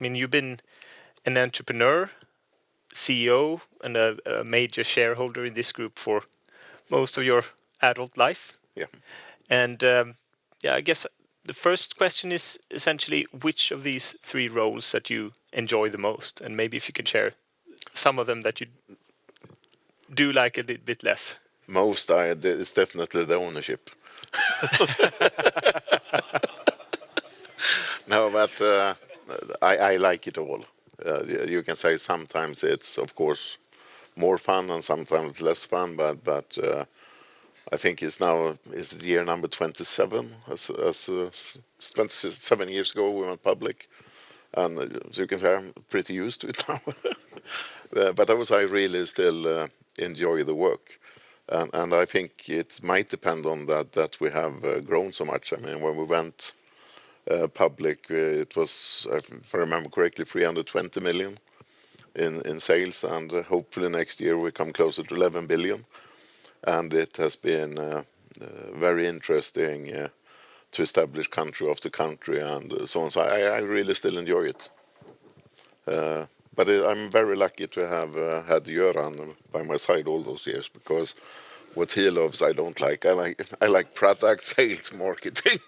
I mean, you've been an entrepreneur, CEO, and a major shareholder in this group for most of your adult life. Yeah. Yeah, I guess the first question is essentially which of these three roles that you enjoy the most, and maybe if you can share some of them that you do like a little bit less. Most, it's definitely the ownership. No, but I like it all. You can say sometimes it's, of course, more fun and sometimes less fun, but I think it's now it's year number 27, as 27 years ago we went public, and as you can say, I'm pretty used to it now. I would say I really still enjoy the work, and I think it might depend on that we have grown so much. I mean, when we went public, it was, if I remember correctly, 320 million in sales, and hopefully next year we come closer to 11 billion. It has been very interesting to establish country after country and so on. I really still enjoy it. I'm very lucky to have had Göran by my side all those years because what he loves, I don't like. I like product sales, marketing.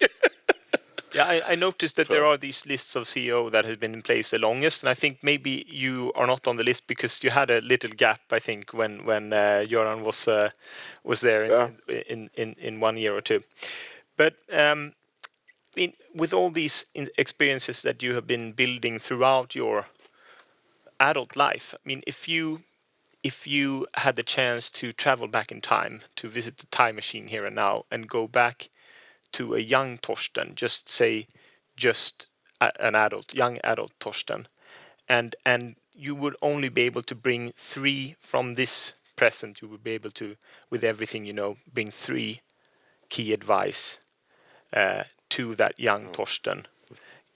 Yeah, I noticed that there are these lists of CEO that have been in place the longest, and I think maybe you are not on the list because you had a little gap, I think, when Göran was there in one year or two, but, I mean, with all these experiences that you have been building throughout your adult life, I mean, if you had the chance to travel back in time to visit the time machine here and now and go back to a young Torsten, just an adult, young adult Torsten, and you would only be able to bring three from this present, with everything you know, bring three key advice to that young Torsten,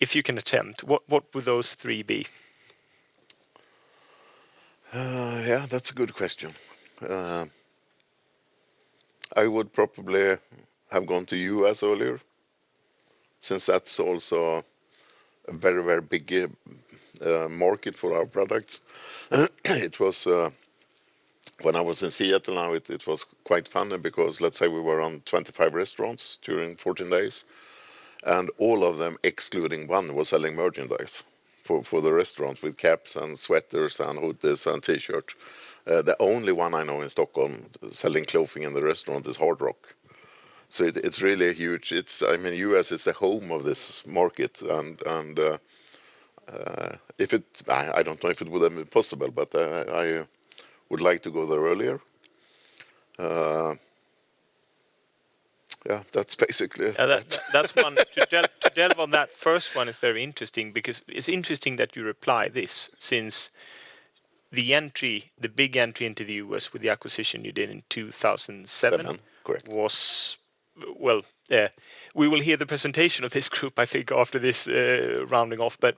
if you can attempt, what would those three be? Yeah, that's a good question. I would probably have gone to you as earlier, since that's also a very, very big market for our products. It was, when I was in Seattle now, it was quite funny because let's say we were on 25 restaurants during 14 days, and all of them, excluding one, were selling merchandise for the restaurants with caps and sweaters and hoodies and T-shirts. The only one I know in Stockholm selling clothing in the restaurant is Hard Rock. So it's really huge. It's, I mean, the U.S. is the home of this market, and if it, I don't know if it would have been possible, but I would like to go there earlier. Yeah, that's basically. That's one. To delve into that first one is very interesting because it's interesting that you relate this, since the entry, the big entry into the U.S. with the acquisition you did in 2007. Correct. Well, we will hear the presentation of this group, I think, after this rounding off, but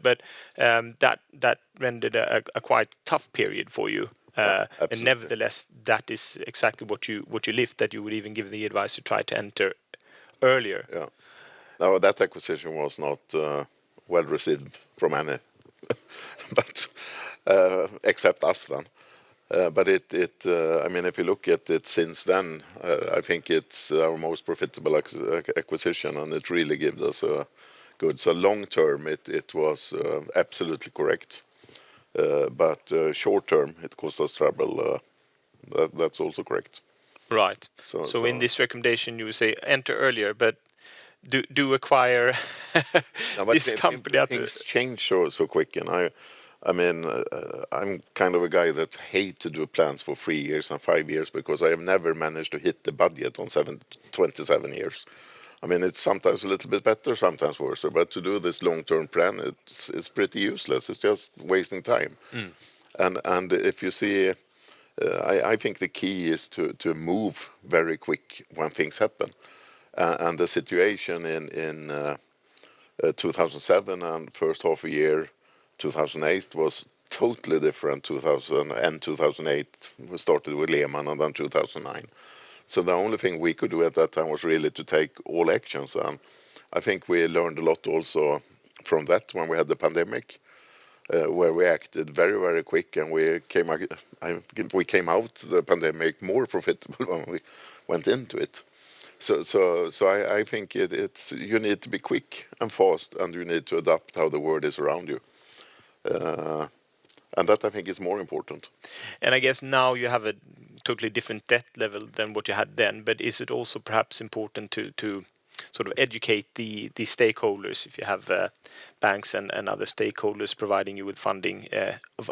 that rendered a quite tough period for you. Absolutely. Nevertheless, that is exactly what you lived, that you would even give the advice to try to enter earlier. Yeah. No, that acquisition was not well received from any, except us then. But it, I mean, if you look at it since then, I think it's our most profitable acquisition, and it really gives us a good, so long term, it was absolutely correct. But short term, it caused us trouble. That's also correct. Right. So in this recommendation, you say enter earlier, but do acquire this company at this? No, but it didn't change so quick. And I, I mean, I'm kind of a guy that hates to do plans for three years and five years because I have never managed to hit the budget on 27 years. I mean, it's sometimes a little bit better, sometimes worse, but to do this long-term plan, it's pretty useless. It's just wasting time. And if you see, I think the key is to move very quick when things happen. And the situation in 2007 and the first half of the year, 2008, was totally different. 2000 and 2008 started with Lehman and then 2009. So the only thing we could do at that time was really to take all actions. And I think we learned a lot also from that when we had the pandemic, where we acted very, very quick and we came out of the pandemic more profitable when we went into it. So I think it's, you need to be quick and fast, and you need to adapt how the world is around you. And that, I think, is more important. I guess now you have a totally different debt level than what you had then, but is it also perhaps important to sort of educate the stakeholders, if you have banks and other stakeholders providing you with funding,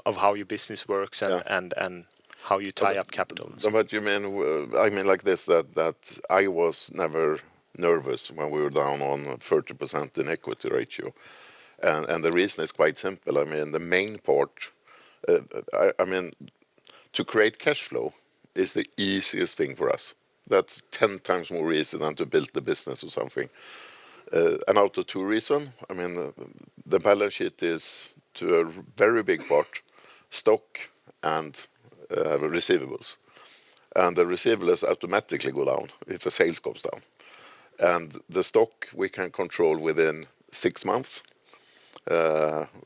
of how your business works and how you tie up capital? No, but you mean, I mean like this, that I was never nervous when we were down on a 30% equity ratio. And the reason is quite simple. I mean, the main part, I mean, to create cash flow is the easiest thing for us. That's 10 times more easy than to build the business or something. And out of two reasons. I mean, the balance sheet is to a very big part stock and receivables. And the receivables automatically go down if the sales goes down. And the stock we can control within six months.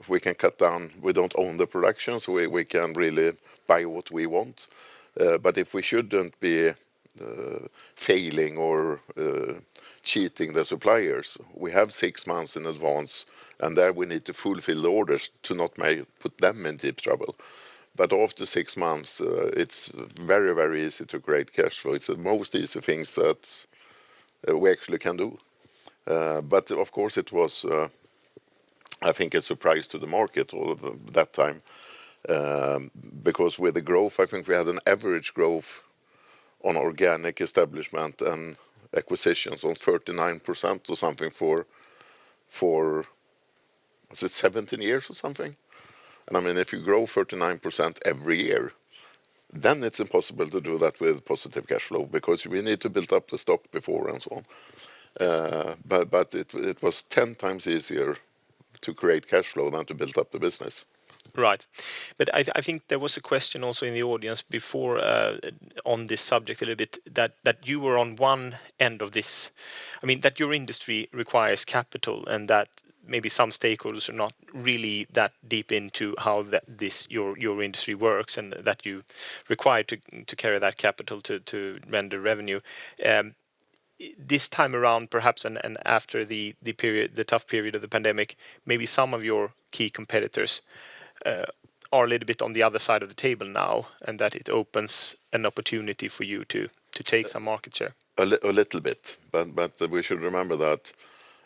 We can cut down, we don't own the production, so we can really buy what we want. But if we shouldn't be failing or cheating the suppliers, we have six months in advance, and there we need to fulfill the orders to not put them in deep trouble. But after six months, it's very, very easy to create cash flow. It's the most easy things that we actually can do. But of course, it was, I think, a surprise to the market all of that time, because with the growth, I think we had an average growth on organic establishment and acquisitions on 39% or something for, was it 17 years or something? And I mean, if you grow 39% every year, then it's impossible to do that with positive cash flow because we need to build up the stock before and so on. But it was 10 times easier to create cash flow than to build up the business. Right. But I think there was a question also in the audience before on this subject a little bit, that you were on one end of this, I mean, that your industry requires capital and that maybe some stakeholders are not really that deep into how your industry works and that you're required to carry that capital to render revenue. This time around, perhaps, and after the period, the tough period of the pandemic, maybe some of your key competitors are a little bit on the other side of the table now, and that it opens an opportunity for you to take some market share. A little bit, but we should remember that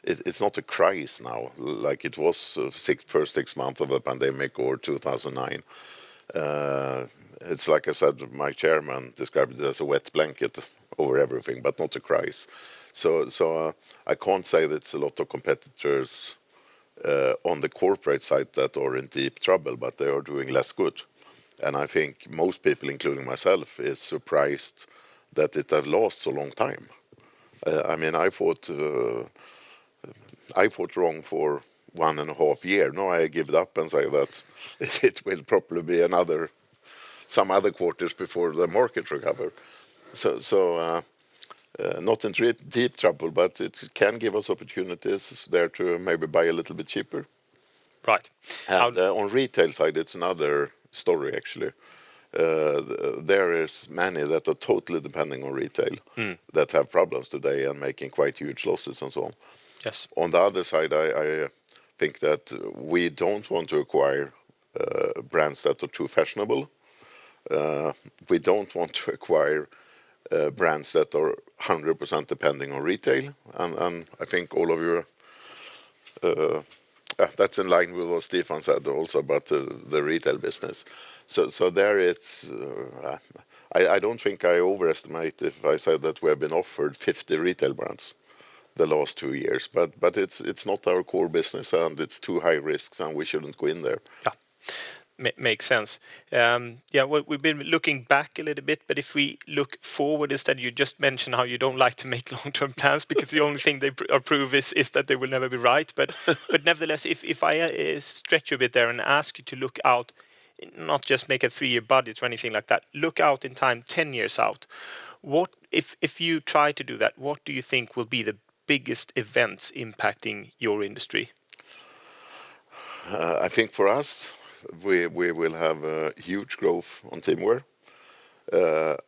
it's not a crisis now, like it was the first six months of the pandemic or 2009. It's like I said, my chairman described it as a wet blanket over everything, but not a crisis. So I can't say that it's a lot of competitors on the corporate side that are in deep trouble, but they are doing less good, and I think most people, including myself, are surprised that it has lasted so long time. I mean, I thought wrong for one and a half years. Now I give it up and say that it will probably be another, some other quarters before the markets recover, so not in deep trouble, but it can give us opportunities there to maybe buy a little bit cheaper. Right. On the retail side, it's another story, actually. There are many that are totally depending on retail that have problems today and are making quite huge losses and so on. On the other side, I think that we don't want to acquire brands that are too fashionable. We don't want to acquire brands that are 100% depending on retail, and I think all of your, that's in line with what Stefan said also about the retail business, so there it's, I don't think I overestimate if I said that we have been offered 50 retail brands the last two years, but it's not our core business and it's too high risk and we shouldn't go in there. Yeah. Makes sense. Yeah, we've been looking back a little bit, but if we look forward instead, you just mentioned how you don't like to make long-term plans because the only thing they approve is that they will never be right. But nevertheless, if I stretch you a bit there and ask you to look out, not just make a three-year budget or anything like that, look out in time 10 years out, what, if you try to do that, what do you think will be the biggest events impacting your industry? I think for us, we will have a huge growth on teamwear.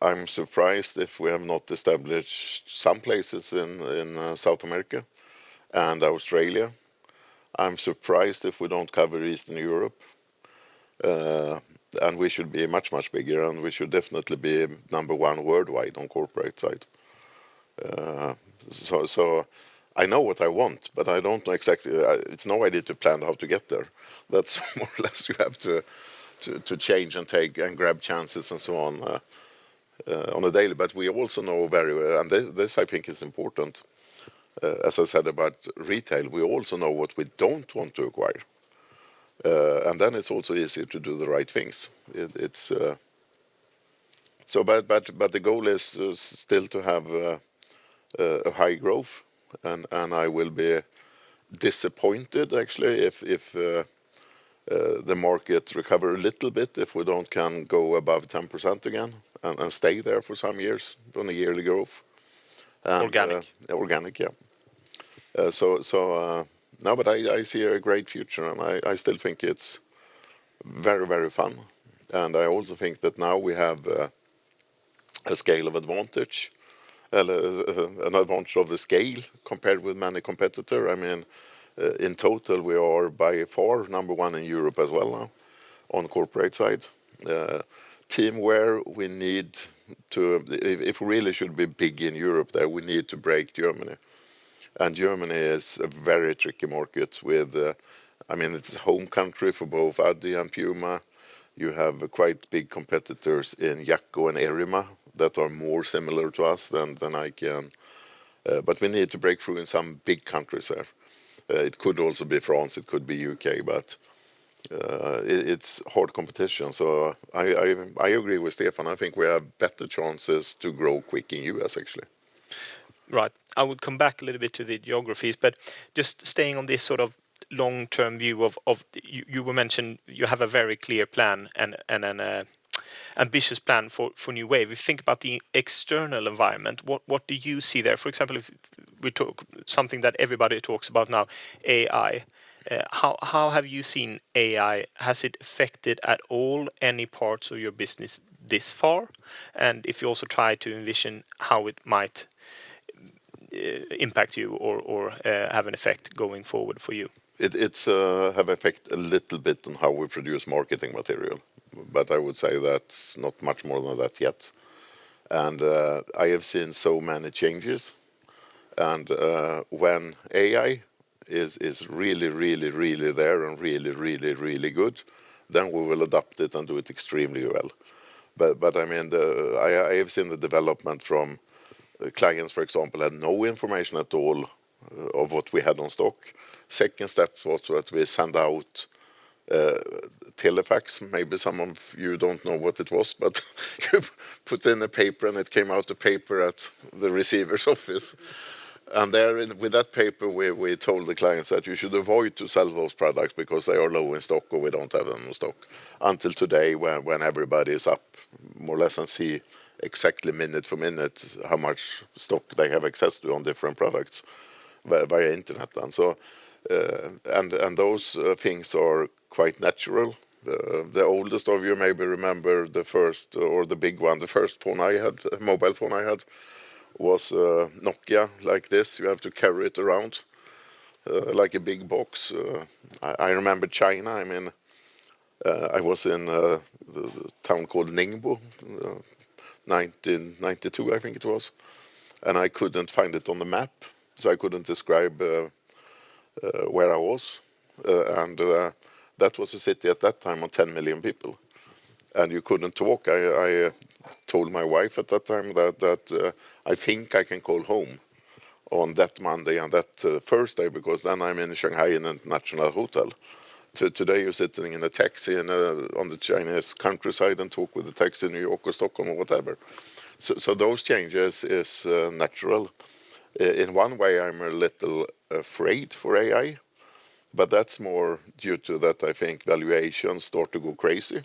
I'm surprised if we have not established some places in South America and Australia. I'm surprised if we don't cover Eastern Europe. We should be much, much bigger, and we should definitely be number one worldwide on the corporate side. I know what I want, but I don't know exactly. It's no idea to plan how to get there. That's more or less you have to change and take and grab chances and so on, on a daily. We also know very, and this I think is important, as I said about retail, we also know what we don't want to acquire. Then it's also easier to do the right things. The goal is still to have a high growth, and I will be disappointed actually if the markets recover a little bit, if we don't can go above 10% again and stay there for some years on a yearly growth. Organic. Organic, yeah. So no, but I see a great future, and I still think it's very, very fun. And I also think that now we have a scale of advantage, an advantage of the scale compared with many competitors. I mean, in total, we are by far number one in Europe as well now on the corporate side. Teamwear, we need to, if we really should be big in Europe there, we need to break Germany. And Germany is a very tricky market with, I mean, it's a home country for both Adidas and Puma. You have quite big competitors in JAKO and ERIMA that are more similar to us than I can. But we need to break through in some big countries there. It could also be France, it could be the U.K., but it's hard competition. So I agree with Stefan. I think we have better chances to grow quick in the U.S. actually. Right. I would come back a little bit to the geographies, but just staying on this sort of long-term view of, you mentioned you have a very clear plan and an ambitious plan for New Wave. If you think about the external environment, what do you see there? For example, if we talk something that everybody talks about now, AI, how have you seen AI? Has it affected at all any parts of your business this far, and if you also try to envision how it might impact you or have an effect going forward for you. It has an effect a little bit on how we produce marketing material, but I would say that's not much more than that yet. I have seen so many changes. When AI is really, really, really there and really, really, really good, then we will adopt it and do it extremely well. I mean, I have seen the development from clients, for example, had no information at all of what we had on stock. Second step was that we sent out fax, maybe some of you don't know what it was, but you put in a paper and it came out of paper at the receiver's office. There with that paper, we told the clients that you should avoid to sell those products because they are low in stock or we don't have them in stock. Until today, when everybody is up more or less and see exactly minute for minute how much stock they have access to on different products via internet. And those things are quite natural. The oldest of you maybe remember the first or the big one, the first phone I had, mobile phone I had was Nokia like this. You have to carry it around like a big box. I remember China. I mean, I was in a town called Ningbo, 1992 I think it was. And I couldn't find it on the map, so I couldn't describe where I was. And that was a city at that time on 10 million people. And you couldn't walk. I told my wife at that time that I think I can call home on that Monday and that Thursday because then I'm in Shanghai in a national hotel. Today you're sitting in a taxi on the Chinese countryside and talk with the taxi in New York or Stockholm or whatever. So those changes are natural. In one way, I'm a little afraid for AI, but that's more due to that I think valuations start to go crazy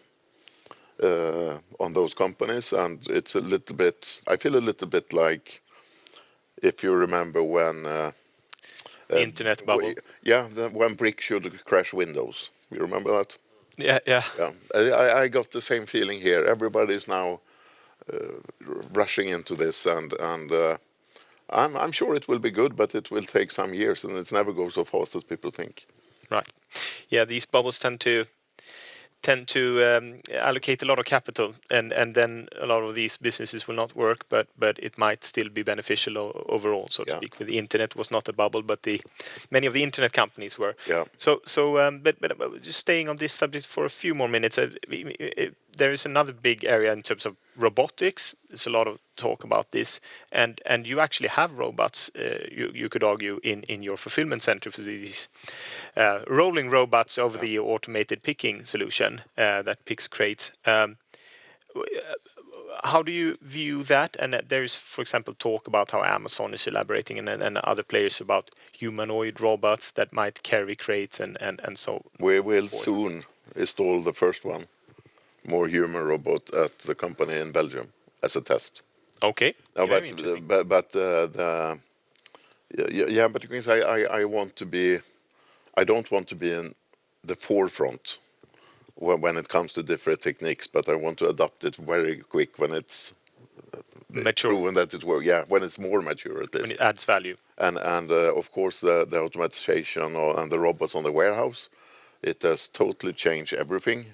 on those companies. And it's a little bit, I feel a little bit like if you remember when. Internet bubble. Yeah, when Bricks should crash Windows. You remember that? Yeah. Yeah. I got the same feeling here. Everybody's now rushing into this. And I'm sure it will be good, but it will take some years and it's never going so fast as people think. Right. Yeah, these bubbles tend to allocate a lot of capital, and then a lot of these businesses will not work, but it might still be beneficial overall, so to speak. The internet was not a bubble, but many of the internet companies were. Yeah. So just staying on this subject for a few more minutes, there is another big area in terms of robotics. There's a lot of talk about this. And you actually have robots, you could argue, in your fulfillment center for these, rolling robots over the automated picking solution that picks crates. How do you view that? And there is, for example, talk about how Amazon is elaborating and other players about humanoid robots that might carry crates and so on. We will soon install the first humanoid robot at the company in Belgium as a test. Okay. But yeah, but it means I want to be. I don't want to be in the forefront when it comes to different techniques, but I want to adopt it very quick when it's. Mature. Proven that it works, yeah, when it's more mature at least. When it adds value. Of course, the automation and the robots on the warehouse, it has totally changed everything.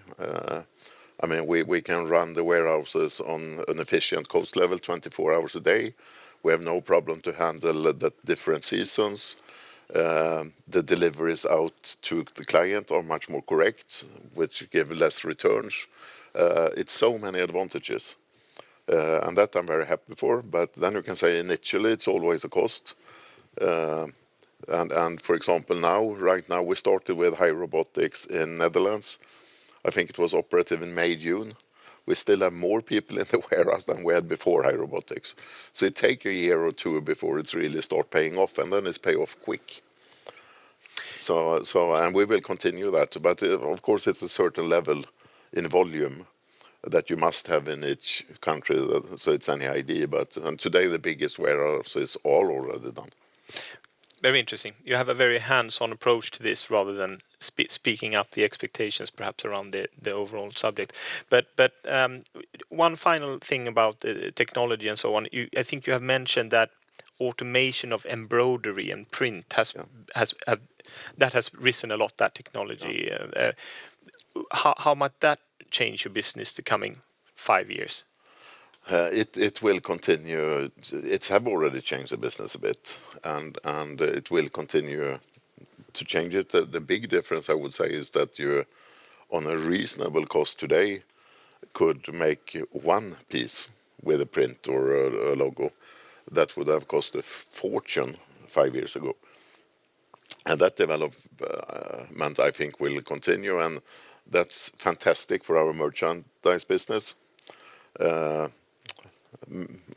I mean, we can run the warehouses on an efficient cost level 24 hours a day. We have no problem to handle the different seasons. The deliveries out to the client are much more correct, which give less returns. It's so many advantages. That I'm very happy for. Then you can say initially it's always a cost. For example, now, right now we started with Hai Robotics in the Netherlands. I think it was operative in May, June. We still have more people in the warehouse than we had before Hai Robotics. It takes a year or two before it's really start paying off, and then it's pay off quick. We will continue that. but of course, it's a certain level in volume that you must have in each country. so it's any idea, but today the biggest warehouse is all already done. Very interesting. You have a very hands-on approach to this rather than speaking up the expectations perhaps around the overall subject. But one final thing about the technology and so on. I think you have mentioned that automation of embroidery and print, that has risen a lot, that technology. How might that change your business the coming five years? It will continue. It has already changed the business a bit, and it will continue to change it. The big difference I would say is that on a reasonable cost today, you could make one piece with a print or a logo that would have cost a fortune five years ago. That development I think will continue, and that's fantastic for our merchandise business.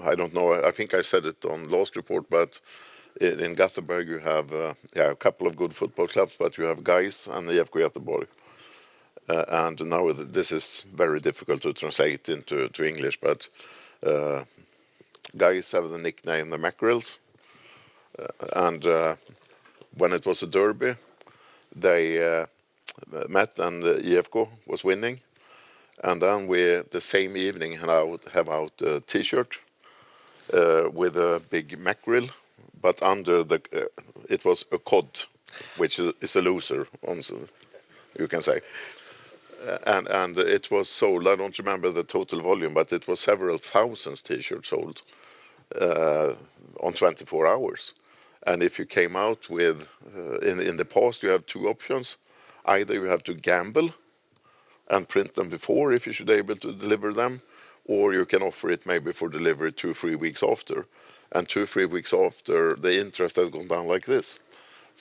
I don't know, I think I said it on last report, but in Gothenburg you have a couple of good football clubs, but you have GAIS and you have IFK Göteborg. Now this is very difficult to translate into English, but GAIS has the nickname Makrillarna. When it was a derby, they met and IFK was winning. And then the same evening I would put out a T-shirt with a big Makrill, but under the, it was a quote, which is a loser, you can say. And it was sold. I don't remember the total volume, but it was several thousand T-shirts sold in 24 hours. And if you came out with, in the past you have two options. Either you have to gamble and print them before if you should be able to deliver them, or you can offer it maybe for delivery two, three weeks after. And two, three weeks after, the interest has gone down like this.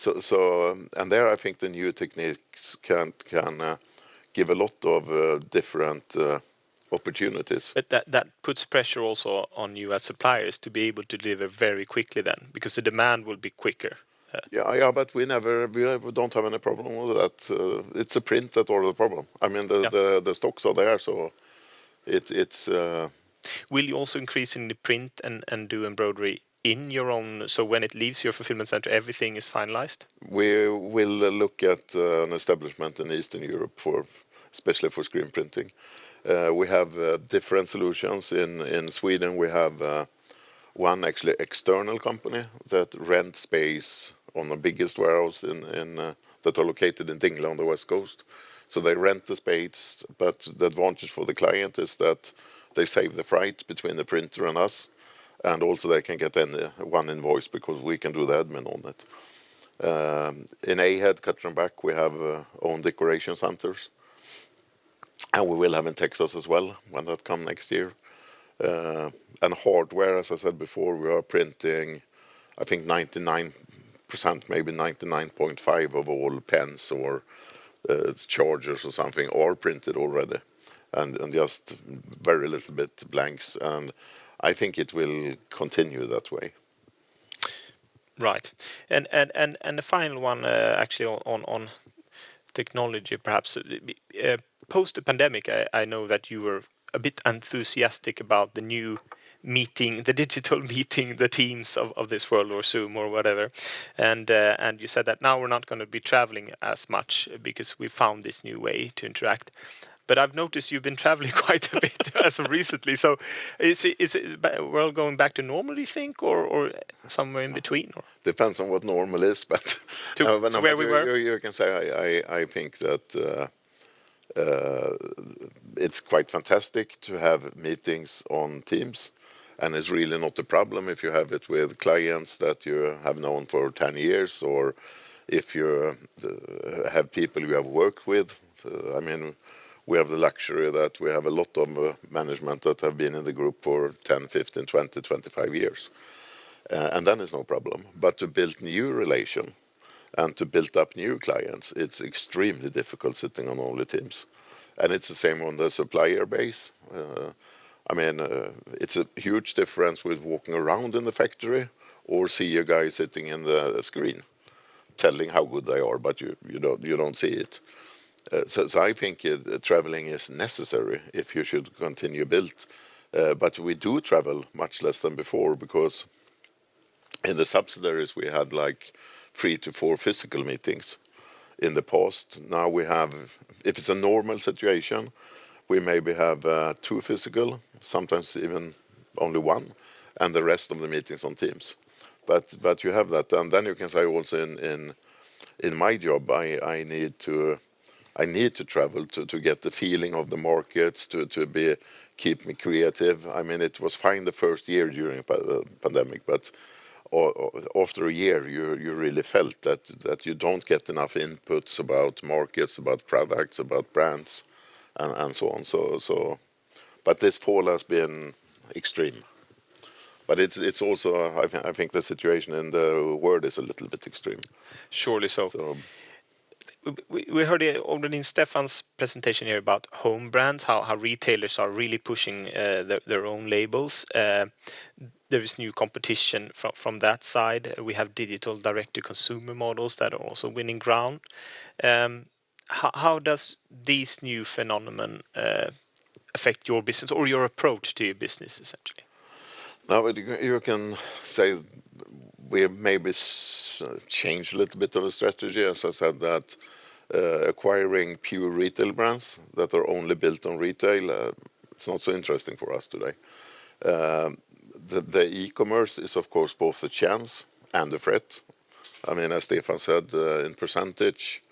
And there I think the new techniques can give a lot of different opportunities. That puts pressure also on you as suppliers to be able to deliver very quickly then, because the demand will be quicker. Yeah, yeah, but we never, we don't have any problem with that. It's a print that's always a problem. I mean, the stocks are there, so it's. Will you also increase in the print and do embroidery in your own, so when it leaves your fulfillment center, everything is finalized? We will look at an establishment in Eastern Europe for, especially for screen printing. We have different solutions. In Sweden, we have one actually external company that rents space on the biggest warehouses that are located in Dingle, on the west coast. So they rent the space, but the advantage for the client is that they save the freight between the printer and us. And also they can get one invoice because we can do the admin on it. In Ahead, Cutter & Buck, we have our own decoration centers. And we will have in Texas as well when that comes next year. And hardware, as I said before, we are printing, I think 99%, maybe 99.5% of all pens or chargers or something are printed already. And just very little bit blanks. And I think it will continue that way. Right. And the final one actually on technology perhaps. Post the pandemic, I know that you were a bit enthusiastic about the new meeting, the digital meeting, the teams of this world or Zoom or whatever. And you said that now we're not going to be traveling as much because we found this new way to interact. But I've noticed you've been traveling quite a bit as of recently. So is the world going back to normal you think, or somewhere in between? Depends on what normal is, but. To where we were. You can say, I think, that it's quite fantastic to have meetings on Teams. And it's really not a problem if you have it with clients that you have known for 10 years or if you have people you have worked with. I mean, we have the luxury that we have a lot of management that have been in the group for 10, 15, 20, 25 years. And then it's no problem. But to build new relations and to build up new clients, it's extremely difficult sitting on only Teams. And it's the same on the supplier base. I mean, it's a huge difference with walking around in the factory or seeing your guys sitting in the screen telling how good they are, but you don't see it. So I think traveling is necessary if you should continue to build. But we do travel much less than before because in the subsidiaries we had like three to four physical meetings in the past. Now we have, if it's a normal situation, we maybe have two physical, sometimes even only one, and the rest of the meetings on Teams. But you have that. And then you can say also in my job, I need to travel to get the feeling of the markets to keep me creative. I mean, it was fine the first year during the pandemic, but after a year you really felt that you don't get enough inputs about markets, about products, about brands and so on. But this fall has been extreme. But it's also, I think the situation in the world is a little bit extreme. Surely so. We heard it already in Stefan's presentation here about home brands, how retailers are really pushing their own labels. There is new competition from that side. We have digital direct-to-consumer models that are also winning ground. How does this new phenomenon affect your business or your approach to your business essentially? Now you can say we maybe changed a little bit of a strategy, as I said, that acquiring pure retail brands that are only built on retail, it's not so interesting for us today. The e-commerce is of course both a chance and a threat. I mean, as Stefan said, in percentage,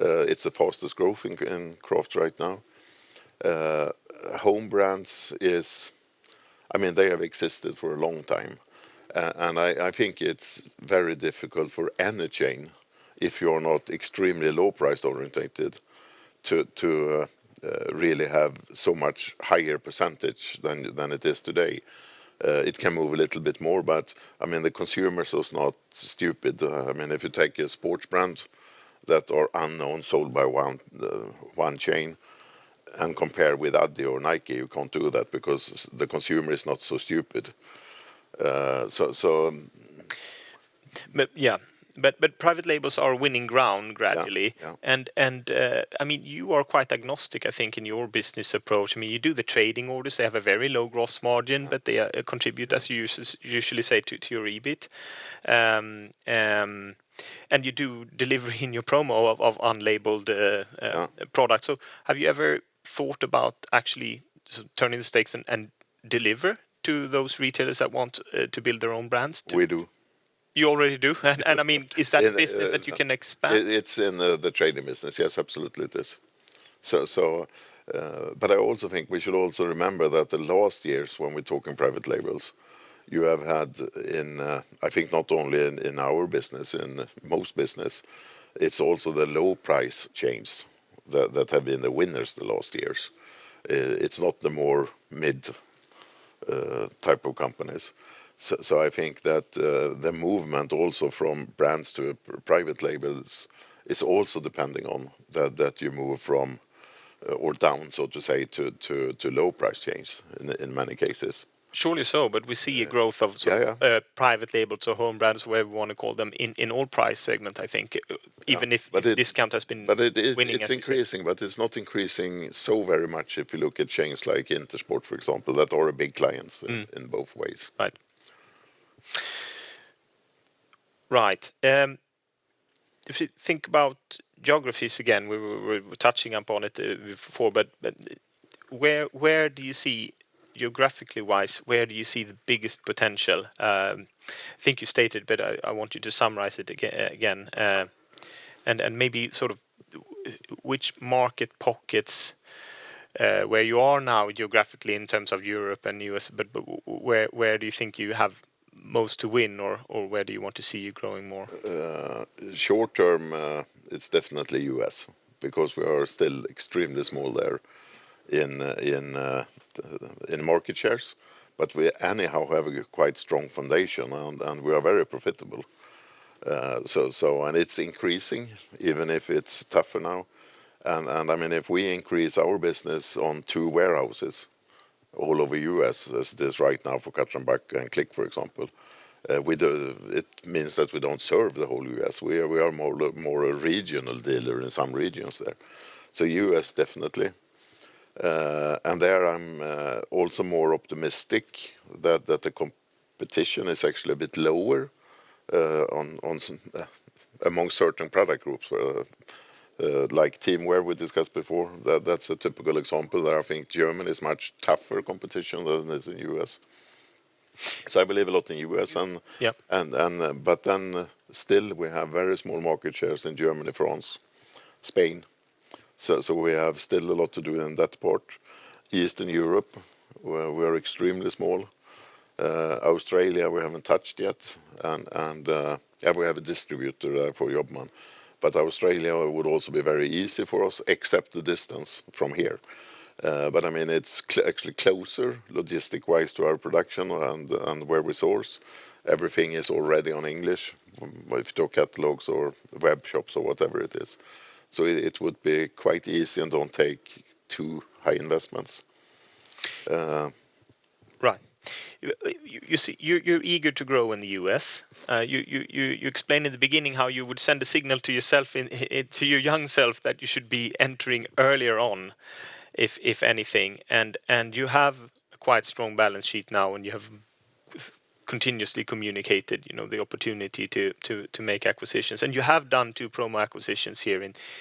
it's the fastest growth in Craft right now. Home Brands is, I mean, they have existed for a long time. And I think it's very difficult for any chain if you're not extremely low price oriented to really have so much higher percentage than it is today. It can move a little bit more, but I mean, the consumer is not stupid. I mean, if you take a sports brand that is unknown, sold by one chain and compare it with Adidas or Nike, you can't do that because the consumer is not so stupid. Yeah, but private labels are winning ground gradually. And I mean, you are quite agnostic, I think, in your business approach. I mean, you do the trading orders, they have a very low gross margin, but they contribute, as you usually say, to your EBIT. And you do delivery in your promo of unlabeled products. So have you ever thought about actually turning the stakes and delivering to those retailers that want to build their own brands? We do. You already do? And I mean, is that a business that you can expand? It's in the trading business, yes, absolutely it is. But I also think we should also remember that the last years when we're talking private labels, you have had in, I think not only in our business, in most business, it's also the low price chains that have been the winners the last years. It's not the more mid type of companies. So I think that the movement also from brands to private labels is also depending on that you move from or down, so to say, to low price chains in many cases. Surely so, but we see a growth of private labels or home brands, whatever you want to call them, in all price segments, I think, even if discount has been winning itself. But it's increasing, but it's not increasing so very much if you look at chains like Intersport, for example, that are big clients in both ways. Right. Right. If you think about geographies again, we were touching upon it before, but where do you see, geographically wise, the biggest potential? I think you stated, but I want you to summarize it again, and maybe sort of which market pockets where you are now geographically in terms of Europe and the U.S., but where do you think you have most to win or where do you want to see you growing more? Short term, it's definitely U.S. because we are still extremely small there in market shares, but we anyhow have a quite strong foundation and we are very profitable. And it's increasing even if it's tougher now. And I mean, if we increase our business on two warehouses all over the U.S., as it is right now for Cutter & Buck and Clique, for example, it means that we don't serve the whole U.S. We are more a regional dealer in some regions there. So U.S. definitely. And there I'm also more optimistic that the competition is actually a bit lower among certain product groups like Teamwear, we discussed before. That's a typical example that I think Germany is much tougher competition than it is in the U.S. So I believe a lot in the U.S., but then still we have very small market shares in Germany, France, Spain. So we have still a lot to do in that part. Eastern Europe, we are extremely small. Australia, we haven't touched yet. And we have a distributor for Jobman. But Australia would also be very easy for us, except the distance from here. But I mean, it's actually closer logistic-wise to our production and where we source. Everything is already in English, if you talk catalogs or web shops or whatever it is. So it would be quite easy and don't take too high investments. Right. You're eager to grow in the U.S. You explained in the beginning how you would send a signal to yourself, to your young self, that you should be entering earlier on, if anything. And you have quite a strong balance sheet now and you have continuously communicated the opportunity to make acquisitions. And you have done two promo acquisitions here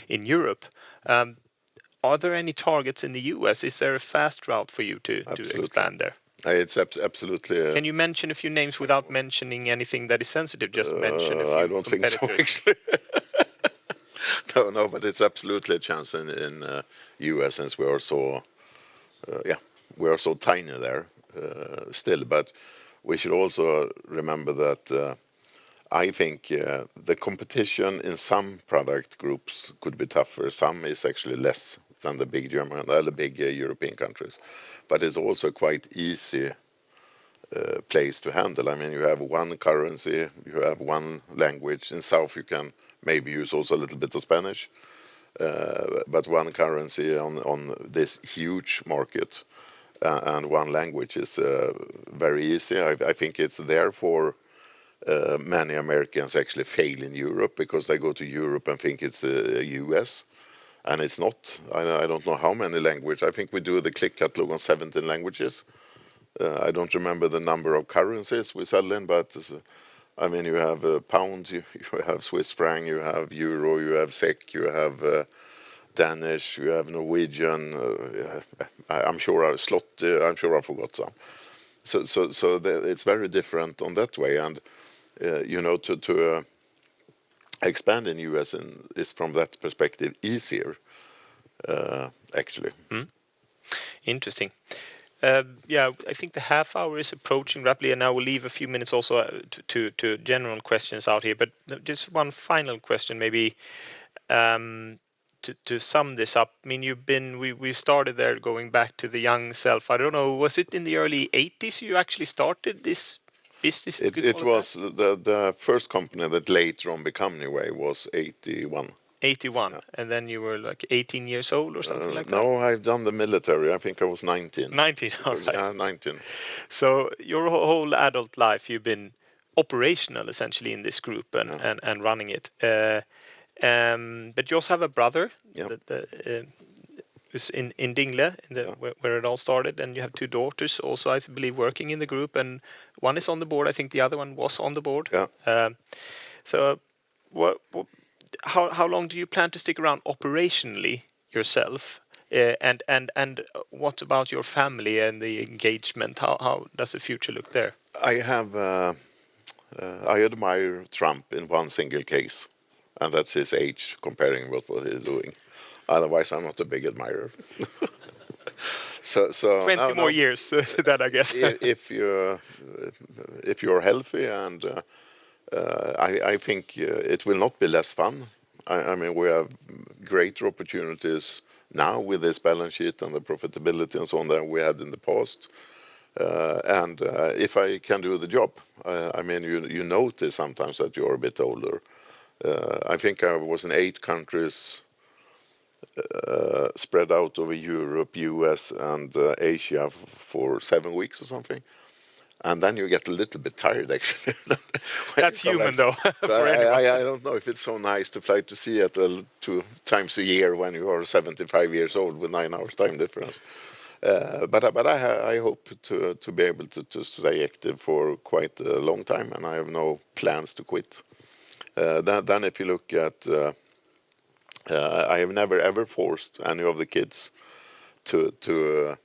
in Europe. Are there any targets in the U.S.? Is there a fast route for you to expand there? Absolutely. Can you mention a few names without mentioning anything that is sensitive? Just mention a few names. I don't think so, actually. No, no, but it's absolutely a chance in the U.S. since we are so, yeah, we are so tiny there still, but we should also remember that I think the competition in some product groups could be tougher. Some is actually less than the big German and the big European countries, but it's also quite an easy place to handle. I mean, you have one currency, you have one language. In the south, you can maybe use also a little bit of Spanish, but one currency on this huge market and one language is very easy. I think it's there for many Americans actually failing Europe because they go to Europe and think it's the U.S., and it's not. I don't know how many languages. I think we do the Clique catalog on 17 languages. I don't remember the number of currencies we sell in, but I mean, you have pounds, you have Swiss franc, you have euro, you have SEK, you have Danish, you have Norwegian. I'm sure I've forgot some. So it's very different in that way. And to expand in the U.S. is from that perspective easier, actually. Interesting. Yeah, I think the half hour is approaching rapidly and I will leave a few minutes also to general questions out here. But just one final question maybe to sum this up. I mean, we started there going back to the young self. I don't know, was it in the early 1980s you actually started this business? It was. The first company that later on became anyway was 1981. 1981. And then you were like 18 years old or something like that? No, I've done the military. I think I was 19. 19, okay. 19. So your whole adult life, you've been operational essentially in this group and running it. But you also have a brother in Dingle where it all started. And you have two daughters also, I believe, working in the group. And one is on the board, I think the other one was on the board. Yeah. So how long do you plan to stick around operationally yourself? And what about your family and the engagement? How does the future look there? I admire Trump in one single case, and that's his age comparing with what he's doing. Otherwise, I'm not a big admirer. 20 more years to that, I guess. If you're healthy, and I think it will not be less fun. I mean, we have greater opportunities now with this balance sheet and the profitability and so on that we had in the past. And if I can do the job, I mean, you notice sometimes that you're a bit older. I think I was in eight countries spread out over Europe, U.S., and Asia for seven weeks or something. And then you get a little bit tired, actually. That's human though. I don't know if it's so nice to fly to Seattle two times a year when you are 75 years old with nine-hour time difference. But I hope to be able to stay active for quite a long time. And I have no plans to quit. Then if you look at, I have never, ever forced any of the kids to,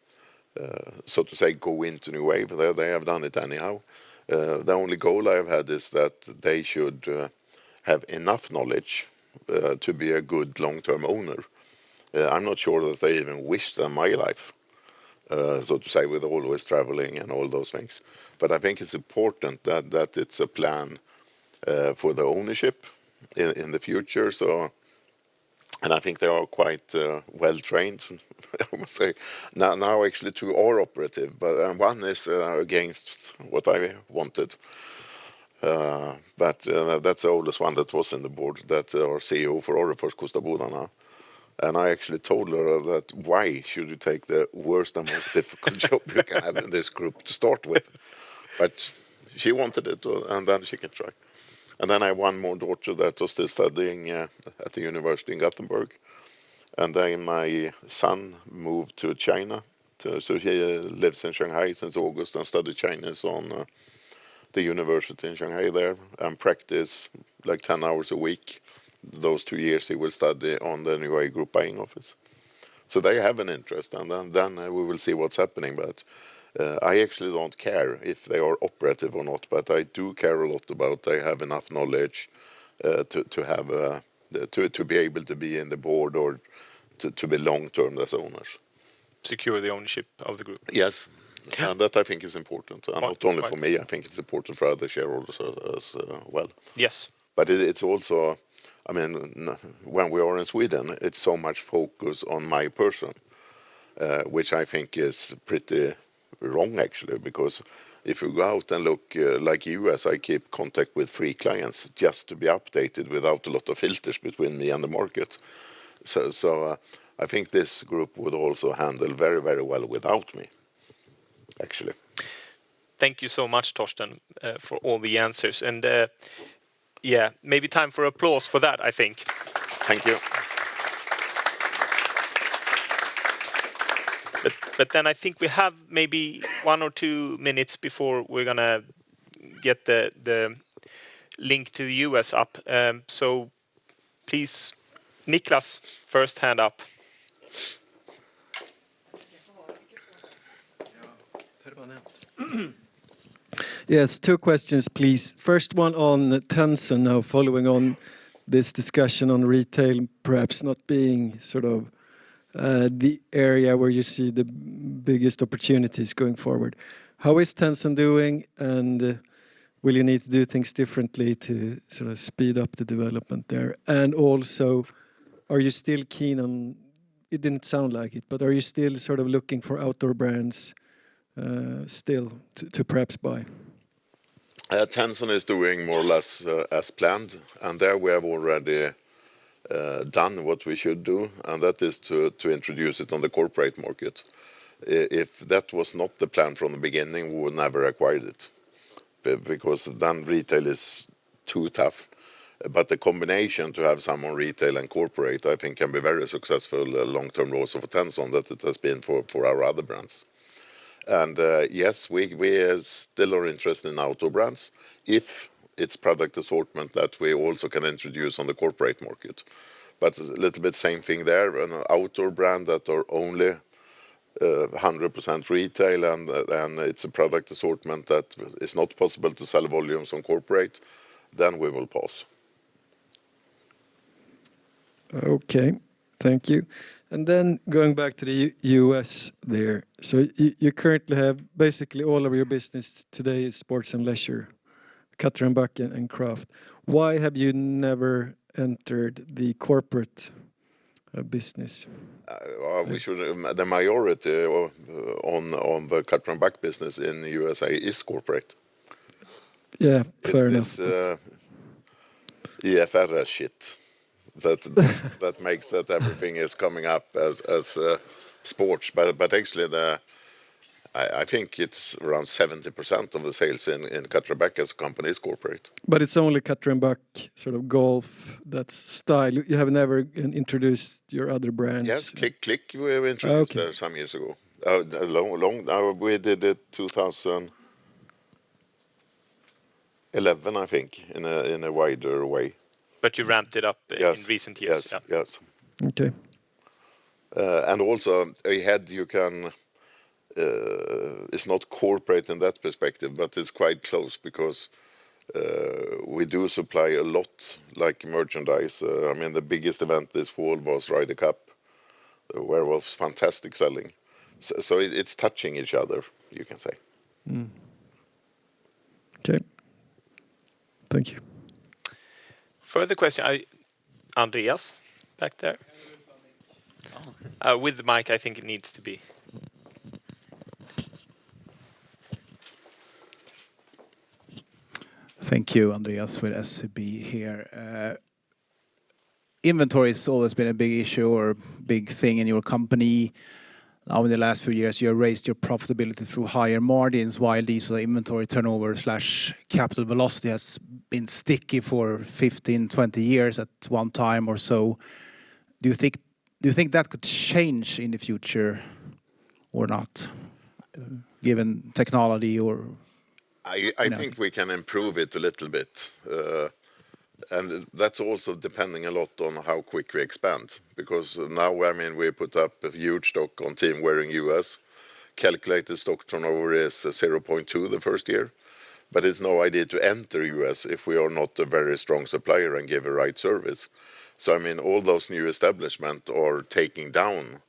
so to say, go into New Wave. They have done it anyhow. The only goal I have had is that they should have enough knowledge to be a good long-term owner. I'm not sure that they even wish that in my life, so to say, with always traveling and all those things. But I think it's important that it's a plan for the ownership in the future. And I think they are quite well trained. Now actually two are operative, but one is against what I wanted. But that's the oldest one that was in the board that our CEO for Orrefors Kosta Boda. And I actually told her that why should you take the worst and most difficult job you can have in this group to start with? But she wanted it and then she can try. And then I have one more daughter that was still studying at the university in Gothenburg. And then my son moved to China. So she lives in Shanghai since August and studied Chinese on the university in Shanghai there and practiced like 10 hours a week. Those two years he will study on the New Wave Group buying office. So they have an interest. And then we will see what's happening. But I actually don't care if they are operative or not, but I do care a lot about they have enough knowledge to be able to be in the board or to be long-term as owners. Secure the ownership of the group? Yes, and that I think is important, and not only for me. I think it's important for other shareholders as well, but it's also, I mean, when we are in Sweden, it's so much focus on my person, which I think is pretty wrong, actually, because if you go out and look like you, as I keep contact with three clients just to be updated without a lot of filters between me and the market, so I think this group would also handle very, very well without me, actually. Thank you so much, Torsten, for all the answers, and yeah, maybe time for applause for that, I think. Thank you. But then I think we have maybe one or two minutes before we're going to get the link to the U.S. up. So please, Nicklas, first hand up. Yes, two questions, please. First one on Tenson now, following on this discussion on retail, perhaps not being sort of the area where you see the biggest opportunities going forward. How is Tenson doing? And will you need to do things differently to sort of speed up the development there? And also, are you still keen on, it didn't sound like it, but are you still sort of looking for outdoor brands still to perhaps buy? Tenson is doing more or less as planned, and there we have already done what we should do, and that is to introduce it on the corporate market. If that was not the plan from the beginning, we would never acquired it. Because then retail is too tough, but the combination to have someone retail and corporate, I think, can be very successful long-term also for Tenson that it has been for our other brands. And yes, we still are interested in outdoor brands if it's product assortment that we also can introduce on the corporate market, but a little bit same thing there. An outdoor brand that are only 100% retail and it's a product assortment that it's not possible to sell volumes on corporate, then we will pass. Okay. Thank you. And then going back to the U.S. there. So you currently have basically all of your business today is sports and leisure, Cutter & Buck and Craft. Why have you never entered the corporate business? The majority on the Cutter & Buck business in the USA is corporate. Yeah, fair enough. It's IFRS shit. That makes that everything is coming up as sports. But actually, I think it's around 70% of the sales in Cutter & Buck is corporate. But it's only Cutter & Buck sort of golf that's style. You have never introduced your other brands. Yes, Clique, we introduced some years ago. We did it 2011, I think, in a wider way. But you ramped it up in recent years. Yes. Okay. And also you can. It's not corporate in that perspective, but it's quite close because we do supply a lot like merchandise. I mean, the biggest event this fall was Ryder Cup, where it was fantastic selling. So it's touching each other, you can say. Okay. Thank you. Further question. Andreas back there with the mic, I think it needs to be. Thank you, Andreas with SEB here. Inventory has always been a big issue or big thing in your company. Now in the last few years, you have raised your profitability through higher margins while days inventory turnover slash capital velocity has been sticky for 15, 20 years at one time or so. Do you think that could change in the future or not, given technology or? I think we can improve it a little bit. And that's also depending a lot on how quick we expand. Because now, I mean, we put up a huge stock on Teamwear U.S. Calculated stock turnover is 0.2 the first year. But it's no idea to enter U.S. if we are not a very strong supplier and give a right service. So I mean, all those new establishments are taking down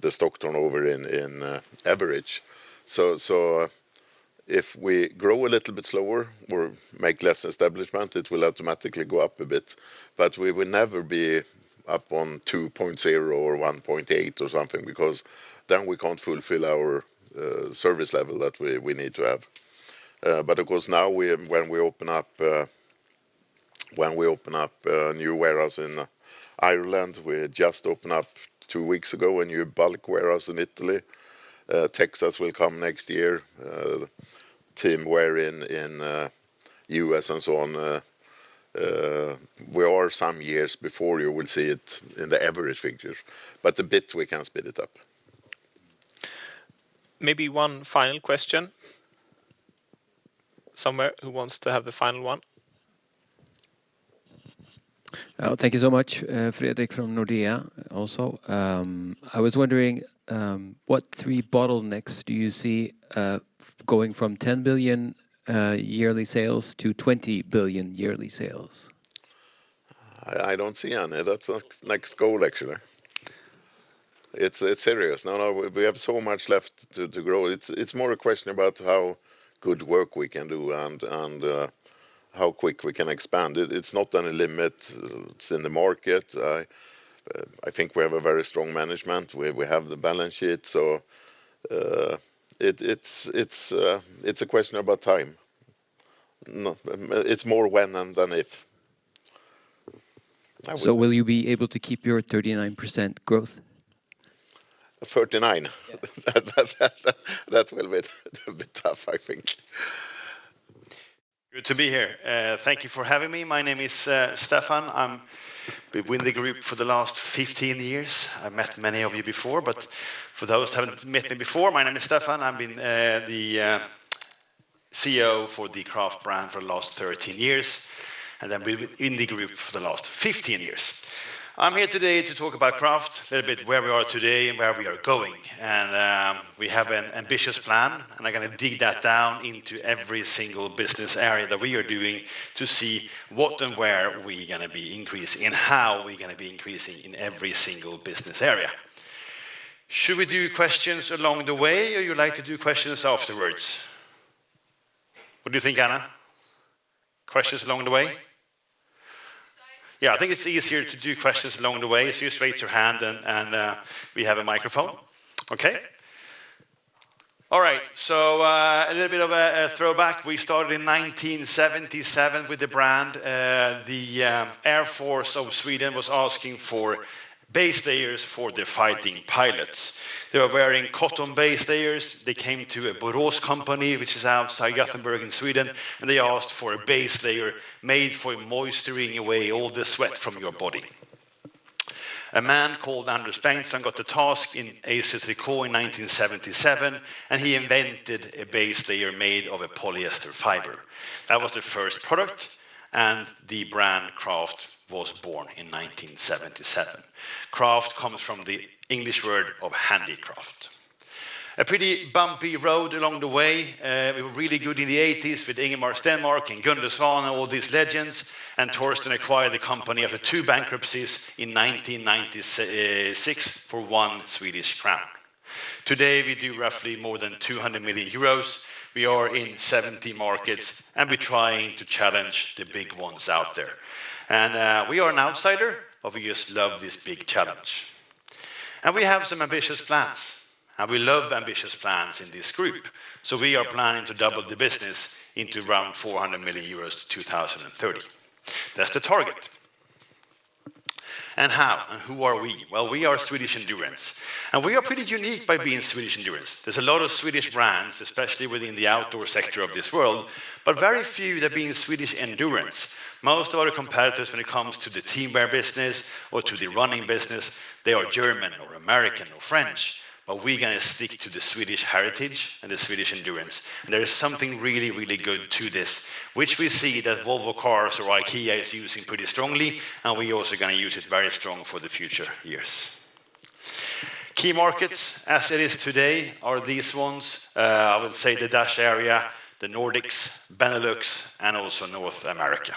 the stock turnover in average. So if we grow a little bit slower or make less establishment, it will automatically go up a bit. But we will never be up on 2.0 or 1.8 or something because then we can't fulfill our service level that we need to have. But of course now when we open up, when we open up new warehouse in Ireland, we just opened up two weeks ago a new bulk warehouse in Italy. Texas will come next year. Teamwear in U.S. and so on. We are some years before you will see it in the average figures. But a bit we can speed it up. Maybe one final question. Someone who wants to have the final one? Thank you so much, Fredrik from Nordea also. I was wondering what three bottlenecks do you see going from 10 billion yearly sales to 20 billion yearly sales? I don't see any. That's the next goal actually. It's serious. No, no, we have so much left to grow. It's more a question about how good work we can do and how quick we can expand. It's not any limit. It's in the market. I think we have a very strong management. We have the balance sheet. So it's a question about time. It's more when and if. So will you be able to keep your 39% growth? 39%. That will be a bit tough, I think. Good to be here. Thank you for having me. My name is Stefan. I'm with the group for the last 15 years. I met many of you before, but for those who haven't met me before, my name is Stefan. I've been the CEO for the Craft brand for the last 13 years. And then been with New Wave Group for the last 15 years. I'm here today to talk about Craft, a little bit where we are today and where we are going. And we have an ambitious plan. And I'm going to dig that down into every single business area that we are doing to see what and where we are going to be increasing and how we are going to be increasing in every single business area. Should we do questions along the way or you'd like to do questions afterwards? What do you think, Anna? Questions along the way? Yeah, I think it's easier to do questions along the way. So you just raise your hand and we have a microphone. Okay. All right, a little bit of a throwback. We started in 1977 with the brand. The Air Force of Sweden was asking for base layers for the fighting pilots. They were wearing cotton base layers. They came to a Borås company, which is outside Gothenburg in Sweden, and they asked for a base layer made for moisturizing away all the sweat from your body. A man called Anders Bengtsson got the task in Eiser Trikå in 1977, and he invented a base layer made of a polyester fiber. That was the first product, and the brand Craft was born in 1977. Craft comes from the English word of handiCraft. A pretty bumpy road along the way. We were really good in the 80s with Ingemar Stenmark and Gunde Svan and all these legends. And Torsten acquired the company after two bankruptcies in 1996 for 1 Swedish crown. Today we do roughly more than 200 million euros. We are in 70 markets and we're trying to challenge the big ones out there. And we are an outsider but we just love this big challenge. And we have some ambitious plans. And we love ambitious plans in this group. So we are planning to double the business into around 400 million euros to 2030. That's the target. And how? And who are we? Well, we are Swedish Endurance. And we are pretty unique by being Swedish Endurance. There's a lot of Swedish brands, especially within the outdoor sector of this world, but very few that are being Swedish Endurance. Most of our competitors when it comes to the Teamwear business or to the running business, they are German or American or French. But we're going to stick to the Swedish heritage and the Swedish Endurance. And there is something really, really good to this, which we see that Volvo Cars or IKEA is using pretty strongly. And we're also going to use it very strong for the future years. Key markets as it is today are these ones. I would say the Dutch area, the Nordics, Benelux, and also North America.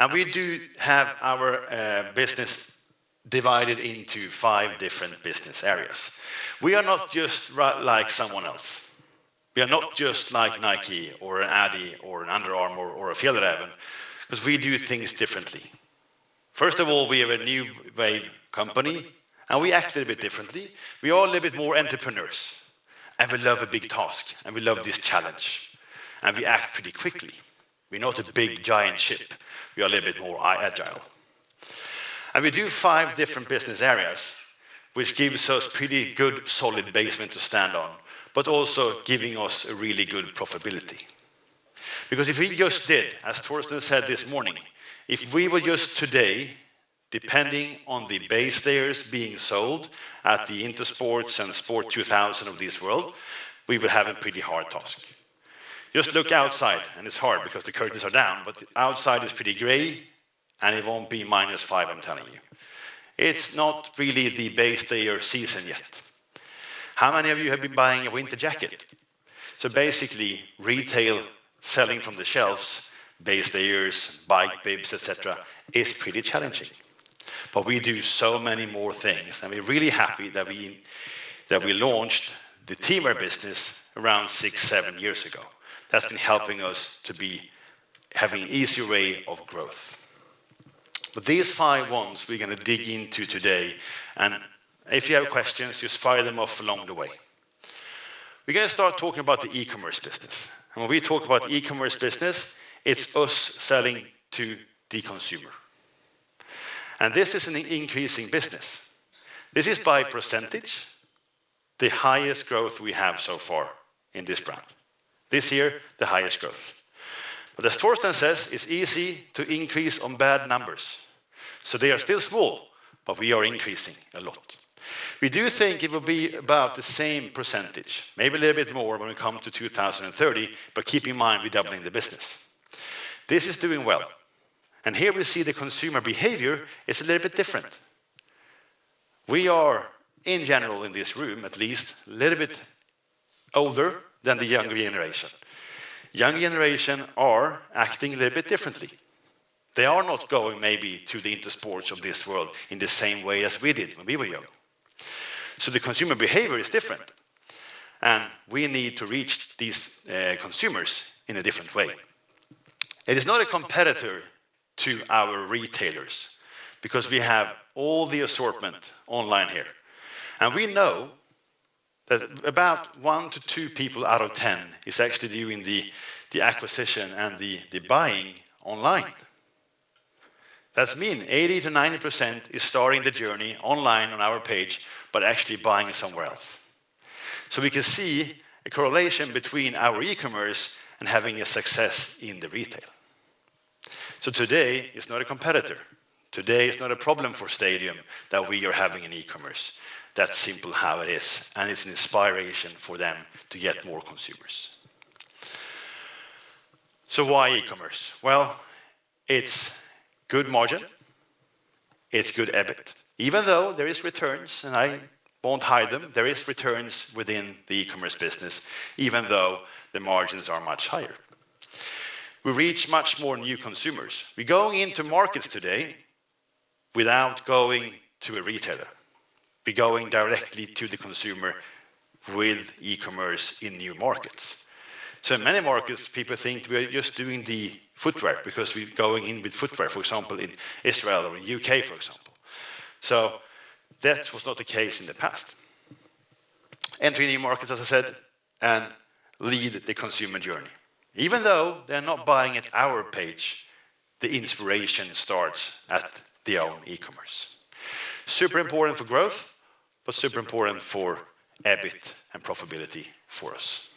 And we do have our business divided into five different business areas. We are not just like someone else. We are not just like Nike or an Adidas or an Under Armour or a Fjällräven. Because we do things differently. First of all, we have a New Wave company and we act a little bit differently. We are a little bit more entrepreneurs, and we love a big task and we love this challenge, and we act pretty quickly. We're not a big giant ship. We are a little bit more agile, and we do five different business areas, which gives us a pretty good solid basement to stand on, but also giving us a really good profitability. Because if we just did, as Torsten said this morning, if we were just today depending on the base layers being sold at the Intersport and Sport 2000 of this world, we would have a pretty hard task. Just look outside and it's hard because the curtains are down, but outside is pretty gray and it won't be minus five, I'm telling you. It's not really the base layer season yet. How many of you have been buying a winter jacket? So basically retail selling from the shelves, base layers, bike bibs, etc. is pretty challenging. But we do so many more things. And we're really happy that we launched the teamwear business around six, seven years ago. That's been helping us to be having an easier way of growth. But these five ones we're going to dig into today. And if you have questions, just fire them off along the way. We're going to start talking about the e-commerce business. And when we talk about the e-commerce business, it's us selling to the consumer. And this is an increasing business. This is by percentage the highest growth we have so far in this brand. This year, the highest growth. But as Torsten says, it's easy to increase on bad numbers. So they are still small, but we are increasing a lot. We do think it will be about the same percentage, maybe a little bit more when we come to 2030, but keep in mind we're doubling the business. This is doing well. And here we see the consumer behavior is a little bit different. We are in general in this room, at least a little bit older than the younger generation. Younger generation are acting a little bit differently. They are not going maybe to the Intersport of this world in the same way as we did when we were young. So the consumer behavior is different. And we need to reach these consumers in a different way. It is not a competitor to our retailers because we have all the assortment online here. And we know that about one to two people out of 10 is actually doing the acquisition and the buying online. That means 80%-90% is starting the journey online on our page, but actually buying somewhere else. So we can see a correlation between our e-commerce and having success in the retail. So today is not a competitor. Today is not a problem for Stadium that we are having in e-commerce. That's simple how it is. And it's an inspiration for them to get more consumers. So why e-commerce? Well, it's good margin. It's good EBIT. Even though there are returns, and I won't hide them, there are returns within the e-commerce business, even though the margins are much higher. We reach much more new consumers. We're going into markets today without going to a retailer. We're going directly to the consumer with e-commerce in new markets. In many markets, people think we're just doing the footwear because we're going in with footwear, for example, in Israel or in the U.K., for example. That was not the case in the past. Entering new markets, as I said, and lead the consumer journey. Even though they're not buying at our page, the inspiration starts at their own e-commerce. Super important for growth, but super important for EBIT and profitability for us.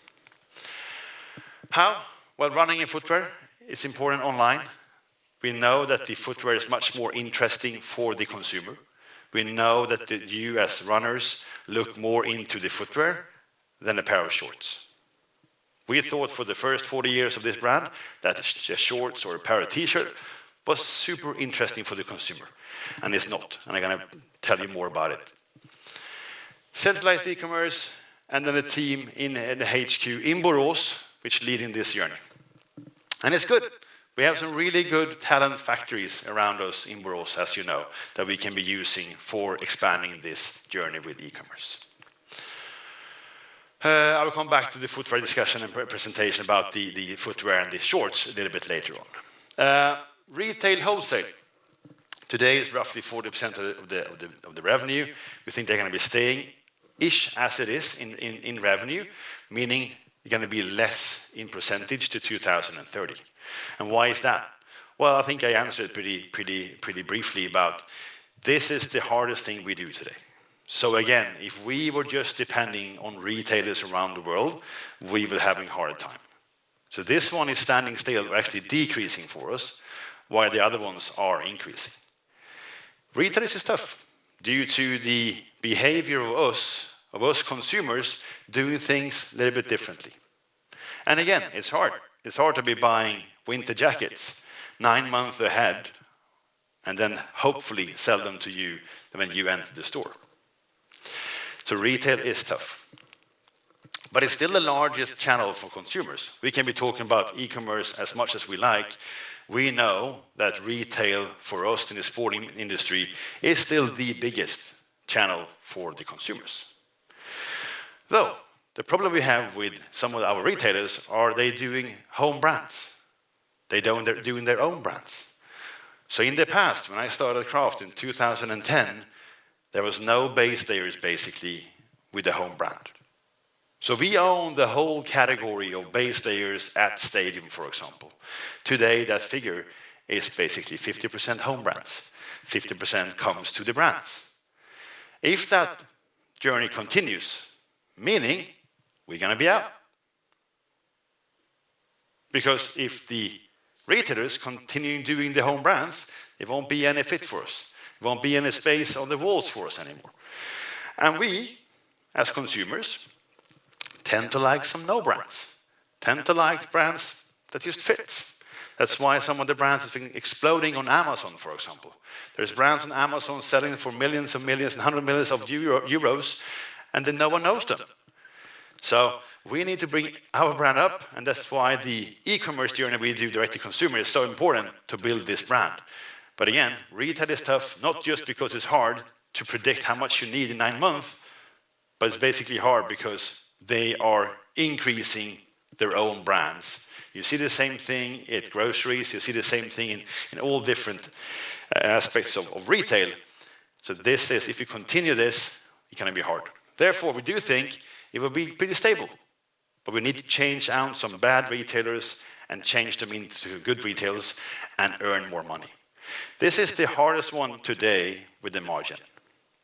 How? Running in footwear is important online. We know that the footwear is much more interesting for the consumer. We know that the U.S. runners look more into the footwear than a pair of shorts. We thought for the first 40 years of this brand that shorts or a pair of T-shirts was super interesting for the consumer. It's not. I'm going to tell you more about it. Centralized e-commerce and then the team in HQ in Borås, which is leading this journey. It's good. We have some really good talent factories around us in Borås, as you know, that we can be using for expanding this journey with e-commerce. I will come back to the footwear discussion and presentation about the footwear and the shorts a little bit later on. Retail wholesale. Today is roughly 40% of the revenue. We think they're going to be staying-ish as it is in revenue, meaning they're going to be less in percentage to 2030. Why is that? I think I answered pretty briefly about this is the hardest thing we do today. Again, if we were just depending on retailers around the world, we would have a hard time. This one is standing still or actually decreasing for us, while the other ones are increasing. Retail is tough due to the behavior of us consumers doing things a little bit differently. It's hard again. It's hard to be buying winter jackets nine months ahead and then hopefully sell them to you when you enter the store. Retail is tough, but it's still the largest channel for consumers. We can be talking about e-commerce as much as we like. We know that retail for us in the sporting industry is still the biggest channel for the consumers. The problem we have with some of our retailers is they're doing home brands. They're doing their own brands. In the past, when I started Craft in 2010, there was no base layers basically with the home brand. We own the whole category of base layers at Stadium, for example. Today, that figure is basically 50% home brands. 50% comes to the brands. If that journey continues, meaning we're going to be out. Because if the retailers continue doing the home brands, it won't be any fit for us. It won't be any space on the walls for us anymore, and we, as consumers, tend to like some known brands. Tend to like brands that just fit. That's why some of the brands have been exploding on Amazon, for example. There are brands on Amazon selling for millions and millions and hundreds of millions of euros, and then no one knows them. So we need to bring our brand up, and that's why the e-commerce journey we do direct to consumer is so important to build this brand. But again, retail is tough, not just because it's hard to predict how much you need in nine months, but it's basically hard because they are increasing their own brands. You see the same thing at groceries. You see the same thing in all different aspects of retail, so this is, if you continue this, it's going to be hard. Therefore, we do think it will be pretty stable, but we need to change out some bad retailers and change them into good retailers and earn more money. This is the hardest one today with the margin,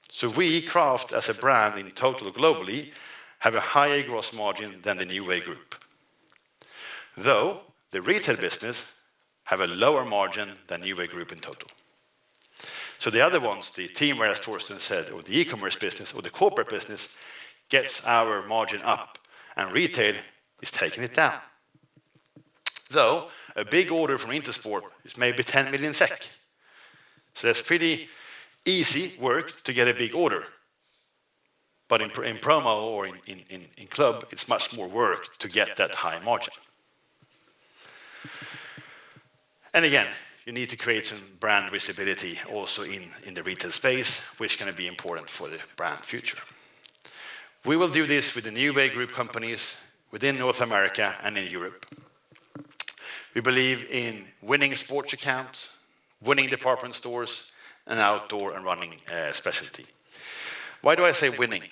so we, Craft, as a brand in total globally, have a higher gross margin than the New Wave Group. Though the retail business has a lower margin than New Wave Group in total, so the other ones, the teamwear, as Torsten said, or the e-commerce business or the corporate business gets our margin up and retail is taking it down. Though a big order from Intersport is maybe 10 million SEK, so that's pretty easy work to get a big order. But in promo or in club, it's much more work to get that high margin. And again, you need to create some brand visibility also in the retail space, which is going to be important for the brand future. We will do this with the New Wave Group companies within North America and in Europe. We believe in winning sports accounts, winning department stores, and outdoor and running specialty. Why do I say winning?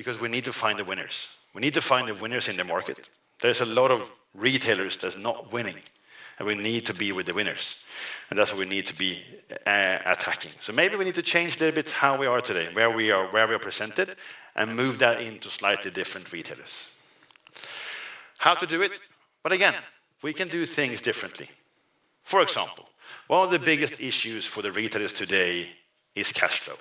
Because we need to find the winners. We need to find the winners in the market. There's a lot of retailers that are not winning, and we need to be with the winners. And that's what we need to be attacking. So maybe we need to change a little bit how we are today, where we are presented, and move that into slightly different retailers. How to do it? But again, we can do things differently. For example, one of the biggest issues for the retailers today is cash flow.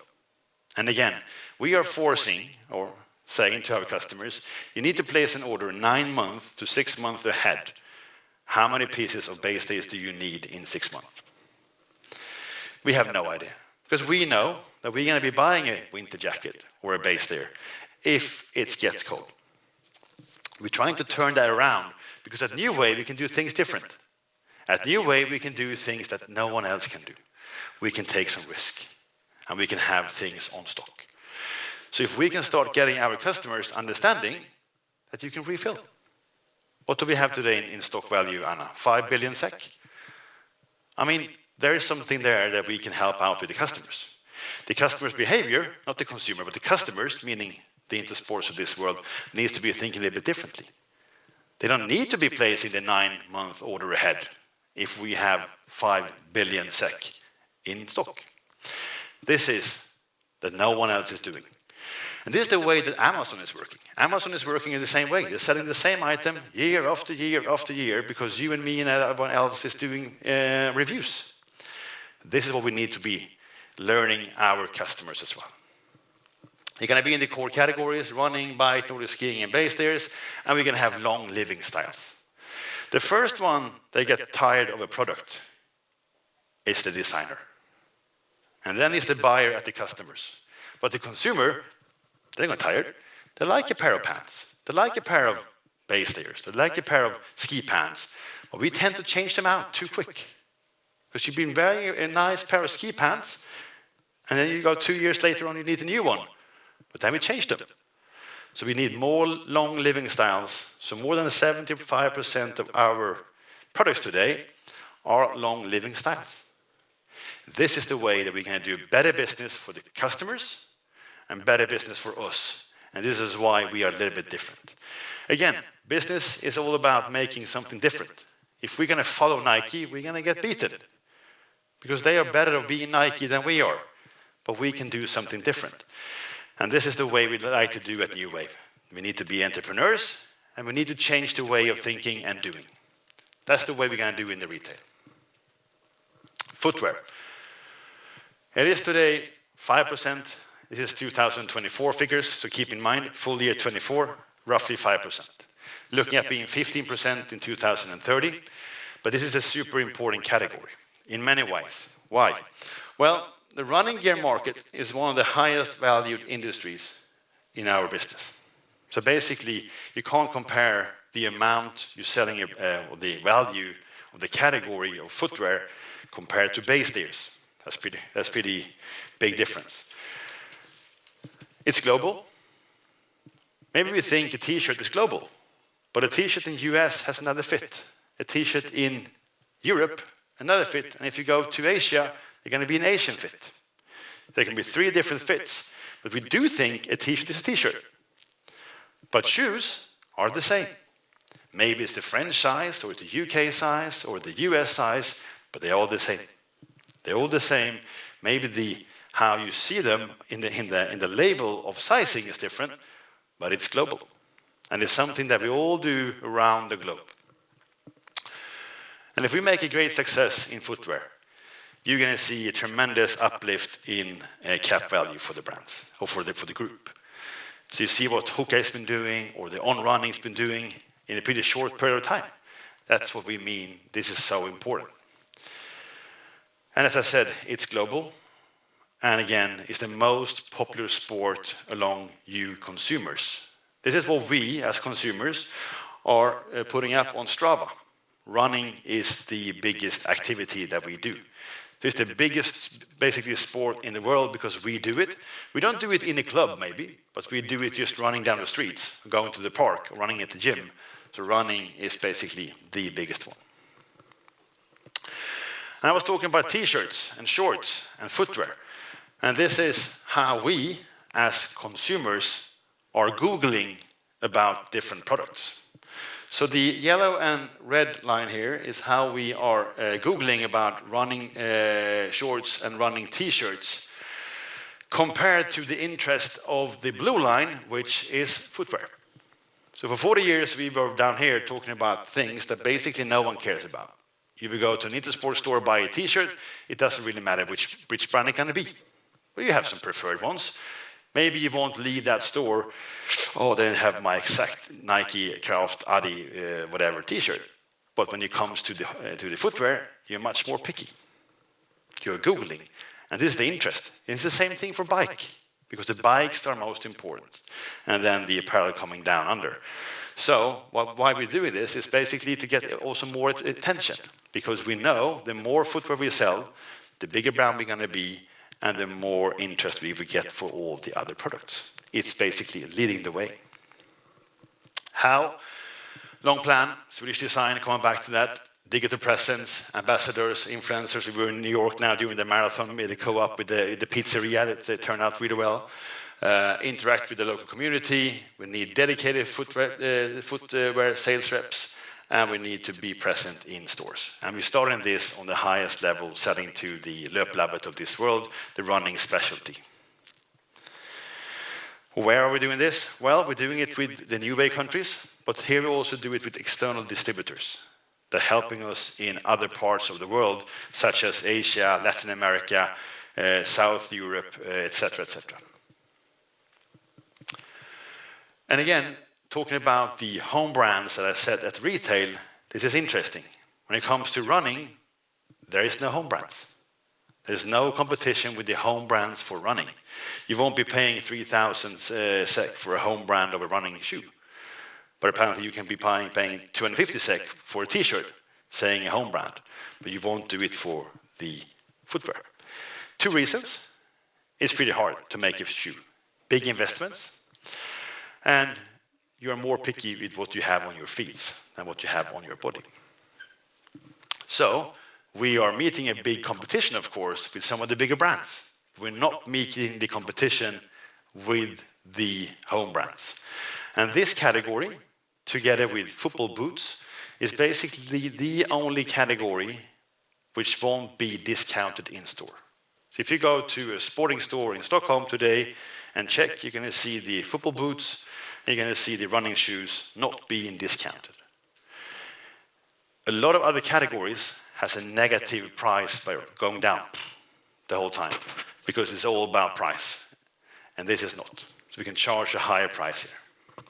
And again, we are forcing or saying to our customers, you need to place an order nine months to six months ahead. How many pieces of base layers do you need in six months? We have no idea. Because we know that we're going to be buying a winter jacket or a base layer if it gets cold. We're trying to turn that around because at New Wave, we can do things different. At New Wave, we can do things that no one else can do. We can take some risk, and we can have things on stock. So if we can start getting our customers understanding that you can refill. What do we have today in stock value, Anna? 5 billion SEK. I mean, there is something there that we can help out with the customers. The customer's behavior, not the consumer, but the customers, meaning the Intersport of this world, needs to be thinking a little bit differently. They don't need to be placing the nine-month order ahead if we have 5 billion SEK in stock. This is that no one else is doing. And this is the way that Amazon is working. Amazon is working in the same way. They're selling the same item year after year after year because you and me and everyone else is doing reviews. This is what we need to be learning our customers as well. You're going to be in the core categories: running, bike, skiing, and base layers. And we're going to have long-living styles. The first one they get tired of a product is the designer. And then it's the buyer at the customers. But the consumer, they're not tired. They like a pair of pants. They like a pair of base layers. They like a pair of ski pants. But we tend to change them out too quick. Because you've been wearing a nice pair of ski pants, and then you go two years later on, you need a new one. But then we change them. So we need more long-living styles. So more than 75% of our products today are long-living styles. This is the way that we can do better business for the customers and better business for us. And this is why we are a little bit different. Again, business is all about making something different. If we're going to follow Nike, we're going to get beaten. Because they are better at being Nike than we are. But we can do something different. And this is the way we'd like to do at New Wave. We need to be entrepreneurs, and we need to change the way of thinking and doing. That's the way we're going to do in the retail. Footwear. It is today 5%. This is 2024 figures. So keep in mind, full year 2024, roughly 5%. Looking at being 15% in 2030. But this is a super important category in many ways. Why? Well, the running gear market is one of the highest valued industries in our business. So basically, you can't compare the amount you're selling or the value of the category of footwear compared to base layers. That's a pretty big difference. It's global. Maybe we think a T-shirt is global, but a T-shirt in the U.S. has another fit. A T-shirt in Europe, another fit. If you go to Asia, you're going to be an Asian fit. There can be three different fits, but we do think a T-shirt is a T-shirt. Shoes are the same. Maybe it's the French size or it's the U.K. size or the U.S. size, but they're all the same. They're all the same. Maybe how you see them in the label of sizing is different, but it's global. It's something that we all do around the globe. If we make a great success in footwear, you're going to see a tremendous uplift in cap value for the brands or for the group. You see what Hoka has been doing or the On Running has been doing in a pretty short period of time. That's what we mean. This is so important. As I said, it's global. And again, it's the most popular sport among you consumers. This is what we as consumers are putting up on Strava. Running is the biggest activity that we do. It's the biggest basically sport in the world because we do it. We don't do it in a club maybe, but we do it just running down the streets, going to the park, running at the gym. So running is basically the biggest one. And I was talking about T-shirts and shorts and footwear. And this is how we as consumers are Googling about different products. So the yellow and red line here is how we are Googling about running shorts and running T-shirts compared to the interest of the blue line, which is footwear. So for 40 years, we were down here talking about things that basically no one cares about. If you go to an Intersport store and buy a T-shirt, it doesn't really matter which brand it's going to be. But you have some preferred ones. Maybe you won't leave that store, "Oh, they don't have my exact Nike, Craft, Adidas, whatever T-shirt." But when it comes to the footwear, you're much more picky. You're Googling. And this is the interest. It's the same thing for bikes because the bikes are most important. And then the apparel coming down under. So why we do this is basically to get also more attention because we know the more footwear we sell, the bigger brand we're going to be, and the more interest we will get for all the other products. It's basically leading the way. How? Long plan, Swedish design, coming back to that, digital presence, ambassadors, influencers. We were in New York now during the marathon, made a co-op with the pizzeria. It turned out really well. Interact with the local community. We need dedicated footwear sales reps, and we need to be present in stores. And we're starting this on the highest level, selling to the Löplabbet of this world, the running specialty. Where are we doing this? Well, we're doing it with the New Wave countries, but here we also do it with external distributors that are helping us in other parts of the world, such as Asia, Latin America, South Europe, et cetera, et cetera. And again, talking about the home brands that I said at retail, this is interesting. When it comes to running, there are no home brands. There's no competition with the home brands for running. You won't be paying 3,000 SEK for a home brand of a running shoe. But apparently, you can be paying 250 SEK for a T-shirt, say a home brand, but you won't do it for the footwear. Two reasons. It's pretty hard to make a shoe. Big investments, and you are more picky with what you have on your feet than what you have on your body, so we are meeting a big competition, of course, with some of the bigger brands. We're not meeting the competition with the home brands, and this category, together with football boots, is basically the only category which won't be discounted in store, so if you go to a sporting store in Stockholm today and check, you're going to see the football boots. You're going to see the running shoes not being discounted. A lot of other categories have a negative price by going down the whole time because it's all about price, and this is not. So we can charge a higher price here.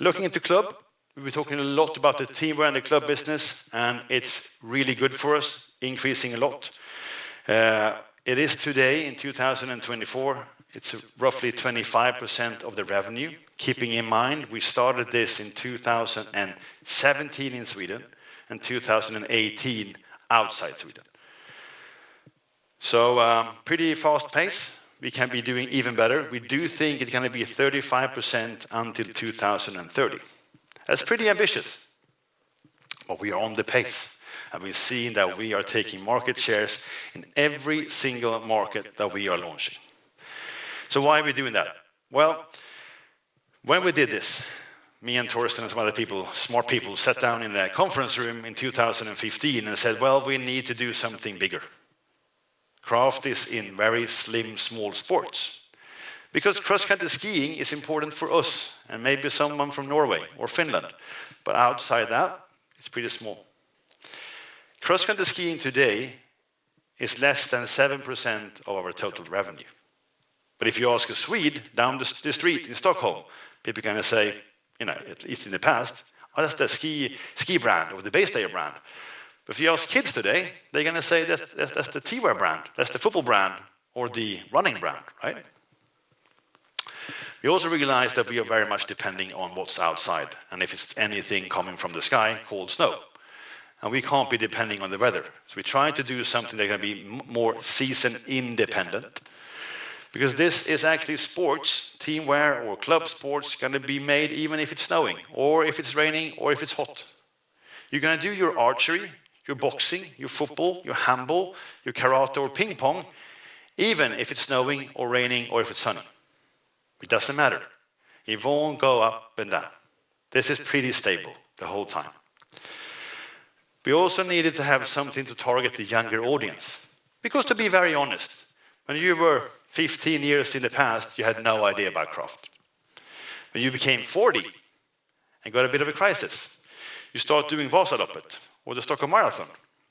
Looking into club, we've been talking a lot about the team and the club business, and it's really good for us, increasing a lot. It is today in 2024, it's roughly 25% of the revenue, keeping in mind we started this in 2017 in Sweden and 2018 outside Sweden. So pretty fast pace. We can be doing even better. We do think it's going to be 35% until 2030. That's pretty ambitious. But we are on the pace, and we've seen that we are taking market shares in every single market that we are launching. So why are we doing that? Well, when we did this, me and Torsten and some other people, smart people, sat down in the conference room in 2015 and said, "Well, we need to do something bigger. Craft is in very slim, small sports, because cross-country skiing is important for us and maybe someone from Norway or Finland, but outside that, it's pretty small. Cross-country skiing today is less than 7% of our total revenue, but if you ask a Swede down the street in Stockholm, people are going to say, you know, at least in the past, "Oh, that's the ski brand or the base layer brand," but if you ask kids today, they're going to say, "That's the teamwear brand. That's the football brand or the running brand," right? We also realize that we are very much depending on what's outside and if it's anything coming from the sky, cold snow. And we can't be depending on the weather, so we try to do something that's going to be more season-independent. Because this is actually sports, teamwear or club sports, going to be made even if it's snowing or if it's raining or if it's hot. You're going to do your archery, your boxing, your football, your handball, your karate or ping pong, even if it's snowing or raining or if it's sunny. It doesn't matter. It won't go up and down. This is pretty stable the whole time. We also needed to have something to target the younger audience. Because to be very honest, when you were 15 years in the past, you had no idea about Craft. When you became 40 and got a bit of a crisis, you started doing Vasaloppet or the Stockholm Marathon.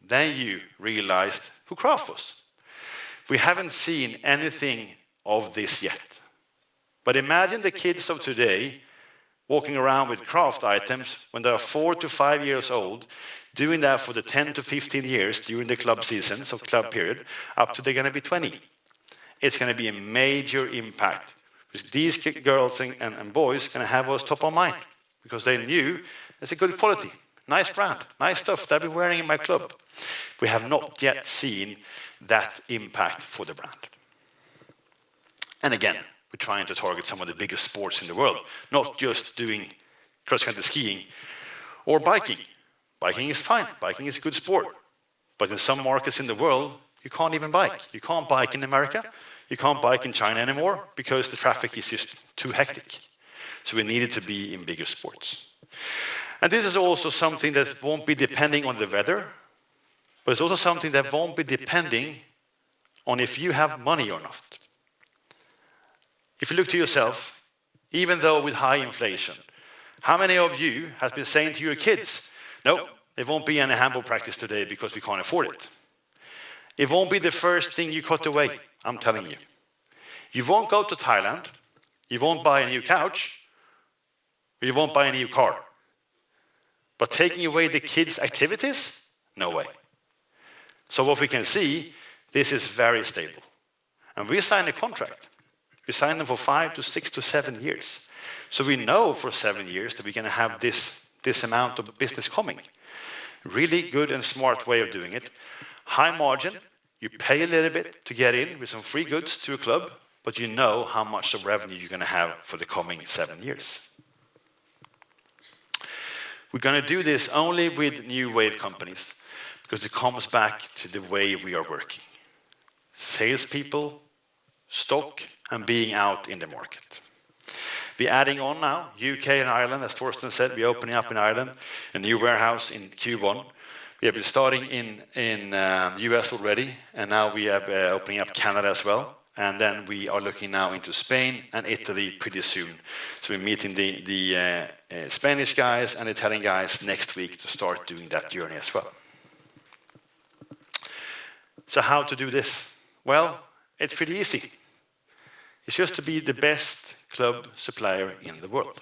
Then you realized who Craft was. We haven't seen anything of this yet. Imagine the kids of today walking around with Craft items when they are four to five years old, doing that for the 10 to 15 years during the club season, so club period, up to they're going to be 20. It's going to be a major impact. These girls and boys are going to have us top of mind because they knew it's a good quality, nice brand, nice stuff that I've been wearing in my club. We have not yet seen that impact for the brand. And again, we're trying to target some of the biggest sports in the world, not just doing cross-country skiing or biking. Biking is fine. Biking is a good sport. But in some markets in the world, you can't even bike. You can't bike in America. You can't bike in China anymore because the traffic is just too hectic. So we need it to be in bigger sports. And this is also something that won't be depending on the weather, but it's also something that won't be depending on if you have money or not. If you look to yourself, even though with high inflation, how many of you have been saying to your kids, "No, there won't be any handball practice today because we can't afford it"? It won't be the first thing you cut away, I'm telling you. You won't go to Thailand. You won't buy a new couch. You won't buy a new car. But taking away the kids' activities, no way. So what we can see, this is very stable. And we signed a contract. We signed them for five to six to seven years. So we know for seven years that we're going to have this amount of business coming. Really good and smart way of doing it. High margin. You pay a little bit to get in with some free goods to a club, but you know how much of revenue you're going to have for the coming seven years. We're going to do this only with New Wave companies because it comes back to the way we are working. Salespeople, stock, and being out in the market. We're adding on now, U.K. and Ireland, as Torsten said. We're opening up in Ireland a new warehouse in Q1. We have been starting in the U.S. already, and now we are opening up Canada as well, and then we are looking now into Spain and Italy pretty soon, so we're meeting the Spanish guys and the Italian guys next week to start doing that journey as well. So how to do this? Well, it's pretty easy. It's just to be the best club supplier in the world.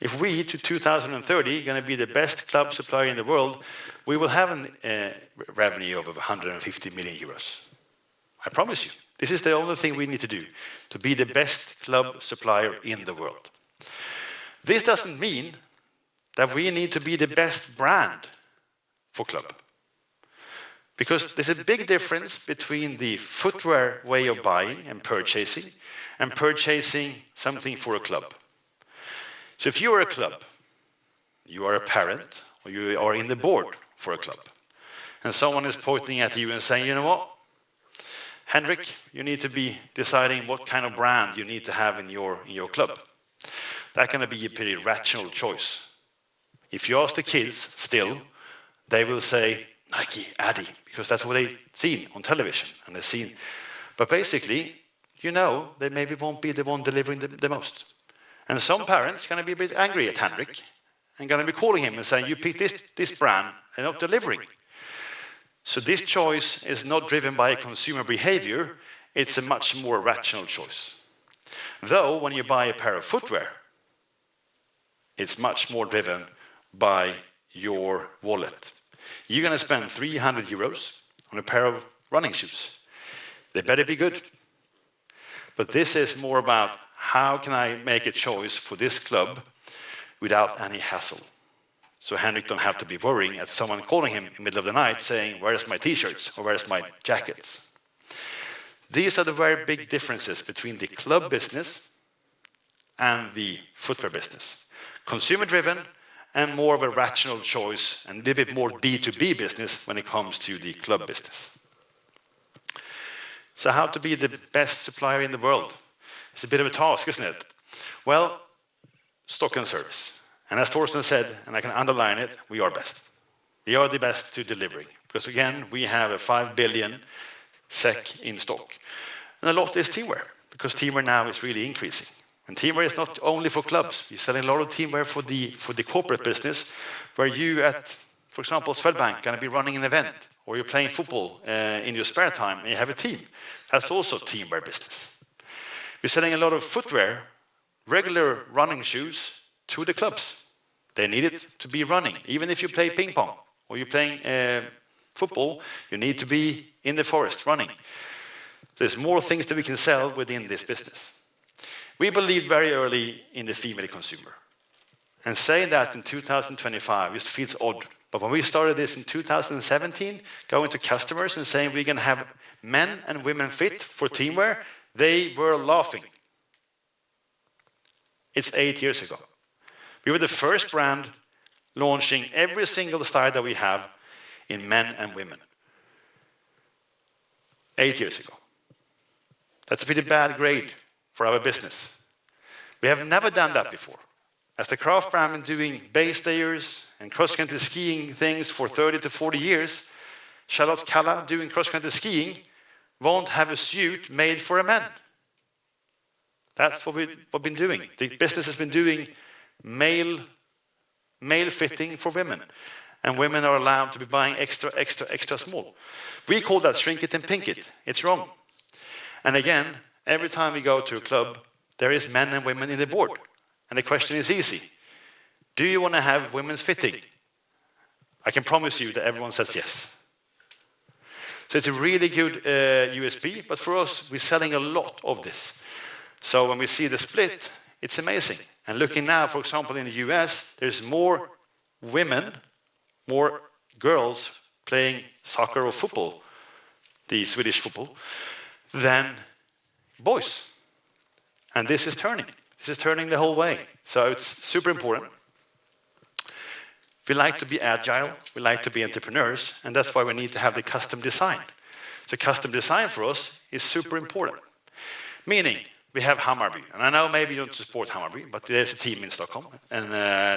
If we to 2030 are going to be the best club supplier in the world, we will have a revenue of 150 million euros. I promise you. This is the only thing we need to do to be the best club supplier in the world. This doesn't mean that we need to be the best brand for club. Because there's a big difference between the footwear way of buying and purchasing and purchasing something for a club. So if you are a club, you are a parent or you are in the board for a club. And someone is pointing at you and saying, "You know what? Henrik, you need to be deciding what kind of brand you need to have in your club." That's going to be a pretty rational choice. If you ask the kids still, they will say Nike, Adidas, because that's what they've seen on television. But basically, you know, they maybe won't be the one delivering the most. And some parents are going to be a bit angry at Henrik and going to be calling him and saying, "You picked this brand and not delivering." So this choice is not driven by consumer behavior. It's a much more rational choice. Though when you buy a pair of footwear, it's much more driven by your wallet. You're going to spend 300 euros on a pair of running shoes. They better be good. But this is more about how can I make a choice for this club without any hassle? Henrik doesn't have to be worrying about someone calling him in the middle of the night saying, "Where are my T-shirts or where are my jackets?" These are the very big differences between the club business and the footwear business. Consumer-driven and more of a rational choice and a little bit more B2B business when it comes to the club business. How to be the best supplier in the world? It's a bit of a task, isn't it? Stock and service. As Torsten said, and I can underline it, we are best. We are the best to delivering. Because again, we have 5 billion SEK in stock. A lot is teamwear because teamwear now is really increasing. Teamwear is not only for clubs. We're selling a lot of teamwear for the corporate business where you're at, for example, Swedbank are going to be running an event or you're playing football in your spare time and you have a team. That's also teamwear business. We're selling a lot of footwear, regular running shoes to the clubs. They need it to be running. Even if you play ping pong or you're playing football, you need to be in the forest running. There's more things that we can sell within this business. We believed very early in the female consumer, and saying that in 2025 just feels odd, but when we started this in 2017, going to customers and saying we're going to have men and women fit for teamwear, they were laughing. It's eight years ago. We were the first brand launching every single style that we have in men and women eight years ago. That's a pretty bad grade for our business. We have never done that before. As the Craft brand been doing base layers and cross-country skiing things for 30-40 years, Charlotte Kalla doing cross-country skiing won't have a suit made for a man. That's what we've been doing. The business has been doing male fitting for women, and women are allowed to be buying extra, extra, extra small. We call that shrink it and pink it. It's wrong, and again, every time we go to a club, there are men and women in the booth. And the question is easy. Do you want to have women's fitting? I can promise you that everyone says yes, so it's a really good USP, but for us, we're selling a lot of this, so when we see the split, it's amazing. And looking now, for example, in the U.S., there are more women, more girls playing soccer or football, the Swedish football, than boys. And this is turning. This is turning the whole way. So it's super important. We like to be agile. We like to be entrepreneurs. And that's why we need to have the custom design. So custom design for us is super important. Meaning we have Hammarby. And I know maybe you don't support Hammarby, but there's a team in Stockholm and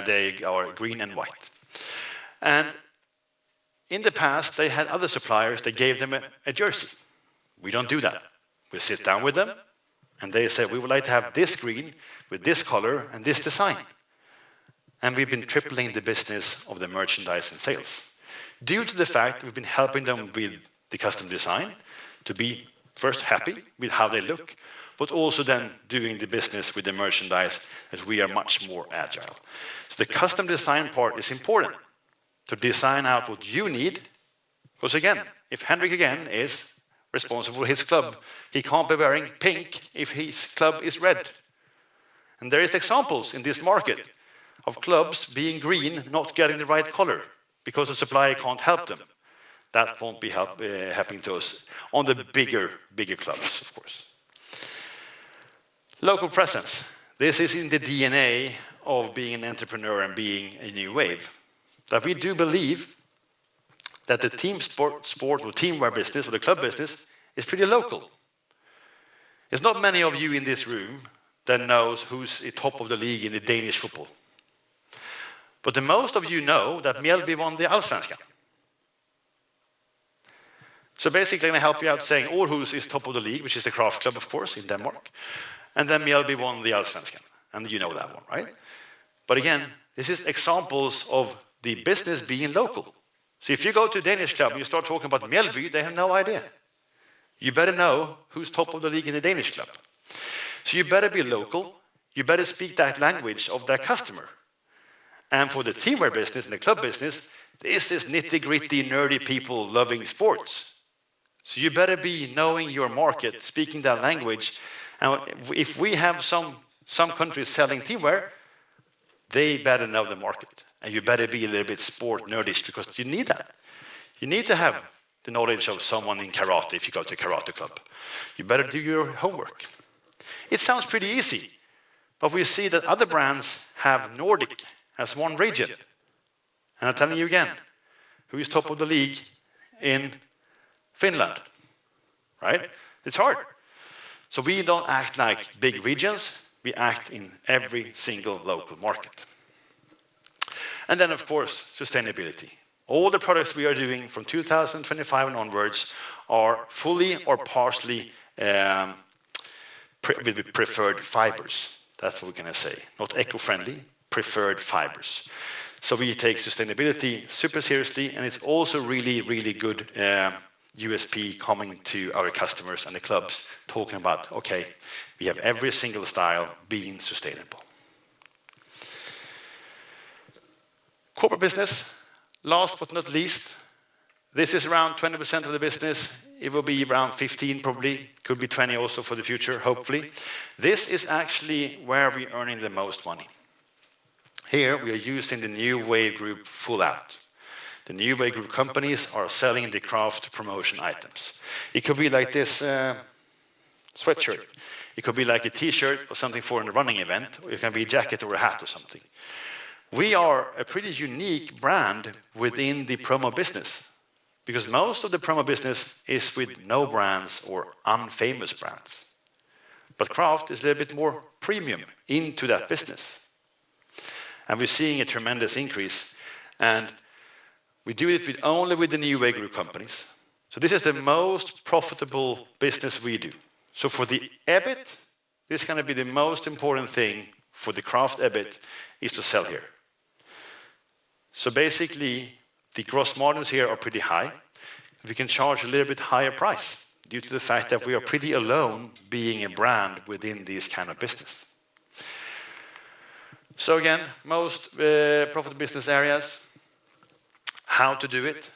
they are green and white. And in the past, they had other suppliers. They gave them a jersey. We don't do that. We sit down with them and they say, "We would like to have this green with this color and this design." And we've been tripling the business of the merchandise and sales due to the fact that we've been helping them with the custom design to be first happy with how they look, but also then doing the business with the merchandise that we are much more agile. So the custom design part is important to design out what you need. Because again, if Henrik again is responsible for his club, he can't be wearing pink if his club is red. And there are examples in this market of clubs being green, not getting the right color because the supply can't help them. That won't be happening to us on the bigger, bigger clubs, of course. Local presence. This is in the DNA of being an entrepreneur and being a New Wave that we do believe that the team sport or teamwear business or the club business is pretty local. There's not many of you in this room that knows who's a top of the league in the Danish football, but the most of you know that Mjällby won the Allsvenskan. Basically, I'm going to help you out saying Århus is top of the league, which is the Craft club, of course, in Denmark, and then Mjällby won the Allsvenskan, and you know that one, right? But again, this is examples of the business being local, so if you go to a Danish club and you start talking about Mjällby, they have no idea. You better know who's top of the league in the Danish club, so you better be local. You better speak that language of that customer. For the teamwear business and the club business, this is nitty-gritty, nerdy people-loving sports. You better be knowing your market, speaking that language. If we have some countries selling teamwear, they better know the market. You better be a little bit sport nerdish because you need that. You need to have the knowledge of someone in karate if you go to a karate club. You better do your homework. It sounds pretty easy, but we see that other brands have Nordic as one region. I'm telling you again, who is top of the league in Finland, right? It's hard. We don't act like big regions. We act in every single local market. Then, of course, sustainability. All the products we are doing from 2025 and onwards are fully or partially preferred fibers. That's what we're going to say. Not eco-friendly, preferred fibers. So we take sustainability super seriously. And it's also really, really good USP coming to our customers and the clubs talking about, "Okay, we have every single style being sustainable." Corporate business. Last but not least, this is around 20% of the business. It will be around 15% probably. Could be 20% also for the future, hopefully. This is actually where we're earning the most money. Here we are using the New Wave Group full out. The New Wave Group companies are selling the Craft promotion items. It could be like this sweatshirt. It could be like a T-shirt or something for a running event. Or it can be a jacket or a hat or something. We are a pretty unique brand within the promo business because most of the promo business is with no brands or unfamous brands. But Craft is a little bit more premium into that business. And we're seeing a tremendous increase. And we do it only with the New Wave Group companies. So this is the most profitable business we do. So for the EBIT, this is going to be the most important thing for the Craft EBIT: to sell here. So basically, the gross margins here are pretty high. We can charge a little bit higher price due to the fact that we are pretty alone being a brand within this kind of business. So again, most profitable business areas. How to do it: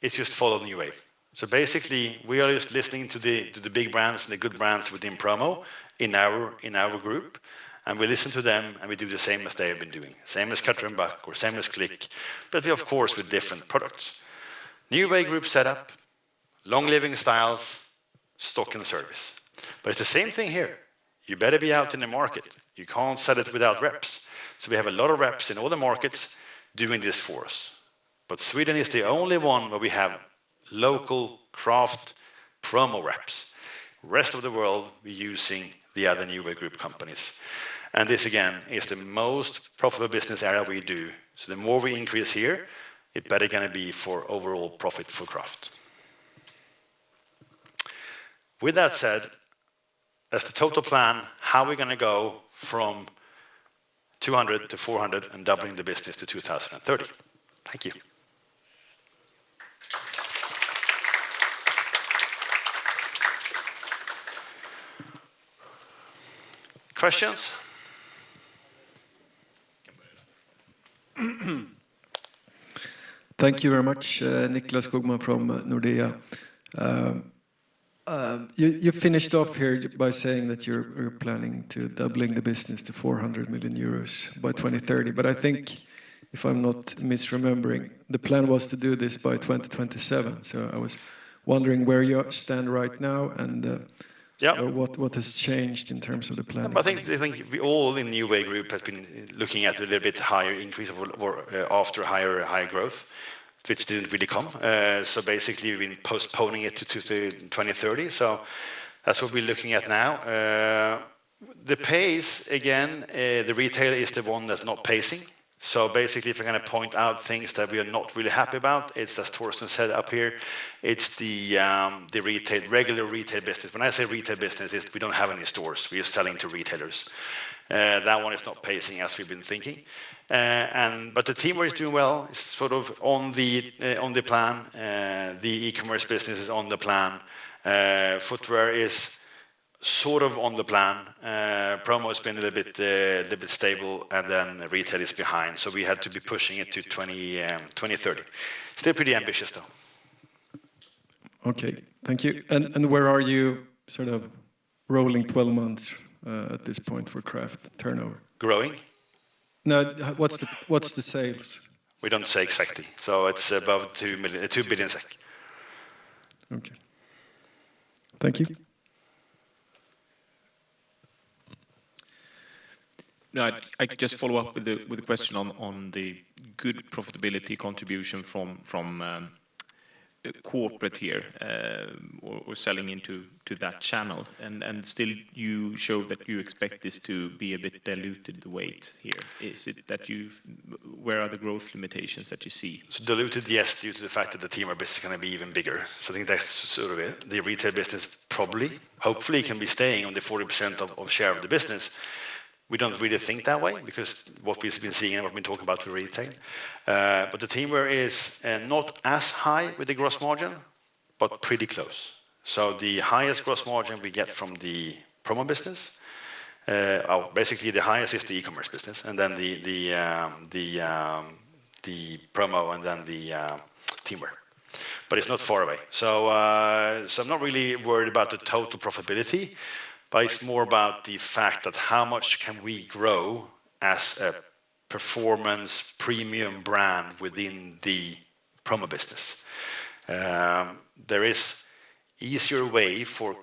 it's just follow the New Wave. So basically, we are just listening to the big brands and the good brands within promo in our group. And we listen to them and we do the same as they have been doing. Same as Cutter & Buck or same as Clique, but of course with different products. New Wave Group setup, long-living styles, stock and service. But it's the same thing here. You better be out in the market. You can't sell it without reps. So we have a lot of reps in all the markets doing this for us. But Sweden is the only one where we have local Craft promo reps. The rest of the world, we're using the other New Wave Group companies. And this again is the most profitable business area we do. So the more we increase here, it better going to be for overall profit for Craft. With that said, as the total plan, how are we going to go from 200 to 400 and doubling the business to 2030? Thank you. Questions? Thank you very much, Nicklas Skogman from Nordea. You finished off here by saying that you're planning to double the business to 400 million euros by 2030, but I think, if I'm not misremembering, the plan was to do this by 2027. So I was wondering where you stand right now and what has changed in terms of the plan. I think all the New Wave Group has been looking at a little bit higher increase or after higher growth, which didn't really come, so basically, we've been postponing it to 2030. So that's what we're looking at now. The pace, again, the retail is the one that's not pacing, so basically, if we're going to point out things that we are not really happy about, it's, as Torsten said up here, it's the regular retail business. When I say retail business, we don't have any stores. We're just selling to retailers. That one is not pacing as we've been thinking. But the teamwear is doing well. It's sort of on the plan. The e-commerce business is on the plan. Footwear is sort of on the plan. Promo has been a little bit stable and then retail is behind. So we had to be pushing it to 2030. Still pretty ambitious though. Okay, thank you. And where are you sort of rolling 12 months at this point for Craft turnover? Growing? No, what's the sales? We don't say exactly. So it's about 2 billion SEK. Okay. Thank you. I just follow up with a question on the good profitability contribution from corporate here. We're selling into that channel. And still, you show that you expect this to be a bit diluted weight here. Is it that you've, where are the growth limitations that you see? It's diluted, yes, due to the fact that the teamwear are basically going to be even bigger. So I think that's sort of it. The retail business probably, hopefully, can be staying on the 40% share of the business. We don't really think that way because what we've been seeing and what we've been talking about with retail. But the teamwear is not as high with the gross margin, but pretty close. So the highest gross margin we get from the promo business, basically the highest is the e-commerce business and then the promo and then the teamwear. But it's not far away. So I'm not really worried about the total profitability, but it's more about the fact that how much can we grow as a performance premium brand within the promo business. There is an easier way for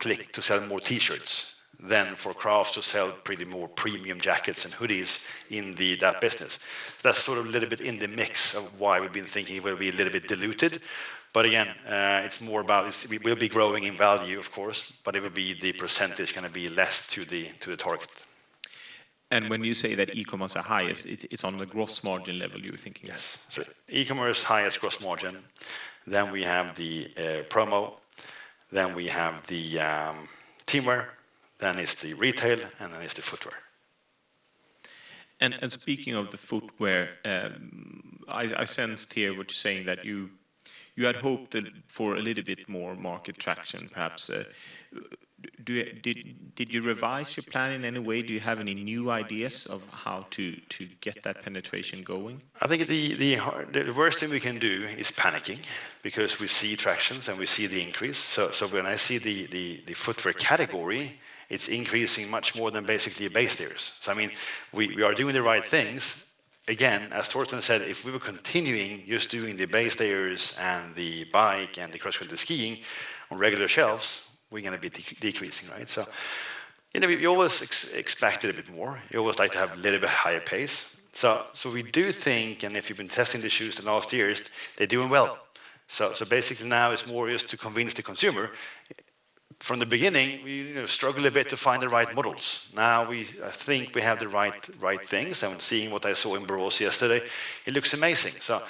Clique to sell more T-shirts than for Craft to sell pretty more premium jackets and hoodies in that business. That's sort of a little bit in the mix of why we've been thinking it will be a little bit diluted, but again, it's more about we will be growing in value, of course, but it will be the percentage going to be less to the target and when you say that e-commerce is highest, it's on the gross margin level you're thinking? Yes. E-commerce is highest gross margin, then we have the promo, then we have the teamwear, then it's the retail and then it's the footwear. Speaking of the footwear, I sensed here what you're saying that you had hoped for a little bit more market traction, perhaps. Did you revise your plan in any way? Do you have any new ideas of how to get that penetration going? I think the worst thing we can do is panicking because we see traction and we see the increase. So when I see the footwear category, it's increasing much more than basically base layers. So I mean, we are doing the right things. Again, as Torsten said, if we were continuing just doing the base layers and the bike and the cross-country skiing on regular shelves, we're going to be decreasing, right? So we always expected a bit more. We always like to have a little bit higher pace. So we do think, and if you've been testing the shoes the last years, they're doing well. So basically now it's more just to convince the consumer. From the beginning, we struggled a bit to find the right models. Now I think we have the right things. I'm seeing what I saw in Borås yesterday. It looks amazing. So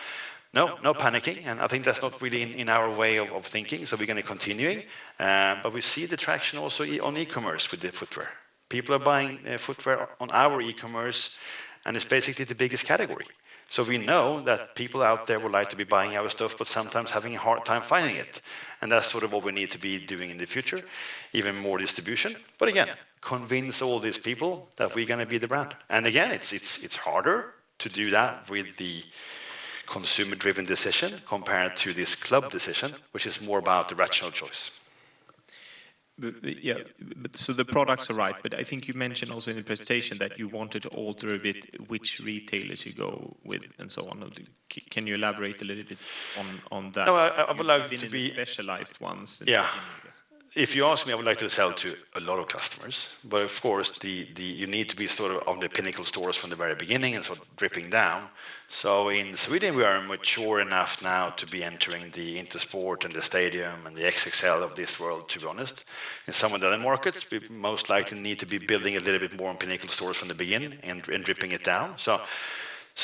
no panicking. And I think that's not really in our way of thinking. So we're going to continue. But we see the traction also on e-commerce with the footwear. People are buying footwear on our e-commerce. And it's basically the biggest category. So we know that people out there would like to be buying our stuff, but sometimes having a hard time finding it. And that's sort of what we need to be doing in the future, even more distribution. But again, convince all these people that we're going to be the brand. And again, it's harder to do that with the consumer-driven decision compared to this club decision, which is more about the rational choice. Yeah, so the products are right. But I think you mentioned also in the presentation that you wanted to alter a bit which retailers you go with and so on. Can you elaborate a little bit on that? I would like to be specialized ones. Yeah. If you ask me, I would like to sell to a lot of customers. But of course, you need to be sort of on the pinnacle stores from the very beginning and sort of dripping down. So in Sweden, we are mature enough now to be entering the Intersport and the Stadium and the XXL of this world, to be honest. In some of the other markets, we most likely need to be building a little bit more on pinnacle stores from the beginning and dripping it down. So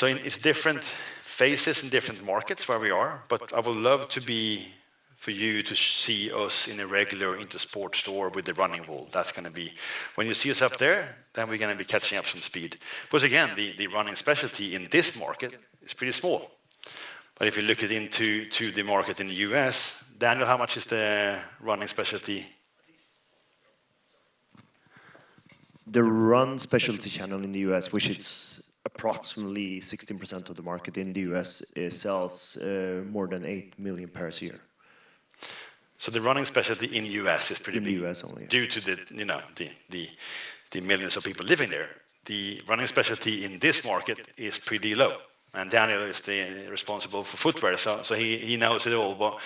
it's different phases in different markets where we are. But I would love for you to see us in a regular Intersport store with the running wall. That's going to be when you see us up there, then we're going to be catching up some speed. Because again, the running specialty in this market is pretty small. But if you look into the market in the U.S., Daniel, how much is the running specialty? The running specialty channel in the U.S., which is approximately 16% of the market in the U.S., sells more than 8 million pairs a year. So the running specialty in the U.S. is pretty big in the U.S. only. Due to the millions of people living there, the running specialty in this market is pretty low. And Daniel is responsible for footwear. So he knows it all.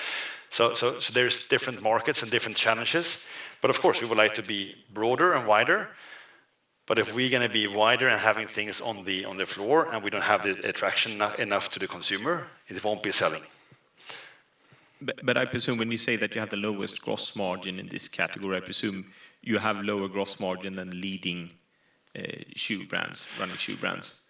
So there's different markets and different challenges. But of course, we would like to be broader and wider. But if we're going to be wider and having things on the floor and we don't have the attraction enough to the consumer, it won't be selling. But I presume when you say that you have the lowest gross margin in this category, I presume you have lower gross margin than leading shoe brands, running shoe brands.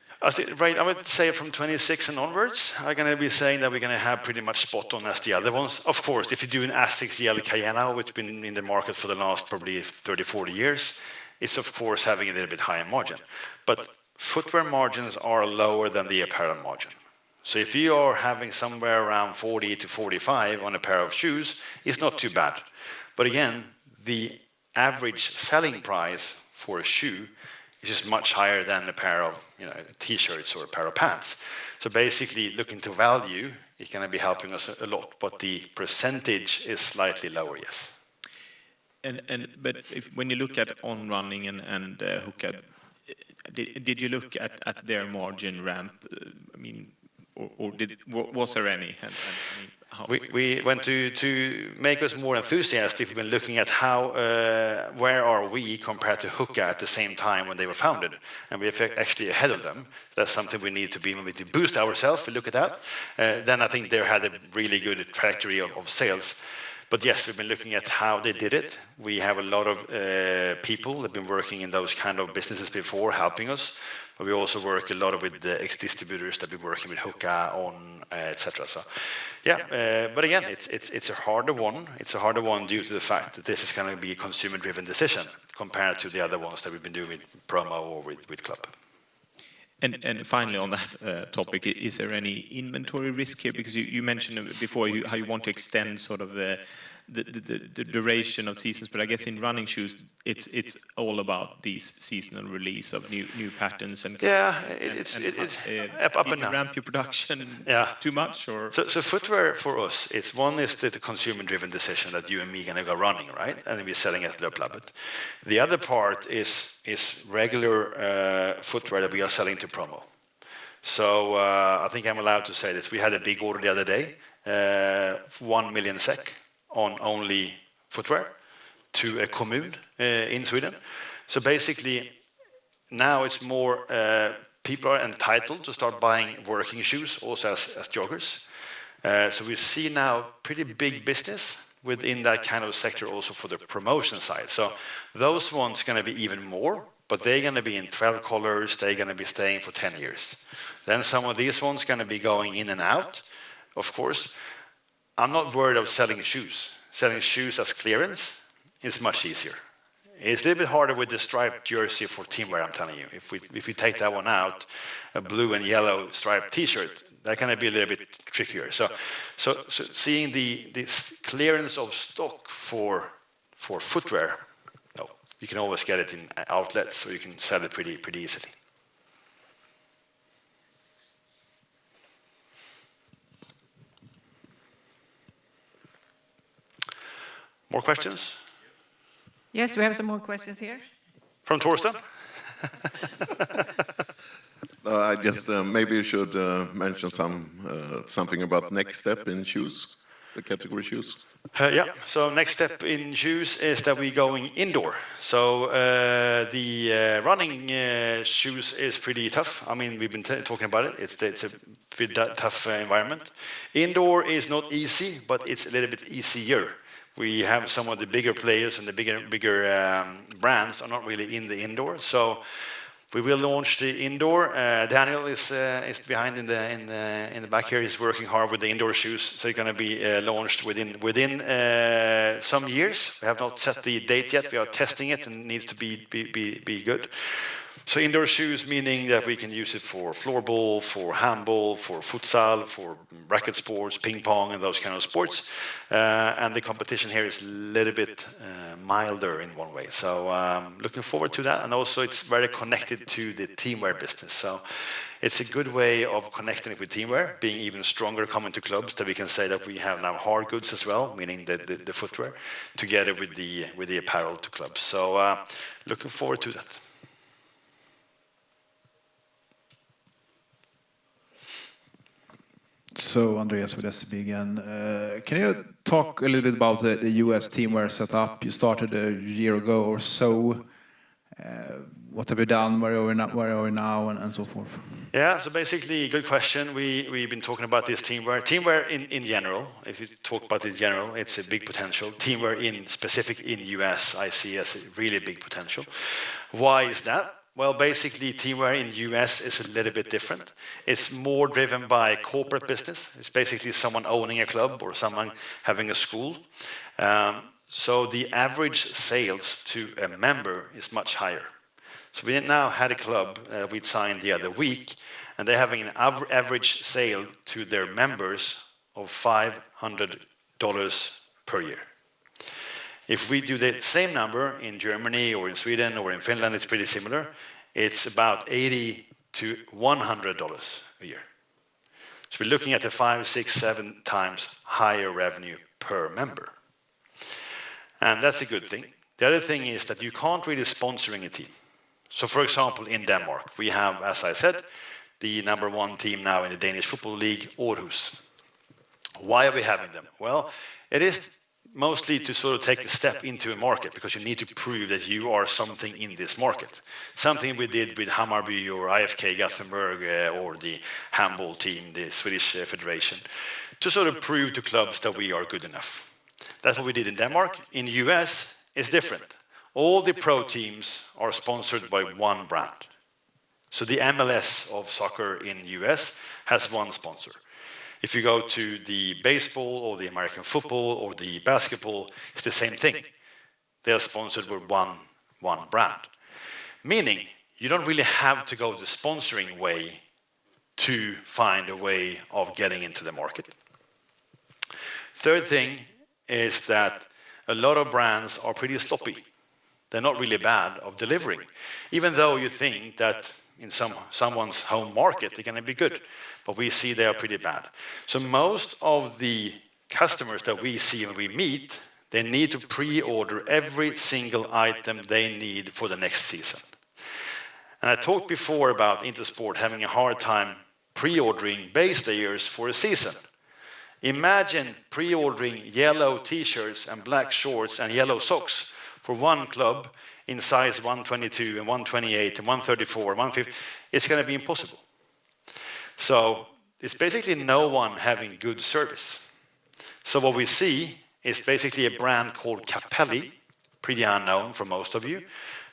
Right, I would say from 26 and onwards, I'm going to be saying that we're going to have pretty much spot on as the other ones. Of course, if you're doing ASICS, Gel, and Kayano, which have been in the market for the last probably 30-40 years, it's of course having a little bit higher margin. But footwear margins are lower than the apparel margin. So if you are having somewhere around 40%-45% on a pair of shoes, it's not too bad. But again, the average selling price for a shoe is just much higher than a pair of T-shirts or a pair of pants. So basically, looking to value, it's going to be helping us a lot. But the percentage is slightly lower, yes. But when you look at On Running and Hoka, did you look at their margin ramp? I mean, or was there any? We went to make us more enthusiastic when looking at where are we compared to Hoka at the same time when they were founded. And we're actually ahead of them. That's something we need to be able to boost ourselves. We look at that. Then I think they had a really good trajectory of sales. But yes, we've been looking at how they did it. We have a lot of people that have been working in those kinds of businesses before helping us. But we also work a lot with the ex-distributors that have been working with Hoka, On, etc. So yeah, but again, it's a harder one. It's a harder one due to the fact that this is going to be a consumer-driven decision compared to the other ones that we've been doing with Promo or with Club. Finally, on that topic, is there any inventory risk here? Because you mentioned before how you want to extend sort of the duration of seasons. But I guess in running shoes, it's all about these seasonal releases of new patterns and kind of up and up. Up and up. Ramp your production too much or? So footwear for us, one is the consumer-driven decision that you and me are going to go running, right? We're selling at Club. The other part is regular footwear that we are selling to Promo. I think I'm allowed to say this. We had a big order the other day, 1 million SEK on only footwear to a commune in Sweden. Basically, now it's more people are entitled to start buying working shoes, also as joggers. We see now pretty big business within that kind of sector also for the promotion side. Those ones are going to be even more, but they're going to be in 12 colors. They're going to be staying for 10 years. Then some of these ones are going to be going in and out, of course. I'm not worried about selling shoes. Selling shoes as clearance is much easier. It's a little bit harder with the striped jersey for teamwear, I'm telling you. If we take that one out, a blue and yellow striped T-shirt, that's going to be a little bit trickier. So seeing the clearance of stock for footwear, you can always get it in outlets, so you can sell it pretty easily. More questions? Yes, we have some more questions here. From Torsten? I guess maybe you should mention something about next step in shoes, the category shoes. Yeah, so next step in shoes is that we're going indoor. So the running shoes is pretty tough. I mean, we've been talking about it. It's a bit tough environment. Indoor is not easy, but it's a little bit easier. We have some of the bigger players and the bigger brands are not really in the indoor. So we will launch the indoor. Daniel is behind in the back here. He's working hard with the indoor shoes. They're going to be launched within some years. We have not set the date yet. We are testing it and it needs to be good. Indoor shoes, meaning that we can use it for floorball, for handball, for futsal, for racquet sports, ping pong, and those kinds of sports. The competition here is a little bit milder in one way. I'm looking forward to that. Also, it's very connected to the teamwear business. It's a good way of connecting it with teamwear, being even stronger, coming to clubs, that we can say that we have now hard goods as well, meaning the footwear, together with the apparel to clubs. Looking forward to that. Andreas with SEB again, can you talk a little bit about the U.S. teamwear setup? You started a year ago or so. What have you done? Where are we now and so forth? Yeah, so basically, good question. We've been talking about this teamwear. Teamwear in general, if you talk about it in general, it's a big potential. Teamwear specifically in the U.S., I see as a really big potential. Why is that? Well, basically, teamwear in the U.S. is a little bit different. It's more driven by corporate business. It's basically someone owning a club or someone having a school. So the average sales to a member is much higher. So we now had a club we'd signed the other week, and they're having an average sale to their members of $500 per year. If we do the same number in Germany or in Sweden or in Finland, it's pretty similar. It's about $80-$100 a year. So we're looking at a five, six, seven times higher revenue per member. That's a good thing. The other thing is that you can't really sponsor a team. So for example, in Denmark, we have, as I said, the number one team now in the Danish Football League, Århus. Why are we having them? Well, it is mostly to sort of take a step into a market because you need to prove that you are something in this market. Something we did with Hammarby or IFK Göteborg or the handball team, the Swedish federation, to sort of prove to clubs that we are good enough. That's what we did in Denmark. In the U.S., it's different. All the pro teams are sponsored by one brand. So the MLS of soccer in the U.S. has one sponsor. If you go to the baseball or the American football or the basketball, it's the same thing. They are sponsored with one brand. Meaning, you don't really have to go the sponsoring way to find a way of getting into the market. Third thing is that a lot of brands are pretty sloppy. They're not really bad at delivering. Even though you think that in someone's home market, they're going to be good, but we see they are pretty bad, so most of the customers that we see when we meet, they need to pre-order every single item they need for the next season, and I talked before about Intersport having a hard time pre-ordering base layers for a season. Imagine pre-ordering yellow T-shirts and black shorts and yellow socks for one club in size 122 and 128 and 134 and 150. It's going to be impossible, so it's basically no one having good service, so what we see is basically a brand called Capelli, pretty unknown for most of you.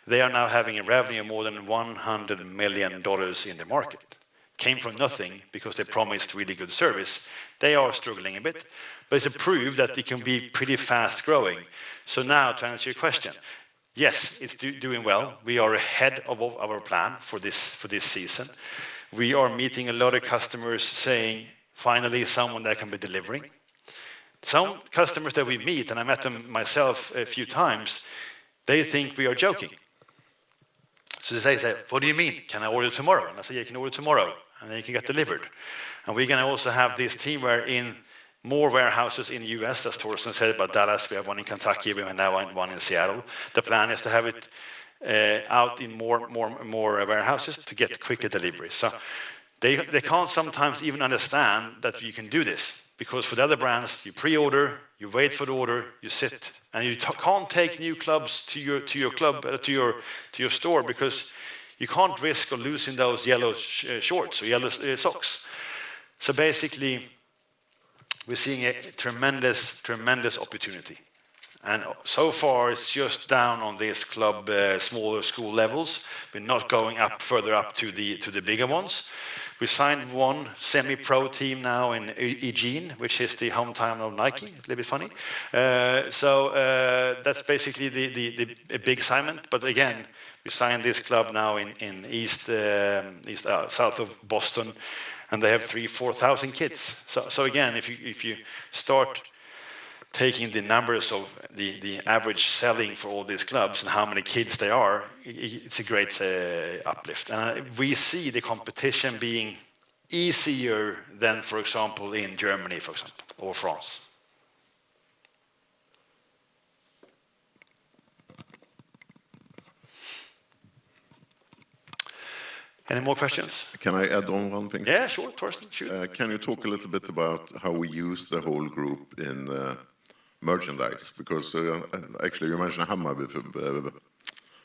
They are now having a revenue of more than $100 million in the market. Came from nothing because they promised really good service. They are struggling a bit. But it's a proof that they can be pretty fast growing. So now to answer your question, yes, it's doing well. We are ahead of our plan for this season. We are meeting a lot of customers saying, "finally, someone that can be delivering." Some customers that we meet, and I met them myself a few times, they think we are joking. So they say, "What do you mean? Can I order tomorrow?" And I say, "Yeah, you can order tomorrow. And then you can get delivered." And we're going to also have this teamwear in more warehouses in the U.S., as Torsten said about Dallas. We have one in Kentucky. We have now one in Seattle. The plan is to have it out in more warehouses to get quicker delivery. So they can't sometimes even understand that you can do this because for the other brands, you pre-order, you wait for the order, you sit, and you can't take new clubs to your store because you can't risk losing those yellow shorts or yellow socks. So basically, we're seeing a tremendous, tremendous opportunity. And so far, it's just down on these club smaller school levels. We're not going up further up to the bigger ones. We signed one semi-pro team now in Eugene, which is the hometown of Nike. It's a little bit funny. So that's basically a big assignment. But again, we signed this club now in east, south of Boston, and they have three, four thousand kids. So again, if you start taking the numbers of the average selling for all these clubs and how many kids they are, it's a great uplift. And we see the competition being easier than, for example, in Germany, for example, or France. Any more questions? Can I add on one thing? Yeah, sure, Torsten. Can you talk a little bit about how we use the whole group in merchandise? Because actually, you mentioned Hammarby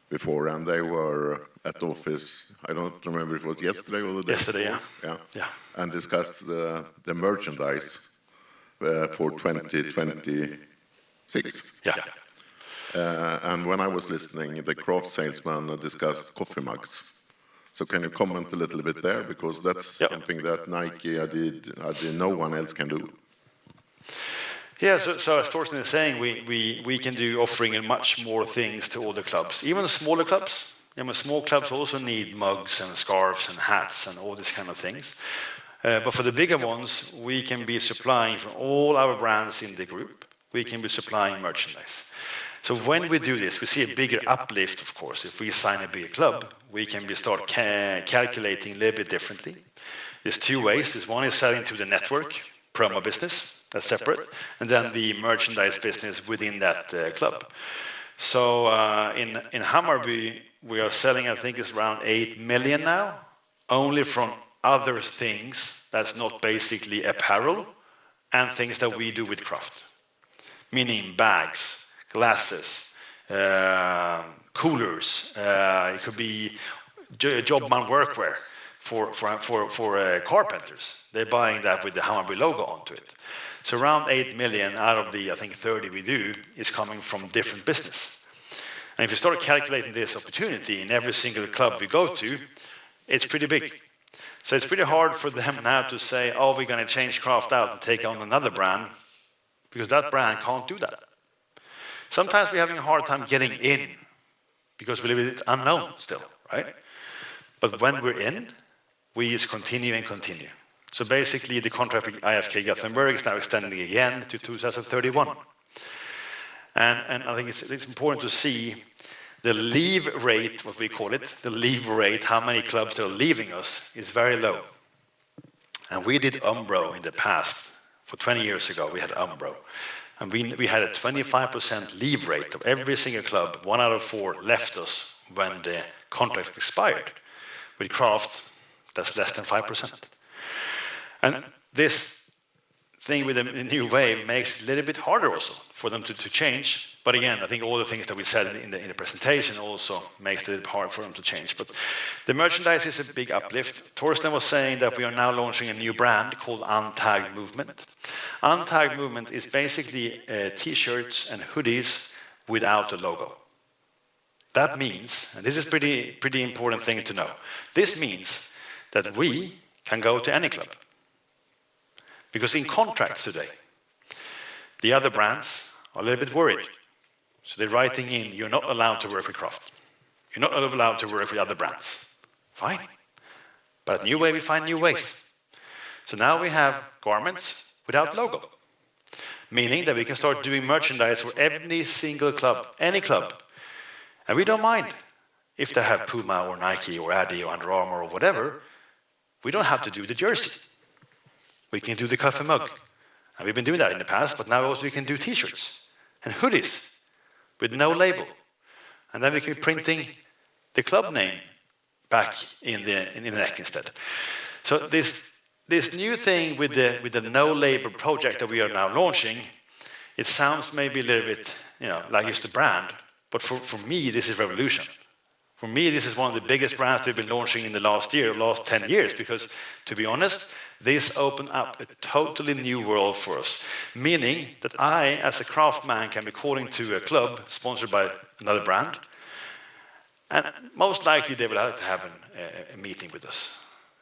before, and they were at the office. I don't remember if it was yesterday or the day. Yesterday, yeah. Yeah. And discussed the merchandise for 2026. Yeah. And when I was listening, the Craft salesman discussed coffee mugs. So can you comment a little bit there? Because that's something that Nike, Adidasdas, no one else can do. Yeah, so as Torsten is saying, we can do offering in much more things to all the clubs. Even smaller clubs. Small clubs also need mugs and scarves and hats and all these kinds of things. But for the bigger ones, we can be supplying from all our brands in the group. We can be supplying merchandise. So when we do this, we see a bigger uplift, of course. If we sign a bigger club, we can start calculating a little bit differently. There's two ways. One is selling to the network, promo business, that's separate. And then the merchandise business within that club. So in Hammarby, we are selling, I think it's around 8 million now, only from other things that's not basically apparel and things that we do with Craft. Meaning bags, glasses, coolers. It could be Jobman workwear for carpenters. They're buying that with the Hammarby logo onto it. Around 8 million out of the, I think, 30 we do is coming from different business. And if you start calculating this opportunity in every single club we go to, it's pretty big. So it's pretty hard for them now to say, "Oh, we're going to change Craft out and take on another brand," because that brand can't do that. Sometimes we're having a hard time getting in because we're a little bit unknown still, right? But when we're in, we just continue and continue. So basically, the contract with IFK Göteborg is now extending again to 2031. And I think it's important to see the leave rate, what we call it, the leave rate, how many clubs they're leaving us is very low. And we did Umbro in the past. For 20 years ago, we had Umbro. And we had a 25% leave rate of every single club. One out of four left us when the contract expired. With Craft, that's less than 5%. This thing with New Wave makes it a little bit harder also for them to change. But again, I think all the things that we said in the presentation also makes it a little bit hard for them to change. But the merchandise is a big uplift. Torsten was saying that we are now launching a new brand called Untagged Movement. Untagged Movement is basically T-shirts and hoodies without a logo. That means, and this is a pretty important thing to know, this means that we can go to any club. Because in contracts today, the other brands are a little bit worried. So they're writing in, "You're not allowed to work with Craft. You're not allowed to work with other brands." Fine. But New Wave, we find new ways. So now we have garments without logo, meaning that we can start doing merchandise for every single club, any club. And we don't mind if they have Puma or Nike or Adidas or Under Armour or whatever. We don't have to do the jersey. We can do the cap and mug. And we've been doing that in the past, but now we can do T-shirts and hoodies with no label. And then we can be printing the club name back in the neck instead. So this new thing with the no-label project that we are now launching, it sounds maybe a little bit like it's the brand, but for me, this is a revolution. For me, this is one of the biggest brands they've been launching in the last year, last 10 years, because to be honest, this opened up a totally new world for us. Meaning that I, as a Craftsman, can be calling to a club sponsored by another brand, and most likely, they will have to have a meeting with us.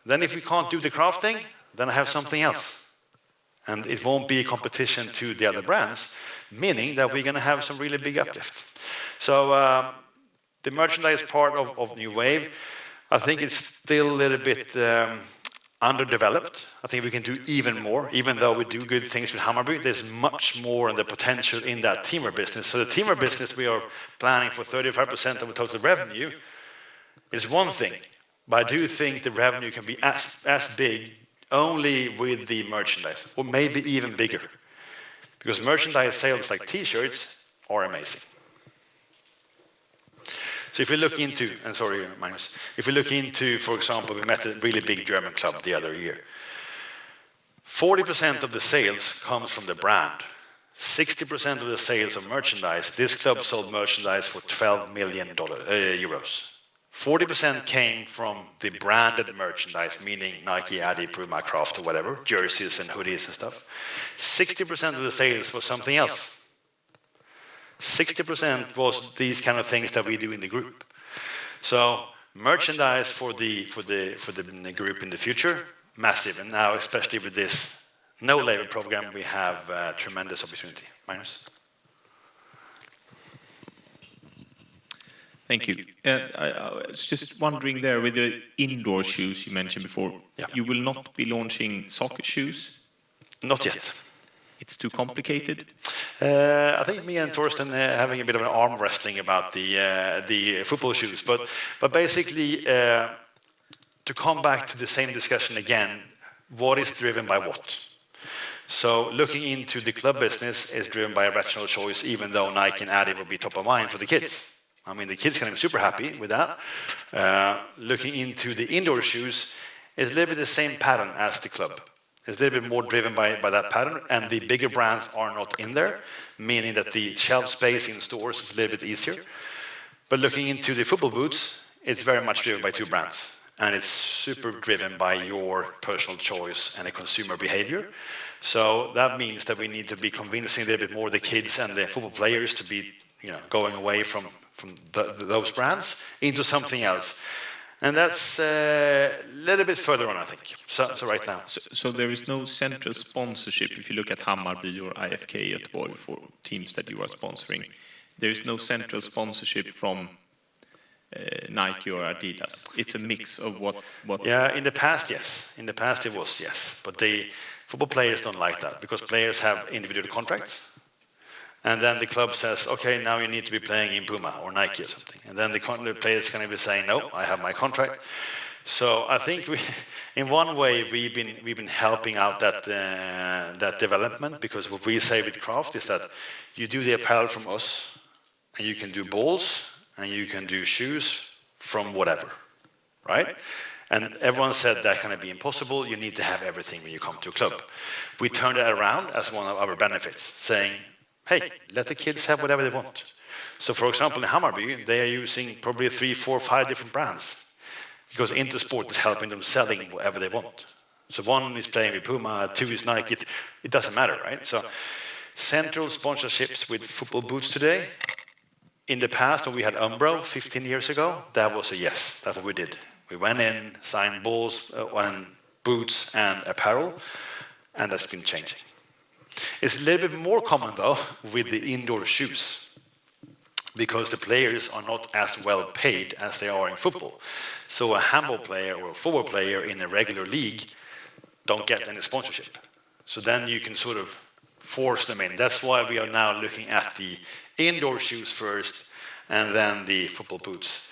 Then if we can't do the Craft thing, then I have something else, and it won't be a competition to the other brands, meaning that we're going to have some really big uplift, so the merchandise part of New Wave, I think it's still a little bit underdeveloped. I think we can do even more. Even though we do good things with Hammarby, there's much more potential in that teamwear business, so the teamwear business, we are planning for 35% of the total revenue. It's one thing, but I do think the revenue can be as big only with the merchandise, or maybe even bigger. Because merchandise sales like T-shirts are amazing. So, sorry, my mistake, if we look into, for example, we met a really big German club the other year. 40% of the sales comes from the brand. 60% of the sales of merchandise, this club sold merchandise for 12 million euros. 40% came from the branded merchandise, meaning Nike, Adidas, Puma, Craft, or whatever, jerseys and hoodies and stuff. 60% of the sales was something else. 60% was these kinds of things that we do in the group. So merchandise for the group in the future, massive. And now, especially with this no-label program, we have a tremendous opportunity. Thank you. Just wondering there with the indoor shoes you mentioned before, you will not be launching soccer shoes? Not yet. It's too complicated. I think me and Torsten are having a bit of an arm wrestling about the football shoes. But basically, to come back to the same discussion again, what is driven by what? So looking into the club business is driven by a rational choice, even though Nike and Adidas will be top of mind for the kids. I mean, the kids can be super happy with that. Looking into the indoor shoes, it's a little bit the same pattern as the club. It's a little bit more driven by that pattern. And the bigger brands are not in there, meaning that the shelf space in stores is a little bit easier. But looking into the football boots, it's very much driven by two brands. And it's super driven by your personal choice and consumer behavior. So that means that we need to be convincing a little bit more of the kids and the football players to be going away from those brands into something else. And that's a little bit further on, I think. So right now. So there is no central sponsorship if you look at Hammarby or IFK at all for teams that you are sponsoring. There is no central sponsorship from Nike or Adidasdas. It's a mix of what? Yeah, in the past, yes. In the past, it was, yes. But football players don't like that because players have individual contracts. And then the club says, "Okay, now you need to be playing in Puma or Nike or something." And then the players are going to be saying, "No, I have my contract." So I think in one way, we've been helping out that development because what we say with Craft is that you do the apparel from us, and you can do balls, and you can do shoes from whatever. Right? And everyone said that can be impossible. You need to have everything when you come to a club. We turned that around as one of our benefits, saying, "Hey, let the kids have whatever they want." So for example, in Hammarby, they are using probably three, four, five different brands because Intersport is helping them selling whatever they want. So one is playing with Puma, two is Nike. It doesn't matter, right? So central sponsorships with football boots today. In the past, when we had Umbro 15 years ago, that was a yes. That's what we did. We went in, signed balls and boots and apparel, and that's been changing. It's a little bit more common, though, with the indoor shoes because the players are not as well paid as they are in football. So a handball player or a football player in a regular league don't get any sponsorship. So then you can sort of force them in. That's why we are now looking at the indoor shoes first and then the football boots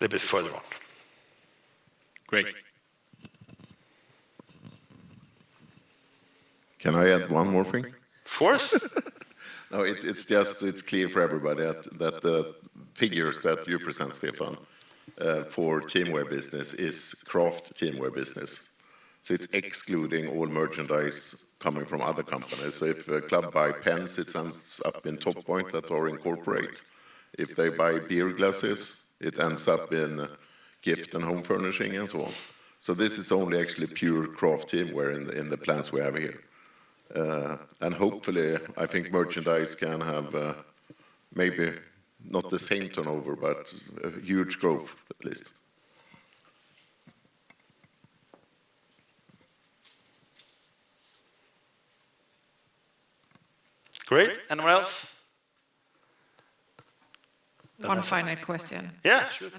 a little bit further on. Great. Can I add one more thing? Of course. No, it's clear for everybody that the figures that you present, Stefan, for teamwear business is Craft teamwear business. So it's excluding all merchandise coming from other companies. So if a club buys pens, it ends up in Toppoint or Intraco Trading. If they buy beer glasses, it ends up in gift and home furnishing and so on. So this is only actually pure Craft teamwear in the plans we have here. And hopefully, I think merchandise can have maybe not the same turnover, but huge growth at least. Great. Anyone else? One final question. Yeah, sure.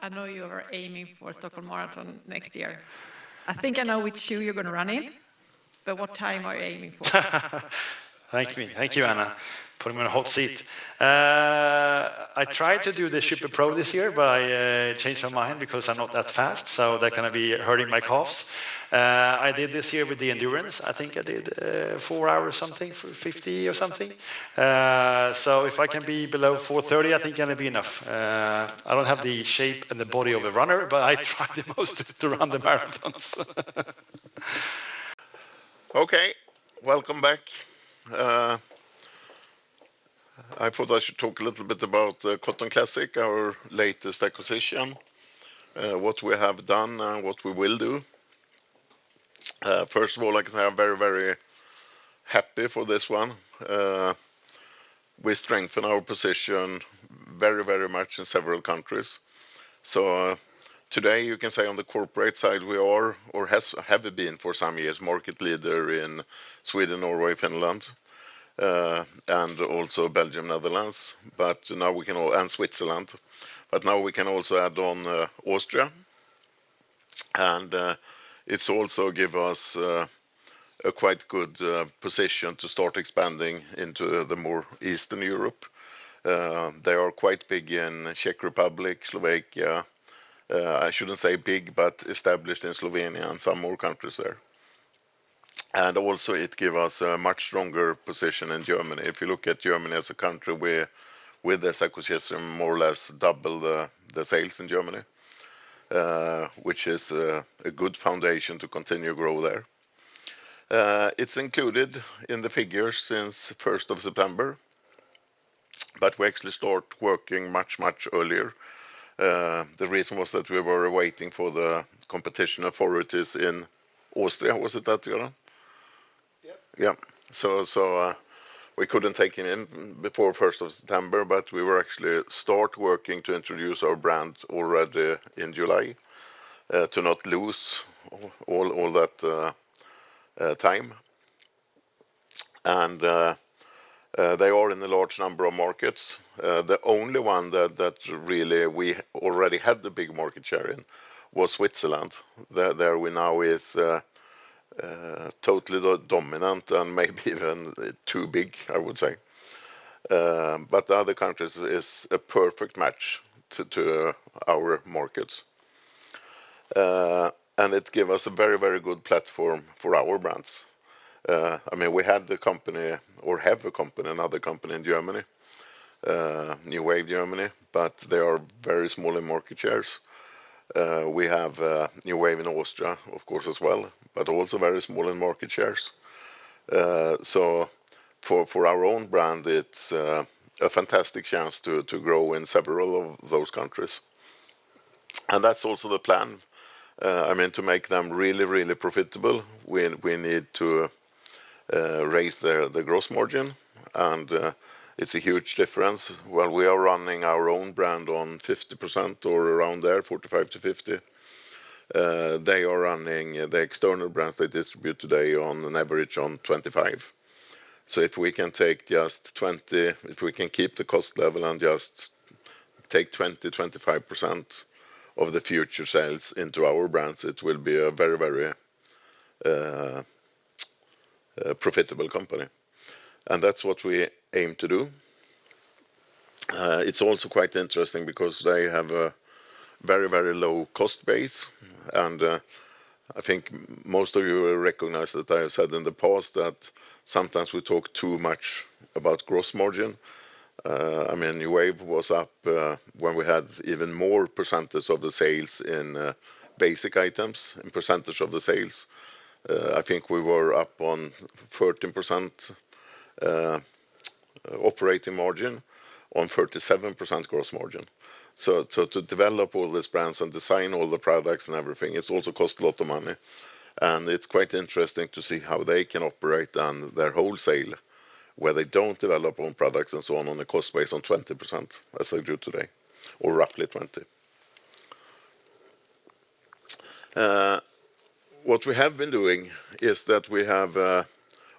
I know you are aiming for Stockholm Marathon next year. I think I know which shoe you're going to run in, but what time are you aiming for? Thank you, Anna. Put him in a hot seat. I tried to do the Shipper Pro this year, but I changed my mind because I'm not that fast, so that's going to be hurting my calves. I did this year with the Endurance. I think I did four hours or something, 50 or something. So if I can be below 4:30, I think it's going to be enough. I don't have the shape and the body of a runner, but I try the most to run the marathons. Okay, welcome back. I thought I should talk a little bit about Cotton Classics, our latest acquisition, what we have done and what we will do. First of all, I can say I'm very, very happy for this one. We strengthen our position very, very much in several countries. So today, you can say on the corporate side, we are or have been for some years market leader in Sweden, Norway, Finland, and also Belgium, Netherlands, and Switzerland. But now we can also add on Austria. And it's also given us a quite good position to start expanding into the more Eastern Europe. They are quite big in the Czech Republic, Slovakia. I shouldn't say big, but established in Slovenia and some more countries there. And also, it gives us a much stronger position in Germany. If you look at Germany as a country, with this acquisition, more or less doubled the sales in Germany, which is a good foundation to continue to grow there. It's included in the figures since 1st of September, but we actually started working much, much earlier. The reason was that we were waiting for the competition authorities in Austria, was it that, Göran? Yep. Yep. So we couldn't take it in before 1st of September, but we were actually starting working to introduce our brand already in July to not lose all that time. And they are in a large number of markets. The only one that really we already had the big market share in was Switzerland. There we now are totally dominant and maybe even too big, I would say. But the other countries are a perfect match to our markets. And it gives us a very, very good platform for our brands. I mean, we had the company or have a company, another company in Germany, New Wave Germany, but they are very small in market shares. We have New Wave in Austria, of course, as well, but also very small in market shares. So for our own brand, it's a fantastic chance to grow in several of those countries. And that's also the plan. I mean, to make them really, really profitable, we need to raise the gross margin. And it's a huge difference. While we are running our own brand on 50% or around there, 45%-50%, they are running the external brands they distribute today on an average of 25%. So if we can take just 20, if we can keep the cost level and just take 20, 25% of the future sales into our brands, it will be a very, very profitable company. And that's what we aim to do. It's also quite interesting because they have a very, very low cost base. I think most of you recognize that I have said in the past that sometimes we talk too much about gross margin. I mean, New Wave was up when we had even more percentage of the sales in basic items, in percentage of the sales. I think we were up on 13% operating margin, on 37% gross margin. To develop all these brands and design all the products and everything, it's also cost a lot of money. It's quite interesting to see how they can operate on their wholesale, where they don't develop on products and so on, on a cost base on 20%, as they do today, or roughly 20%. What we have been doing is that we have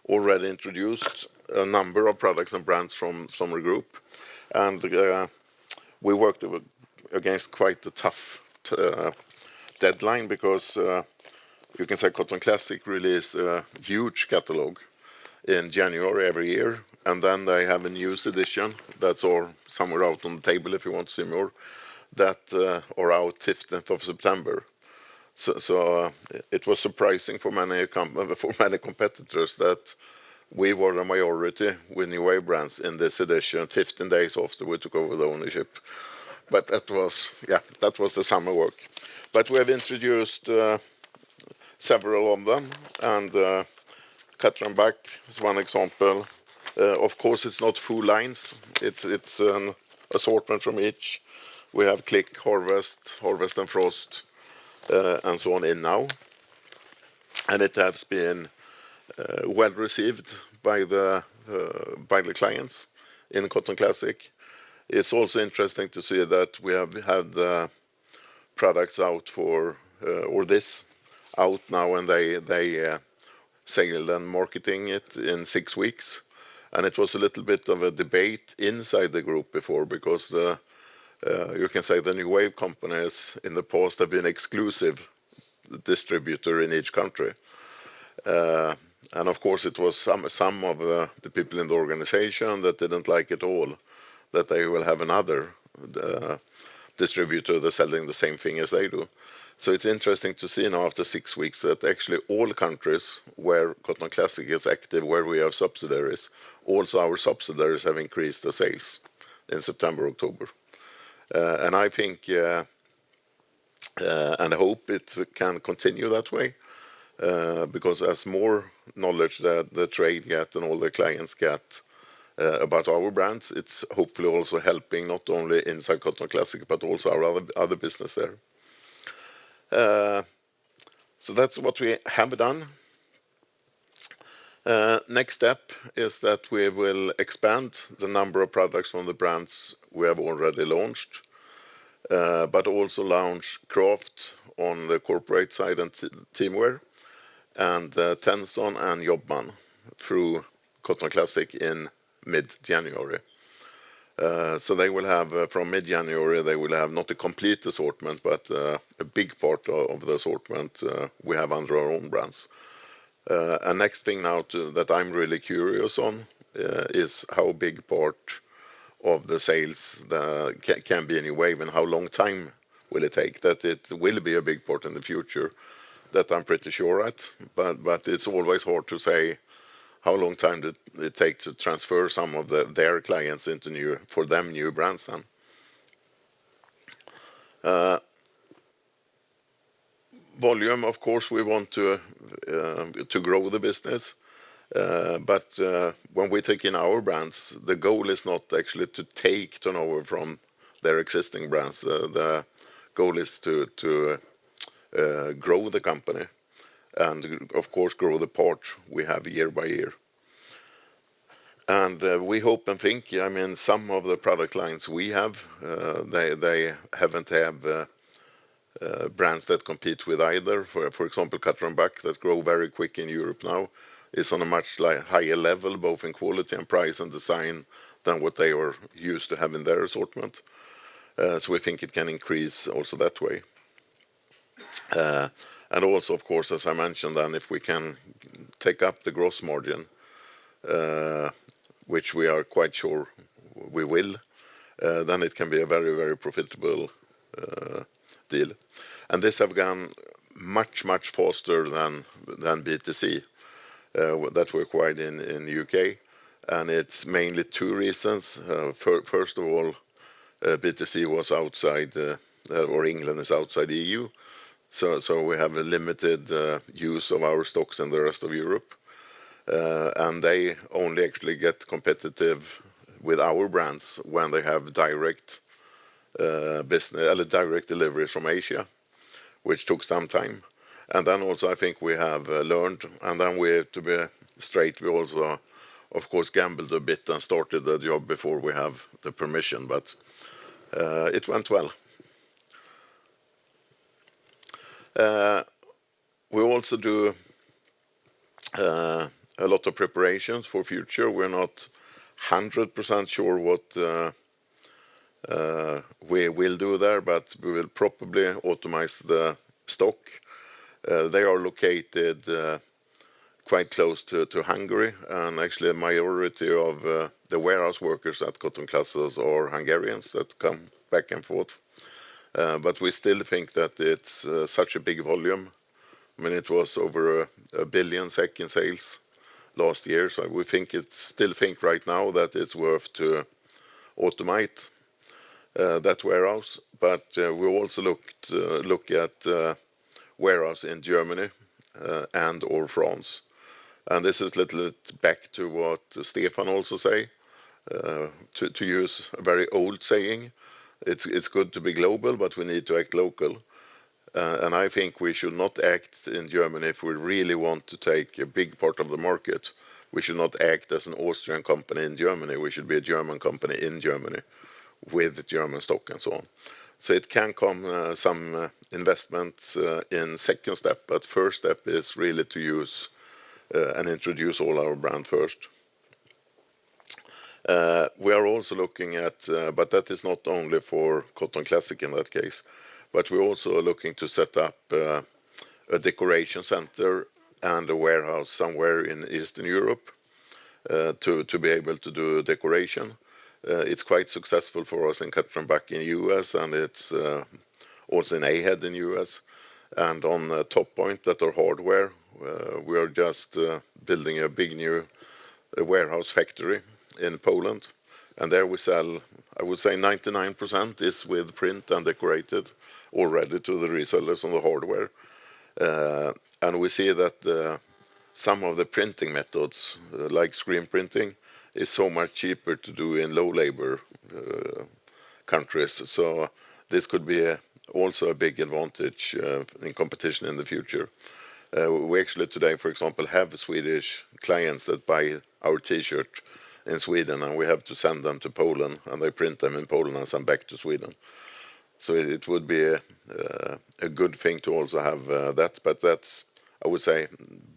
already introduced a number of products and brands from Summer Group. And we worked against quite a tough deadline because you can say Cotton Classics releases a huge catalog in January every year. And then they have a news edition that's somewhere out on the table if you want to see more, that are out 15th of September. So it was surprising for many competitors that we were a majority with New Wave brands in this edition, 15 days after we took over the ownership. But that was, yeah, that was the summer work. But we have introduced several of them. And Cutter & Buck is one example. Of course, it's not full lines. It's an assortment from each. We have Clique, Harvest, Harvest and Frost, and so on in now. And it has been well received by the clients in Cotton Classics. It's also interesting to see that we have had the products out for all this out now, and they signaled and marketed it in six weeks. It was a little bit of a debate inside the group before because you can say the New Wave companies in the past have been exclusive distributors in each country. Of course, it was some of the people in the organization that didn't like it all that they will have another distributor that's selling the same thing as they do. It's interesting to see now after six weeks that actually all countries where Cotton Classics is active, where we have subsidiaries, also our subsidiaries have increased the sales in September, October. I think and I hope it can continue that way because as more knowledge that the trade gets and all the clients get about our brands, it's hopefully also helping not only inside Cotton Classics, but also our other business there. So that's what we have done. Next step is that we will expand the number of products from the brands we have already launched, but also launch Craft on the corporate side and teamwear and Tenson and Jobman through Cotton Classics in mid-January. So they will have from mid-January, they will have not a complete assortment, but a big part of the assortment we have under our own brands. And the next thing now that I'm really curious on is how big part of the sales can be in New Wave and how long time will it take that it will be a big part in the future that I'm pretty sure at. But it's always hard to say how long time it takes to transfer some of their clients into new for them new brands then. Volume, of course, we want to grow the business. But when we take in our brands, the goal is not actually to take turnover from their existing brands. The goal is to grow the company and, of course, grow the parts we have year by year. And we hope and think, I mean, some of the product lines we have, they haven't had brands that compete with either. For example, Cutter & Buck that grow very quick in Europe now is on a much higher level, both in quality and price and design than what they are used to having their assortment. So we think it can increase also that way. And also, of course, as I mentioned, then if we can take up the gross margin, which we are quite sure we will, then it can be a very, very profitable deal. And this has gone much, much faster than BTC that we acquired in the U.K.. And it's mainly two reasons. First of all, BTC was outside or England is outside the EU. So we have a limited use of our stocks in the rest of Europe. And they only actually get competitive with our brands when they have direct deliveries from Asia, which took some time. And then also I think we have learned. To be straight, we also, of course, gambled a bit and started the job before we have the permission, but it went well. We also do a lot of preparations for the future. We're not 100% sure what we will do there, but we will probably automate the stock. They are located quite close to Hungary. Actually, the majority of the warehouse workers at Cotton Classic are Hungarians that come back and forth. But we still think that it's such a big volume. I mean, it was over a billion SEK in sales last year. So we still think right now that it's worth to automate that warehouse. But we also look at warehouse in Germany and/or France. This is a little bit back to what Stefan also said, to use a very old saying. It's good to be global, but we need to act local. And I think we should not act in Germany if we really want to take a big part of the market. We should not act as an Austrian company in Germany. We should be a German company in Germany with German stock and so on. So it can come some investments in second step, but first step is really to use and introduce all our brand first. We are also looking at, but that is not only for Cotton Classics in that case, but we also are looking to set up a decoration center and a warehouse somewhere in Eastern Europe to be able to do decoration. It's quite successful for us in Cutter & Buck in the U.S., and it's also in Ahead in the U.S. And on the Toppoint, that are hardware, we are just building a big new warehouse factory in Poland. And there we sell, I would say 99% is with print and decorated already to the resellers on the headwear. And we see that some of the printing methods, like screen printing, is so much cheaper to do in low labor countries. So this could be also a big advantage in competition in the future. We actually today, for example, have Swedish clients that buy our T-shirt in Sweden, and we have to send them to Poland, and they print them in Poland and send back to Sweden. So it would be a good thing to also have that. But that's, I would say,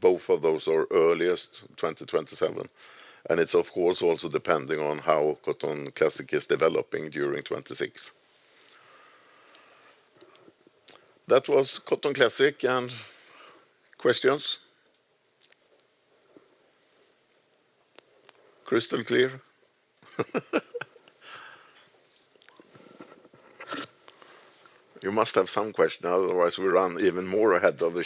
both of those are earliest 2027. And it's, of course, also depending on how Cotton Classics is developing during 2026. That was Cotton Classics. And questions? Crystal clear? You must have some question, otherwise we run even more ahead of the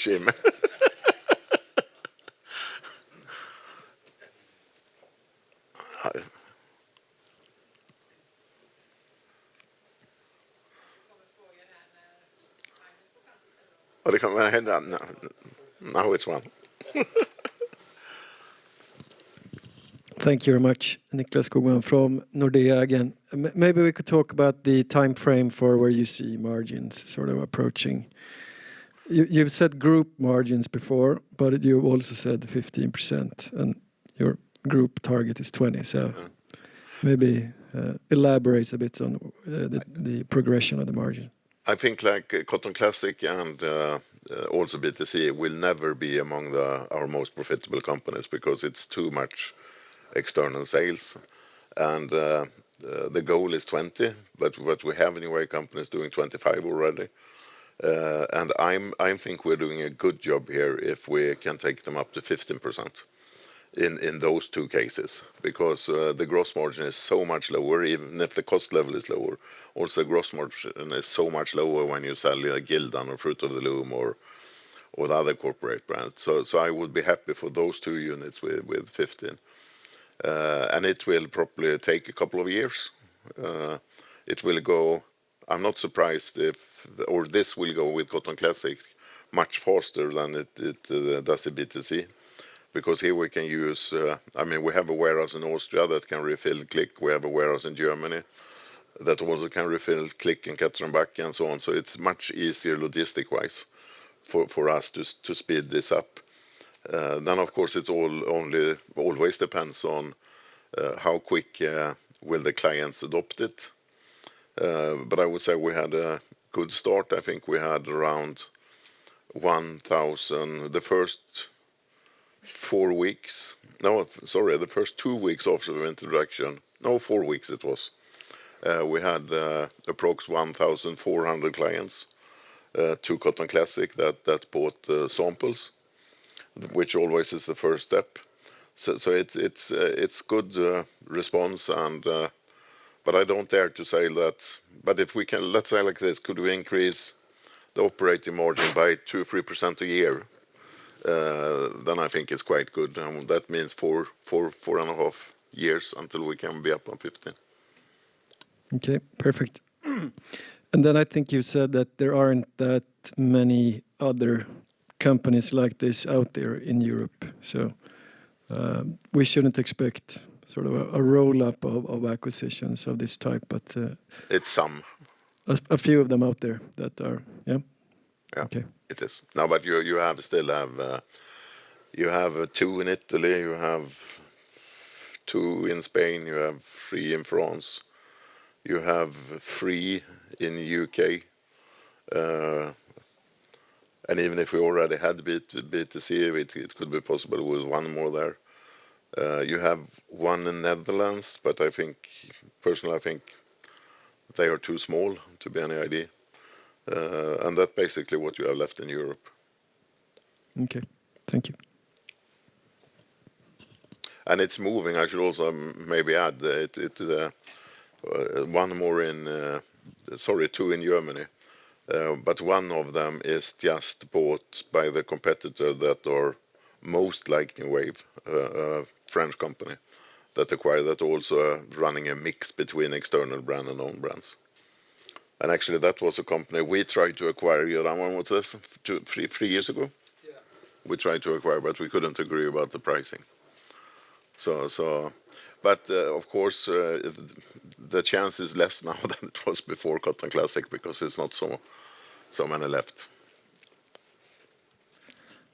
schedule. Thank you very much, Nicklas Skogman from Nordea again. Maybe we could talk about the time frame for where you see margins sort of approaching. You've said group margins before, but you also said 15%, and your group target is 20%. So maybe elaborate a bit on the progression of the margin. I think like Cotton Classics and also BTC will never be among our most profitable companies because it's too much external sales. The goal is 20%, but we have New Wave companies doing 25% already. I think we're doing a good job here if we can take them up to 15% in those two cases because the gross margin is so much lower, even if the cost level is lower. Also, the gross margin is so much lower when you sell Gildan or Fruit of the Loom or other corporate brands. So I would be happy for those two units with 15. And it will probably take a couple of years. It will go. I'm not surprised if, or this will go with Cotton Classics much faster than it does with BTC because here we can use, I mean, we have a warehouse in Austria that can refill Clique. We have a warehouse in Germany that also can refill Clique and Cutter & Buck and so on. So it's much easier logistic-wise for us to speed this up. Then, of course, it's all always depends on how quick will the clients adopt it. But I would say we had a good start. I think we had around 1,000 the first four weeks. No, sorry, the first two weeks after the introduction. No, four weeks it was. We had approximately 1,400 clients to Cotton Classic that bought samples, which always is the first step. So it's good response. But I don't dare to say that. But if we can, let's say like this, could we increase the operating margin by 2-3% a year, then I think it's quite good. And that means four and a half years until we can be up on 15%. Okay, perfect. And then I think you said that there aren't that many other companies like this out there in Europe. So we shouldn't expect sort of a roll-up of acquisitions of this type, but. It's some. A few of them out there that are, yeah. Yeah, it is. No, but you still have two in Italy. You have two in Spain. You have three in France. You have three in the U.K.. And even if we already had BTC, it could be possible with one more there. You have one in the Netherlands, but I think personally, I think they are too small to be any idea. And that's basically what you have left in Europe. Okay, thank you. And it's moving. I should also maybe add one more in, sorry, two in Germany. But one of them is just bought by the competitor that are most like New Wave, a French company that acquired that also running a mix between external brand and own brands. And actually, that was a company we tried to acquire. You remember what this was? Three years ago? Yeah. We tried to acquire, but we couldn't agree about the pricing. But of course, the chance is less now than it was before Cotton Classics because it's not so many left.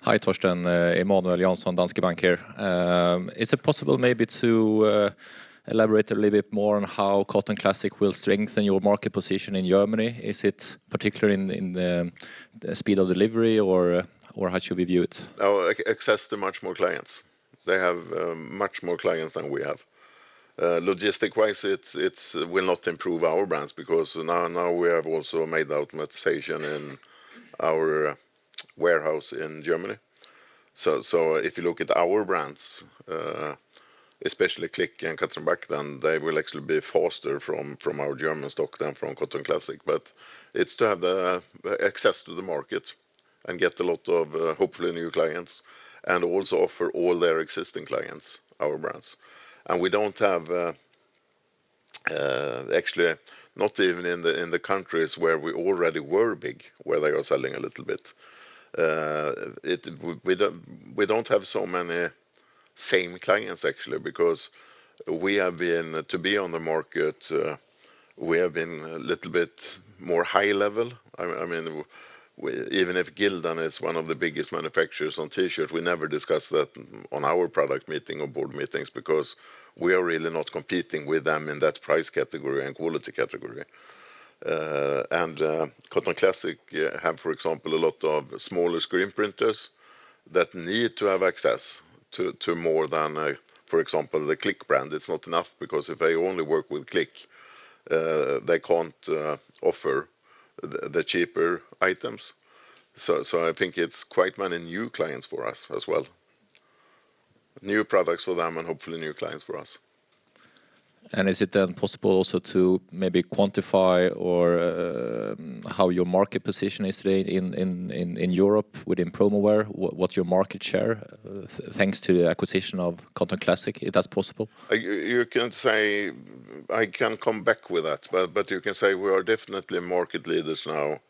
Hi, Torsten. Emanuel Jansson, Danske Bank here. Is it possible maybe to elaborate a little bit more on how Cotton Classics will strengthen your market position in Germany? Is it particularly in the speed of delivery or how should we view it? Access to much more clients. They have much more clients than we have. Logistics-wise, it will not improve our brands because now we have also made the automation in our warehouse in Germany. So if you look at our brands, especially Clique and Cutter & Buck, then they will actually be faster from our German stock than from Cotton Classics. But it's to have access to the market and get a lot of hopefully new clients and also offer all their existing clients our brands. And we don't have actually not even in the countries where we already were big, where they are selling a little bit. We don't have so many same clients actually because we have been to be on the market, we have been a little bit more high level. I mean, even if Gildan is one of the biggest manufacturers on T-shirts, we never discuss that on our product meeting or board meetings because we are really not competing with them in that price category and quality category, and Cotton Classics have, for example, a lot of smaller screen printers that need to have access to more than, for example, the Clique brand. It's not enough because if they only work with Clique, they can't offer the cheaper items, so I think it's quite many new clients for us as well. New products for them and hopefully new clients for us, And is it then possible also to maybe quantify how your market position is today in Europe within promowear? What's your market share thanks to the acquisition of Cotton Classics? Is that possible? You can say I can't come back with that, but you can say we are definitely market leaders now.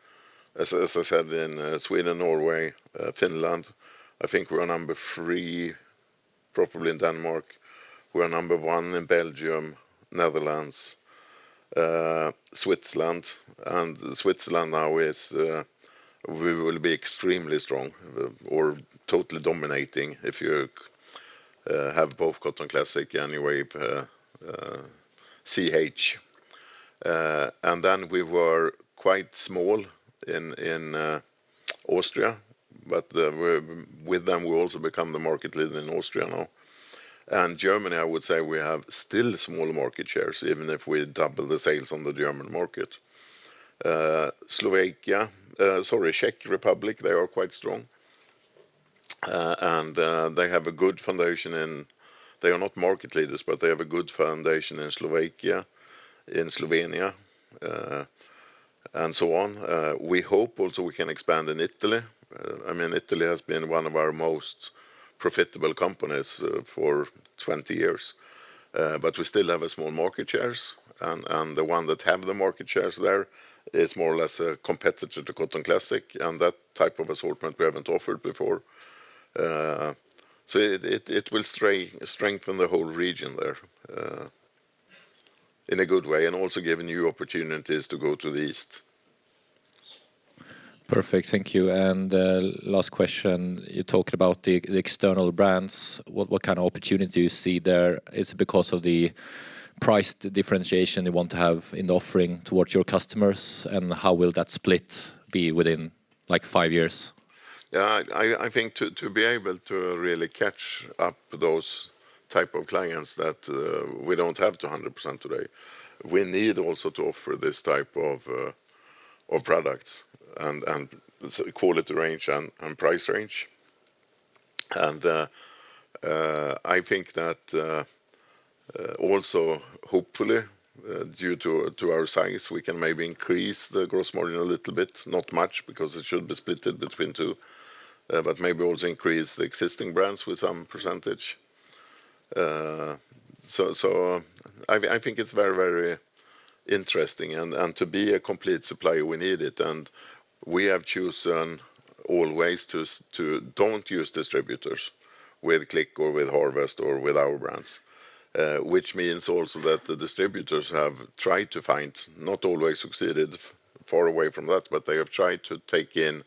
As I said, in Sweden, Norway, Finland, I think we're number three, probably in Denmark. We're number one in Belgium, Netherlands, Switzerland. Switzerland now is we will be extremely strong or totally dominating if you have both Cotton Classics and New Wave CH. Then we were quite small in Austria, but with them we also become the market leader in Austria now. Germany, I would say we have still small market shares, even if we double the sales on the German market. Slovakia, sorry, Czech Republic, they are quite strong. They have a good foundation. They are not market leaders, but they have a good foundation in Slovakia, in Slovenia, and so on. We hope also we can expand in Italy. I mean, Italy has been one of our most profitable companies for 20 years, but we still have small market shares. The one that has the market shares there is more or less a competitor to Cotton Classic, and that type of assortment we haven't offered before. So it will strengthen the whole region there in a good way and also give new opportunities to go to the east. Perfect, thank you. Last question, you talked about the external brands. What kind of opportunity do you see there? Is it because of the price differentiation you want to have in the offering towards your customers, and how will that split be within like five years? Yeah, I think to be able to really catch up those types of clients that we don't have 200% today, we need also to offer this type of products and quality range and price range, and I think that also, hopefully, due to our size, we can maybe increase the gross margin a little bit, not much, because it should be split between two, but maybe also increase the existing brands with some percentage, so I think it's very, very interesting, and to be a complete supplier, we need it, and we have chosen always to don't use distributors with Clique or with Harvest or with our brands, which means also that the distributors have tried to find, not always succeeded, far away from that, but they have tried to take in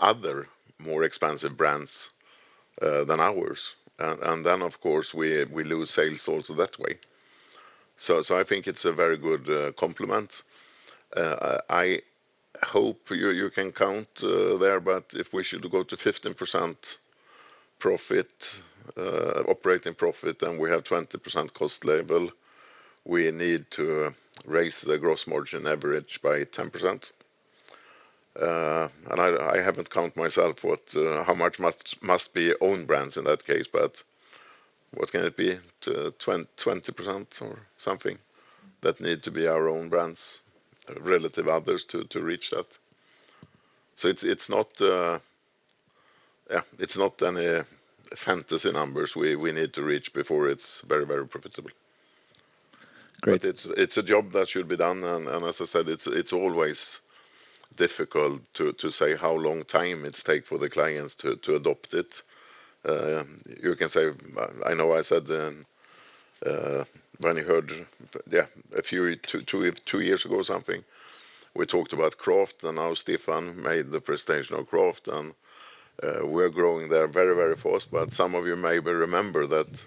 other more expensive brands than ours, and then, of course, we lose sales also that way. So I think it's a very good complement. I hope you can count there, but if we should go to 15% operating profit and we have 20% cost level, we need to raise the gross margin average by 10%. And I haven't counted myself how much must be own brands in that case, but what can it be? 20% or something that need to be our own brands, relative others to reach that. So it's not any fantasy numbers we need to reach before it's very, very profitable. But it's a job that should be done. And as I said, it's always difficult to say how long time it takes for the clients to adopt it. You can say, I know I said when you heard, yeah, a few two years ago or something, we talked about Craft, and now Stefan made the presentation on Craft, and we're growing there very, very fast. But some of you may remember that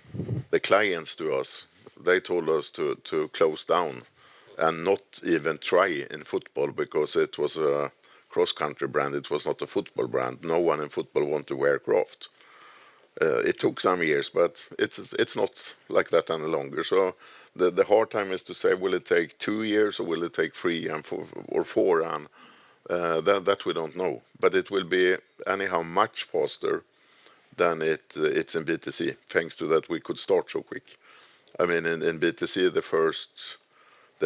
the clients to us, they told us to close down and not even try in football because it was a cross-country brand. It was not a football brand. No one in football wanted to wear Craft. It took some years, but it's not like that any longer. So the hard time is to say, will it take two years or will it take three or four? That we don't know. But it will be anyhow much faster than it's in BTC thanks to that we could start so quick. I mean, in BTC, the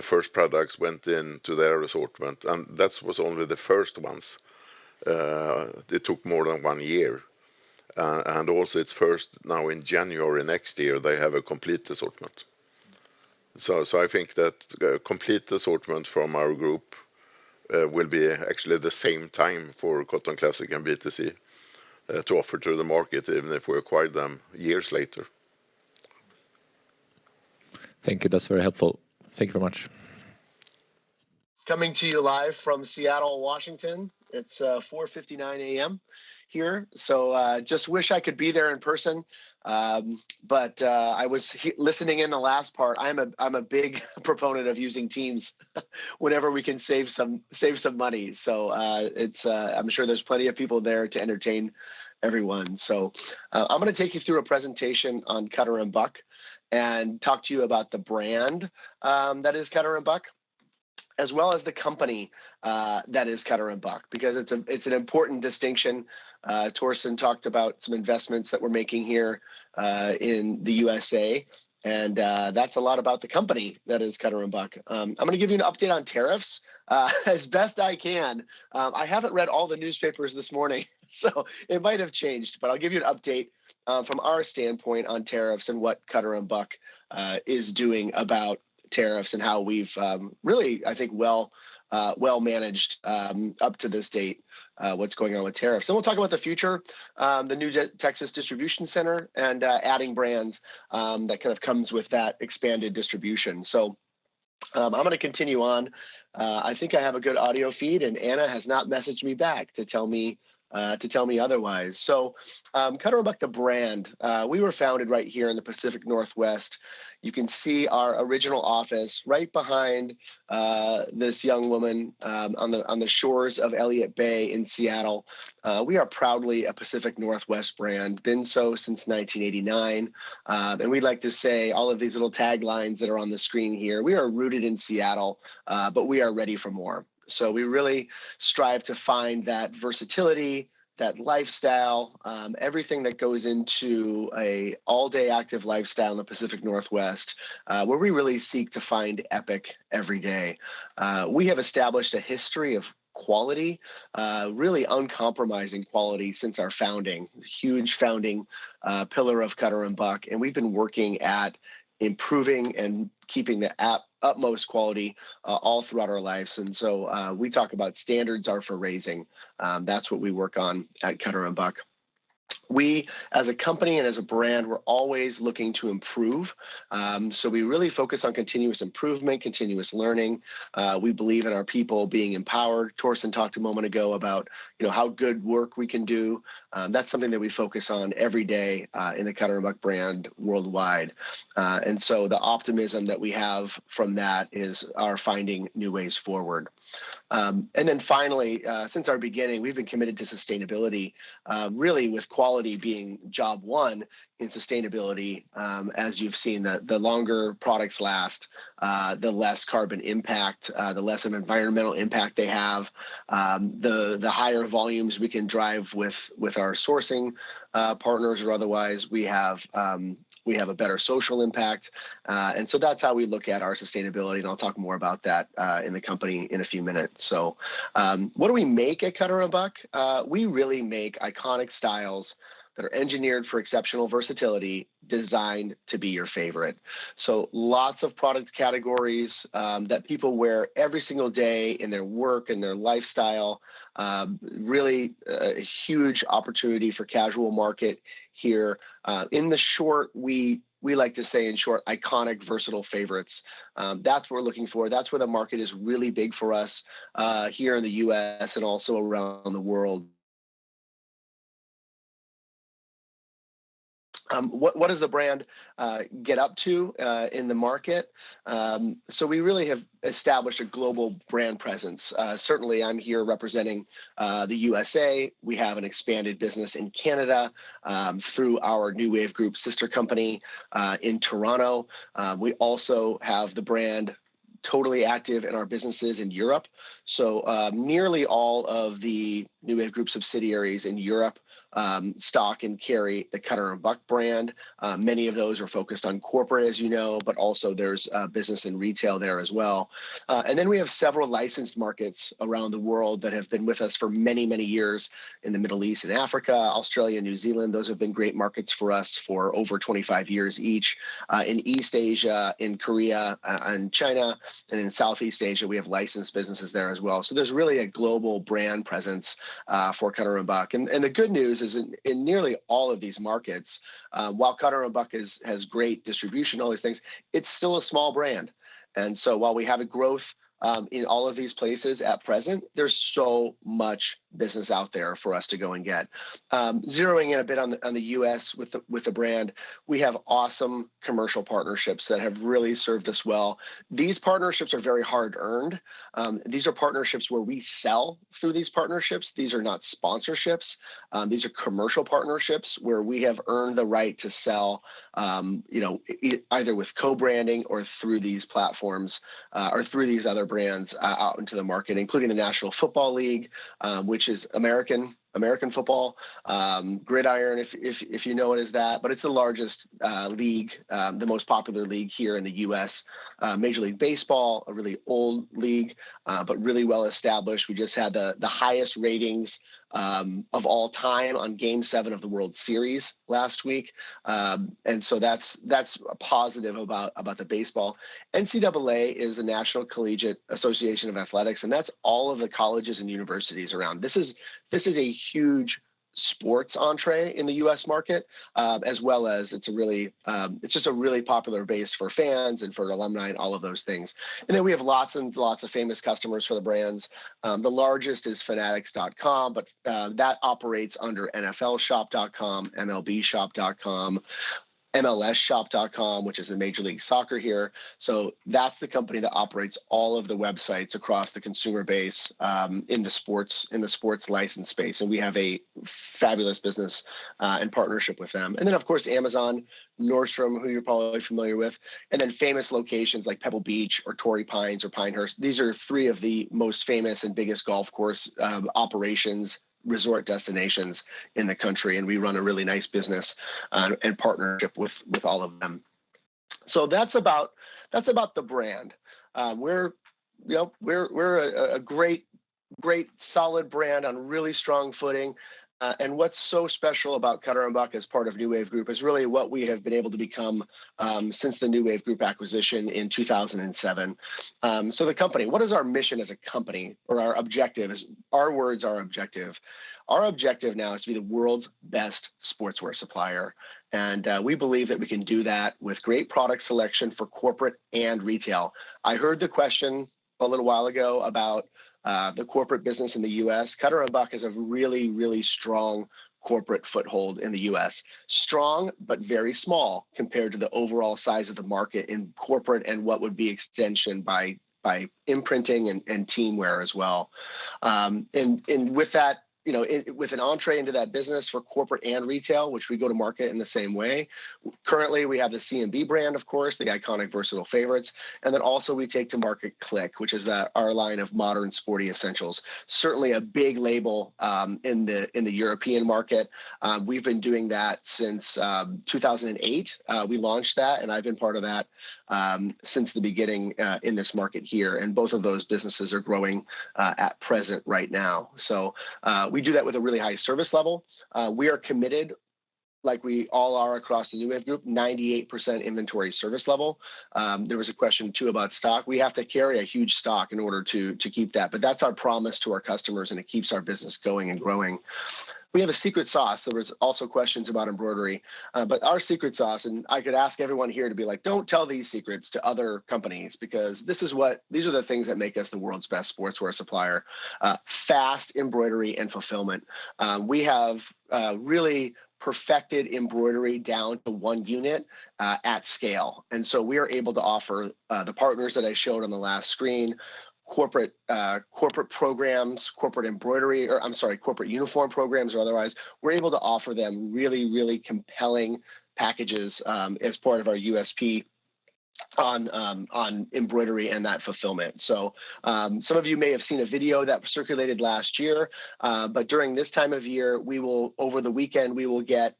first products went into their assortment, and that was only the first ones. It took more than one year. And also, it's first now in January next year, they have a complete assortment. So I think that complete assortment from our group will be actually the same time for Cotton Classics and BTC to offer to the market, even if we acquired them years later. Thank you. That's very helpful. Thank you very much. Coming to you live from Seattle, Washington. It's 4:59 A.M. here. So just wish I could be there in person, but I was listening in the last part. I'm a big proponent of using Teams whenever we can save some money. So I'm sure there's plenty of people there to entertain everyone. So I'm going to take you through a presentation on Cutter & Buck and talk to you about the brand that is Cutter & Buck, as well as the company that is Cutter & Buck, because it's an important distinction. Torsten talked about some investments that we're making here in the USA, and that's a lot about the company that is Cutter & Buck. I'm going to give you an update on tariffs as best I can. I haven't read all the newspapers this morning, so it might have changed, but I'll give you an update from our standpoint on tariffs and what Cutter & Buck is doing about tariffs and how we've really, I think, well managed up to this date what's going on with tariffs. And we'll talk about the future, the new Texas Distribution Center, and adding brands that kind of comes with that expanded distribution. So I'm going to continue on. I think I have a good audio feed, and Anna has not messaged me back to tell me otherwise. Cutter & Buck, the brand, we were founded right here in the Pacific Northwest. You can see our original office right behind this young woman on the shores of Elliott Bay in Seattle. We are proudly a Pacific Northwest brand, been so since 1989. We'd like to say all of these little taglines that are on the screen here. We are rooted in Seattle, but we are ready for more. We really strive to find that versatility, that lifestyle, everything that goes into an all-day active lifestyle in the Pacific Northwest, where we really seek to find epic every day. We have established a history of quality, really uncompromising quality since our founding, huge founding pillar of Cutter & Buck, and we've been working at improving and keeping the utmost quality all throughout our lives, and so we talk about standards are for raising, that's what we work on at Cutter & Buck. We, as a company and as a brand, we're always looking to improve, so we really focus on continuous improvement, continuous learning. We believe in our people being empowered. Torsten talked a moment ago about how good work we can do. That's something that we focus on every day in the Cutter & Buck brand worldwide, and so the optimism that we have from that is our finding new ways forward, and then finally, since our beginning, we've been committed to sustainability, really with quality being job one in sustainability. As you've seen, the longer products last, the less carbon impact, the less of environmental impact they have, the higher volumes we can drive with our sourcing partners or otherwise, we have a better social impact. And so that's how we look at our sustainability. And I'll talk more about that in the company in a few minutes. So what do we make at Cutter & Buck? We really make iconic styles that are engineered for exceptional versatility, designed to be your favorite. So lots of product categories that people wear every single day in their work, in their lifestyle, really a huge opportunity for casual market here. In the short, we like to say in short, iconic versatile favorites. That's what we're looking for. That's where the market is really big for us here in the U.S. and also around the world. What does the brand get up to in the market? We really have established a global brand presence. Certainly, I'm here representing the USA. We have an expanded business in Canada through our New Wave Group sister company in Toronto. We also have the brand totally active in our businesses in Europe. Nearly all of the New Wave Group subsidiaries in Europe stock and carry the Cutter & Buck brand. Many of those are focused on corporate, as you know, but also there's business and retail there as well. Then we have several licensed markets around the world that have been with us for many, many years in the Middle East and Africa, Australia, New Zealand. Those have been great markets for us for over 25 years each in East Asia, in Korea, and China. In Southeast Asia, we have licensed businesses there as well. There's really a global brand presence for Cutter & Buck. The good news is in nearly all of these markets, while Cutter & Buck has great distribution, all these things, it's still a small brand. While we have a growth in all of these places at present, there's so much business out there for us to go and get. Zeroing in a bit on the U.S. with the brand, we have awesome commercial partnerships that have really served us well. These partnerships are very hard-earned. These are partnerships where we sell through these partnerships. These are not sponsorships. These are commercial partnerships where we have earned the right to sell either with co-branding or through these platforms or through these other brands out into the market, including the National Football League, which is American football, Gridiron, if you know it as that. But it's the largest league, the most popular league here in the U.S., Major League Baseball, a really old league, but really well established. We just had the highest ratings of all time on Game 7 of the World Series last week. And so that's a positive about the baseball. NCAA is the National Collegiate Athletic Association, and that's all of the colleges and universities around. This is a huge sports entry in the US market, as well as it's a really just a really popular base for fans and for alumni and all of those things. And then we have lots and lots of famous customers for the brands. The largest is Fanatics.com, but that operates under NFLShop.com, MLBShop.com, MLSShop.com, which is the Major League Soccer here. So that's the company that operates all of the websites across the consumer base in the sports license space. And we have a fabulous business and partnership with them. And then, of course, Amazon, Nordstrom, who you're probably familiar with, and then famous locations like Pebble Beach or Torrey Pines or Pinehurst. These are three of the most famous and biggest golf course operations, resort destinations in the country. And we run a really nice business and partnership with all of them. So that's about the brand. We're a great, great solid brand on really strong footing. And what's so special about Cutter & Buck as part of New Wave Group is really what we have been able to become since the New Wave Group acquisition in 2007. So the company, what is our mission as a company or our objective? Our words, our objective. Our objective now is to be the world's best sportswear supplier. We believe that we can do that with great product selection for corporate and retail. I heard the question a little while ago about the corporate business in the U.S. Cutter & Buck has a really, really strong corporate foothold in the U.S. Strong, but very small compared to the overall size of the market in corporate and what would be extension by imprinting and teamwear as well. With that, with an entry into that business for corporate and retail, which we go to market in the same way. Currently, we have the C&B brand, of course, the iconic versatile favorites. Then also we take to market Clique, which is our line of modern sporty essentials. Certainly a big label in the European market. We've been doing that since 2008. We launched that, and I've been part of that since the beginning in this market here. And both of those businesses are growing at present right now. So we do that with a really high service level. We are committed, like we all are across the New Wave Group, 98% inventory service level. There was a question too about stock. We have to carry a huge stock in order to keep that. But that's our promise to our customers, and it keeps our business going and growing. We have a secret sauce. There were also questions about embroidery, but our secret sauce, and I could ask everyone here to be like, don't tell these secrets to other companies because these are the things that make us the world's best sportswear supplier. Fast embroidery and fulfillment. We have really perfected embroidery down to one unit at scale. And so we are able to offer the partners that I showed on the last screen corporate programs, corporate embroidery, or I'm sorry, corporate uniform programs or otherwise. We are able to offer them really, really compelling packages as part of our USP on embroidery and that fulfillment. So some of you may have seen a video that circulated last year, but during this time of year, over the weekend, we will get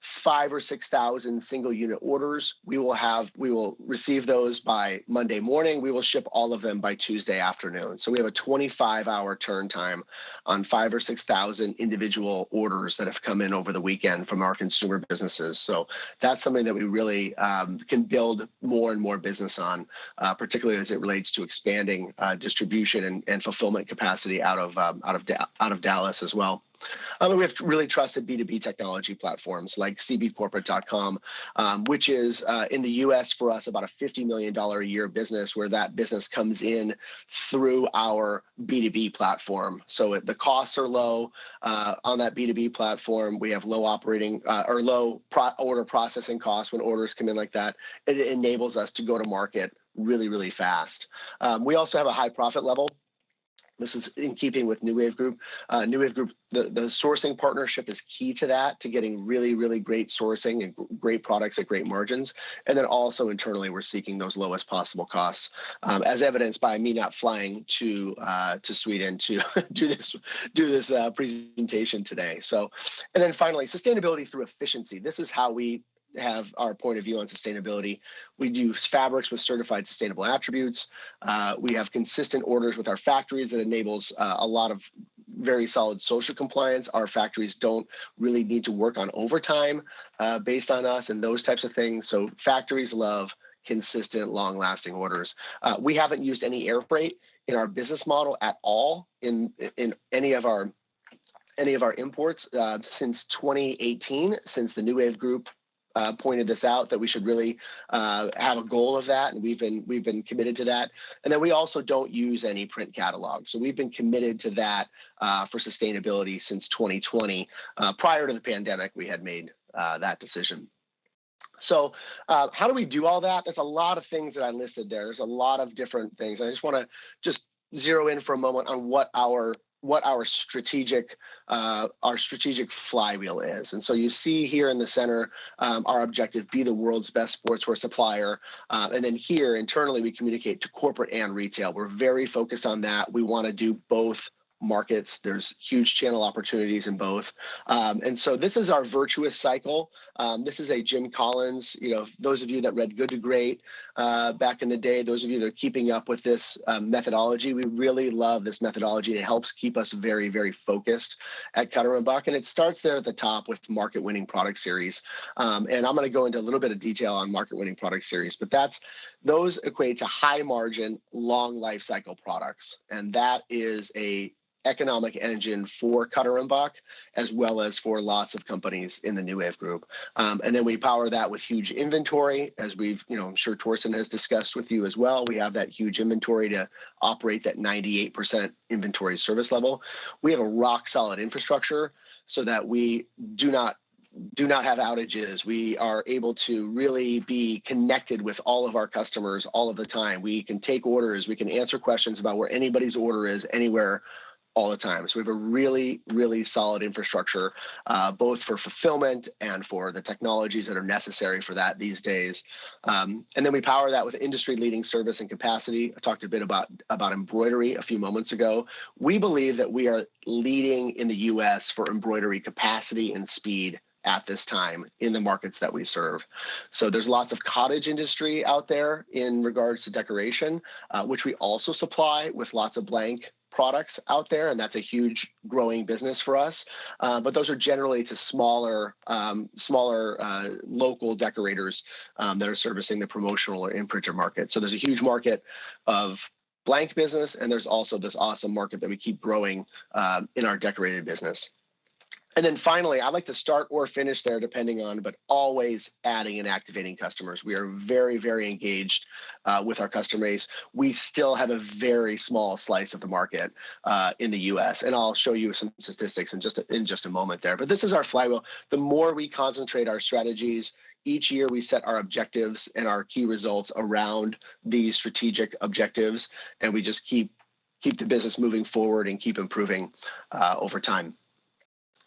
five or six thousand single unit orders. We will receive those by Monday morning. We will ship all of them by Tuesday afternoon. So we have a 25-hour turn time on five or six thousand individual orders that have come in over the weekend from our consumer businesses. So that is something that we really can build more and more business on, particularly as it relates to expanding distribution and fulfillment capacity out of Dallas as well. We have really trusted B2B technology platforms like CBcorporate.com, which is in the US for us about a $50 million a year business where that business comes in through our B2B platform. So the costs are low on that B2B platform. We have low order processing costs when orders come in like that. It enables us to go to market really, really fast. We also have a high profit level. This is in keeping with New Wave Group. New Wave Group, the sourcing partnership is key to that, to getting really, really great sourcing and great products at great margins. And then also internally, we're seeking those lowest possible costs, as evidenced by me not flying to Sweden to do this presentation today. And then finally, sustainability through efficiency. This is how we have our point of view on sustainability. We do fabrics with certified sustainable attributes. We have consistent orders with our factories that enables a lot of very solid social compliance. Our factories don't really need to work on overtime based on us and those types of things, so factories love consistent, long-lasting orders. We haven't used any air freight in our business model at all in any of our imports since 2018, since the New Wave Group pointed this out that we should really have a goal of that, and we've been committed to that, and then we also don't use any print catalog, so we've been committed to that for sustainability since 2020. Prior to the pandemic, we had made that decision, so how do we do all that? There's a lot of things that I listed there. There's a lot of different things. I just want to just zero in for a moment on what our strategic flywheel is. And so you see here in the center our objective, be the world's best sportswear supplier. And then here internally, we communicate to corporate and retail. We're very focused on that. We want to do both markets. There's huge channel opportunities in both. And so this is our virtuous cycle. This is a Jim Collins. Those of you that read Good to Great back in the day, those of you that are keeping up with this methodology, we really love this methodology. It helps keep us very, very focused at Cutter & Buck. And it starts there at the top with market-winning product series. And I'm going to go into a little bit of detail on market-winning product series, but those equate to high-margin, long-life cycle products. And that is an economic engine for Cutter & Buck as well as for lots of companies in the New Wave Group. And then we power that with huge inventory, as I'm sure Torsten has discussed with you as well. We have that huge inventory to operate that 98% inventory service level. We have a rock-solid infrastructure so that we do not have outages. We are able to really be connected with all of our customers all of the time. We can take orders. We can answer questions about where anybody's order is anywhere all the time. So we have a really, really solid infrastructure both for fulfillment and for the technologies that are necessary for that these days. And then we power that with industry-leading service and capacity. I talked a bit about embroidery a few moments ago. We believe that we are leading in the U.S. for embroidery capacity and speed at this time in the markets that we serve. So there's lots of cottage industry out there in regards to decoration, which we also supply with lots of blank products out there. And that's a huge growing business for us. But those are generally to smaller local decorators that are servicing the promotional or imprinter market. So there's a huge market of blank business, and there's also this awesome market that we keep growing in our decorated business. And then finally, I'd like to start or finish there depending on, but always adding and activating customers. We are very, very engaged with our customers. We still have a very small slice of the market in the U.S. And I'll show you some statistics in just a moment there. But this is our flywheel. The more we concentrate our strategies, each year we set our objectives and our key results around these strategic objectives, and we just keep the business moving forward and keep improving over time,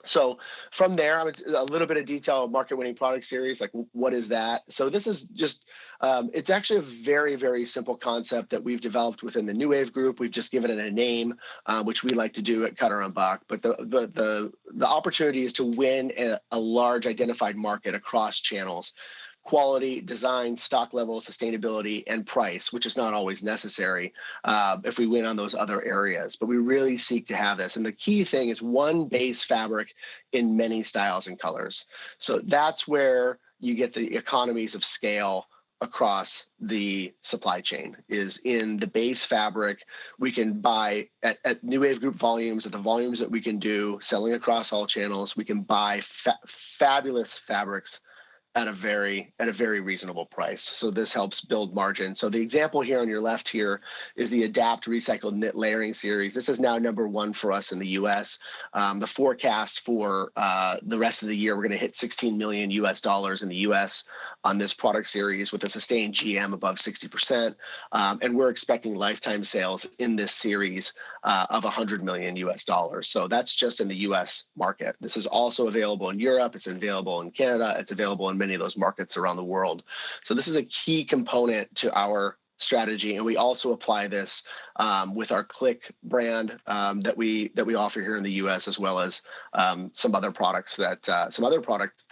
so from there, a little bit of detail on market-winning product series, like what is that? So this is just, it's actually a very, very simple concept that we've developed within the New Wave Group. We've just given it a name, which we like to do at Cutter & Buck, but the opportunity is to win a large identified market across channels: quality, design, stock level, sustainability, and price, which is not always necessary if we win on those other areas, but we really seek to have this, and the key thing is one base fabric in many styles and colors. That's where you get the economies of scale across the supply chain: in the base fabric. We can buy at New Wave Group volumes at the volumes that we can do selling across all channels. We can buy fabulous fabrics at a very reasonable price. So this helps build margin. So the example here on your left here is the Adapt Recycled Knit Layering series. This is now number one for us in the U.S. The forecast for the rest of the year, we're going to hit $16 million in the U.S. on this product series with a sustained GM above 60%. And we're expecting lifetime sales in this series of $100 million. So that's just in the U.S. market. This is also available in Europe. It's available in Canada. It's available in many of those markets around the world. So this is a key component to our strategy. And we also apply this with our Clique brand that we offer here in the U.S., as well as some other products that some other product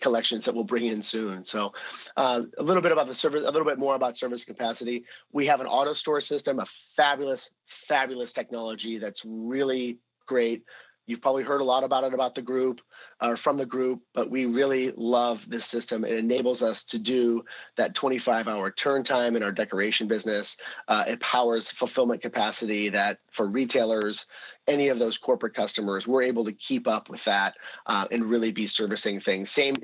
collections that we'll bring in soon. So a little bit about the service, a little bit more about service capacity. We have an AutoStore system, a fabulous, fabulous technology that's really great. You've probably heard a lot about it, about the group or from the group, but we really love this system. It enables us to do that 25-hour turn time in our decoration business. It powers fulfillment capacity that for retailers, any of those corporate customers, we're able to keep up with that and really be servicing things. Same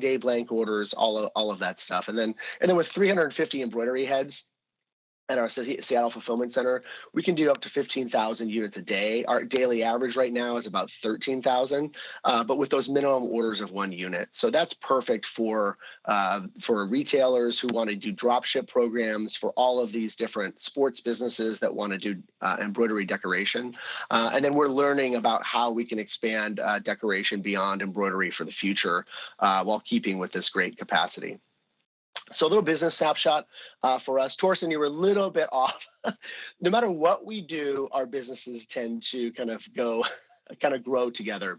day blank orders, all of that stuff. Then with 350 embroidery heads at our Seattle Fulfillment Center, we can do up to 15,000 units a day. Our daily average right now is about 13,000, but with those minimum orders of one unit. That's perfect for retailers who want to do dropship programs for all of these different sports businesses that want to do embroidery decoration. Then we're learning about how we can expand decoration beyond embroidery for the future while keeping with this great capacity. A little business snapshot for us. Torsten, you were a little bit off. No matter what we do, our businesses tend to kind of grow together.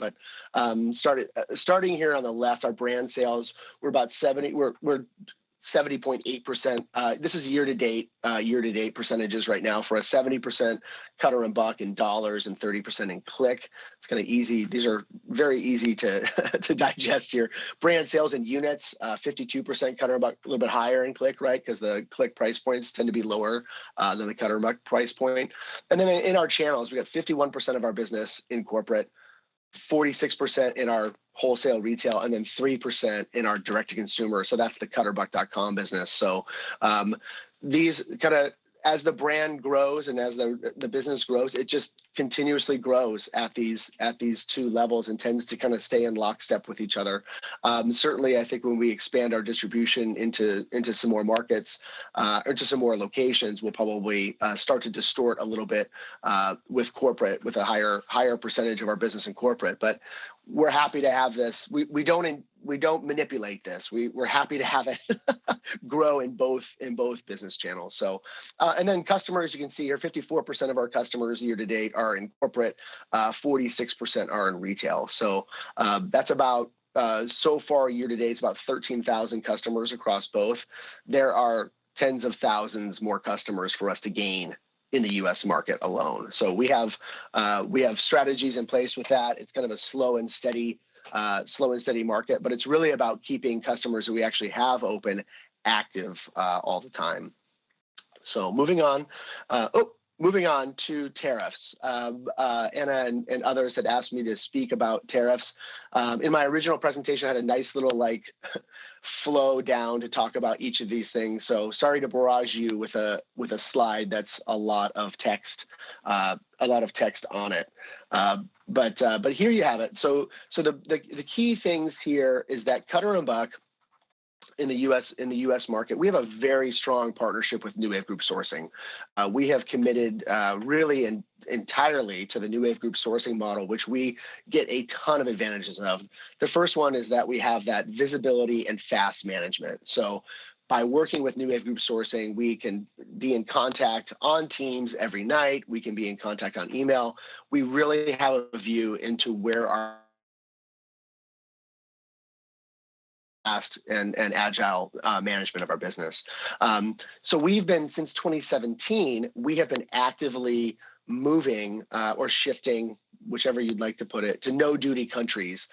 Starting here on the left, our brand sales, we're about 70.8%. This is year-to-date percentages right now for a 70% Cutter & Buck in dollars and 30% in Clique. It's kind of easy. These are very easy to digest here. Brand sales and units, 52% Cutter & Buck, a little bit higher in Clique, right? Because the Clique price points tend to be lower than the Cutter & Buck price point. Then in our channels, we got 51% of our business in corporate, 46% in our wholesale retail, and then 3% in our direct-to-consumer. So that's the CutterBuck.com business. So kind of as the brand grows and as the business grows, it just continuously grows at these two levels and tends to kind of stay in lockstep with each other. Certainly, I think when we expand our distribution into some more markets or to some more locations, we'll probably start to distort a little bit with corporate, with a higher percentage of our business in corporate. But we're happy to have this. We don't manipulate this. We're happy to have it grow in both business channels. Then customers, you can see here, 54% of our customers year-to-date are in corporate, 46% are in retail. So that's about so far year-to-date, it's about 13,000 customers across both. There are tens of thousands more customers for us to gain in the U.S. market alone. So we have strategies in place with that. It's kind of a slow and steady market, but it's really about keeping customers that we actually have open active all the time. So moving on to tariffs. Anna and others had asked me to speak about tariffs. In my original presentation, I had a nice little flow down to talk about each of these things. So sorry to barrage you with a slide that's a lot of text, a lot of text on it. But here you have it. So the key things here is that Cutter & Buck in the U.S. market, we have a very strong partnership with New Wave Group Sourcing. We have committed really entirely to the New Wave Group Sourcing model, which we get a ton of advantages of. The first one is that we have that visibility and fast management. So by working with New Wave Group Sourcing, we can be in contact on Teams every night. We can be in contact on email. We really have a view into where our fast and agile management of our business. So since 2017, we have been actively moving or shifting, whichever you'd like to put it, to no-duty countries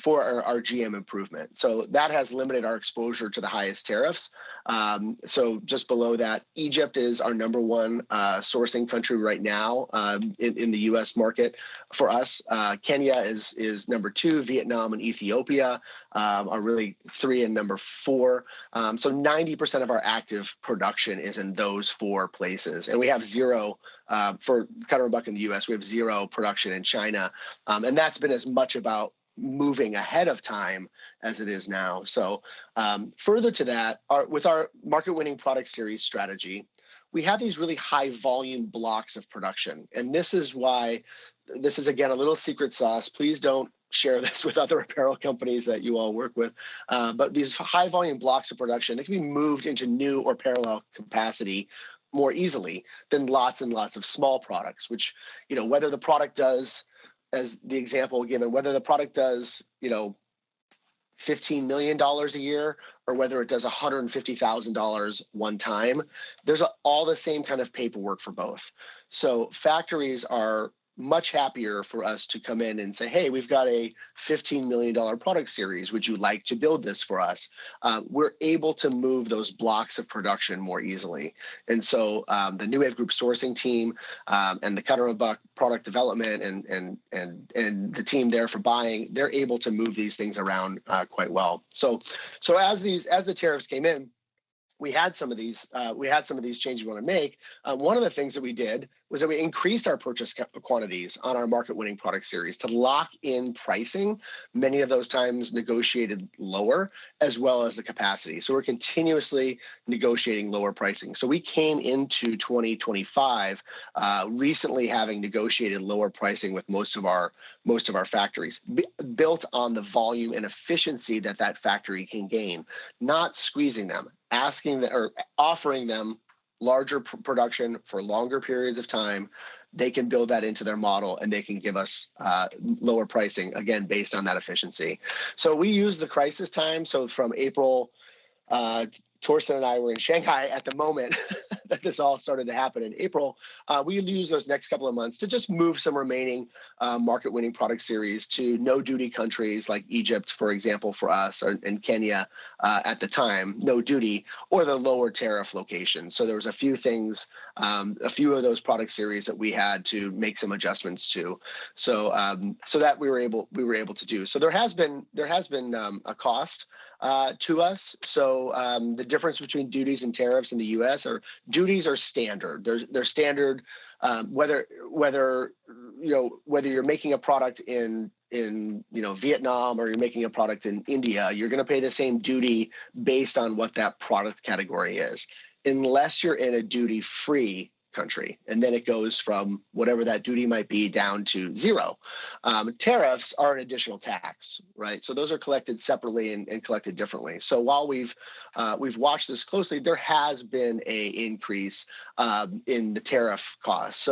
for our GM improvement. So that has limited our exposure to the highest tariffs. So just below that, Egypt is our number one sourcing country right now in the U.S. market for us. Kenya is number two. Vietnam and Ethiopia are really three and number four. So 90% of our active production is in those four places. And we have zero for Cutter & Buck in the U.S. We have zero production in China. And that's been as much about moving ahead of time as it is now. So further to that, with our market-winning product series strategy, we have these really high-volume blocks of production. And this is why this is, again, a little secret sauce. Please don't share this with other apparel companies that you all work with. But these high-volume blocks of production, they can be moved into new or parallel capacity more easily than lots and lots of small products, which, whether the product does, as the example given, whether the product does $15 million a year or whether it does $150,000 one time, there's all the same kind of paperwork for both. So factories are much happier for us to come in and say, "Hey, we've got a $15 million product series. Would you like to build this for us?" We're able to move those blocks of production more easily. And so the New Wave Group Sourcing team and the Cutter & Buck product development and the team there for buying, they're able to move these things around quite well. So as the tariffs came in, we had some of these changes we wanted to make. One of the things that we did was that we increased our purchase quantities on our market-winning product series to lock in pricing, many of those times negotiated lower, as well as the capacity. So we're continuously negotiating lower pricing. So we came into 2025 recently having negotiated lower pricing with most of our factories built on the volume and efficiency that that factory can gain, not squeezing them, offering them larger production for longer periods of time. They can build that into their model, and they can give us lower pricing, again, based on that efficiency. So we use the crisis time. So from April, Torsten and I were in Shanghai at the moment that this all started to happen in April. We used those next couple of months to just move some remaining market-winning product series to no-duty countries like Egypt, for example, for us, and Kenya at the time, no duty or the lower tariff locations, so there were a few of those product series that we had to make some adjustments to so that we were able to do, so there has been a cost to us, so the difference between duties and tariffs in the U.S. are duties are standard. They're standard whether you're making a product in Vietnam or you're making a product in India, you're going to pay the same duty based on what that product category is unless you're in a duty-free country, and then it goes from whatever that duty might be down to zero. Tariffs are an additional tax, right, so those are collected separately and collected differently. While we've watched this closely, there has been an increase in the tariff costs.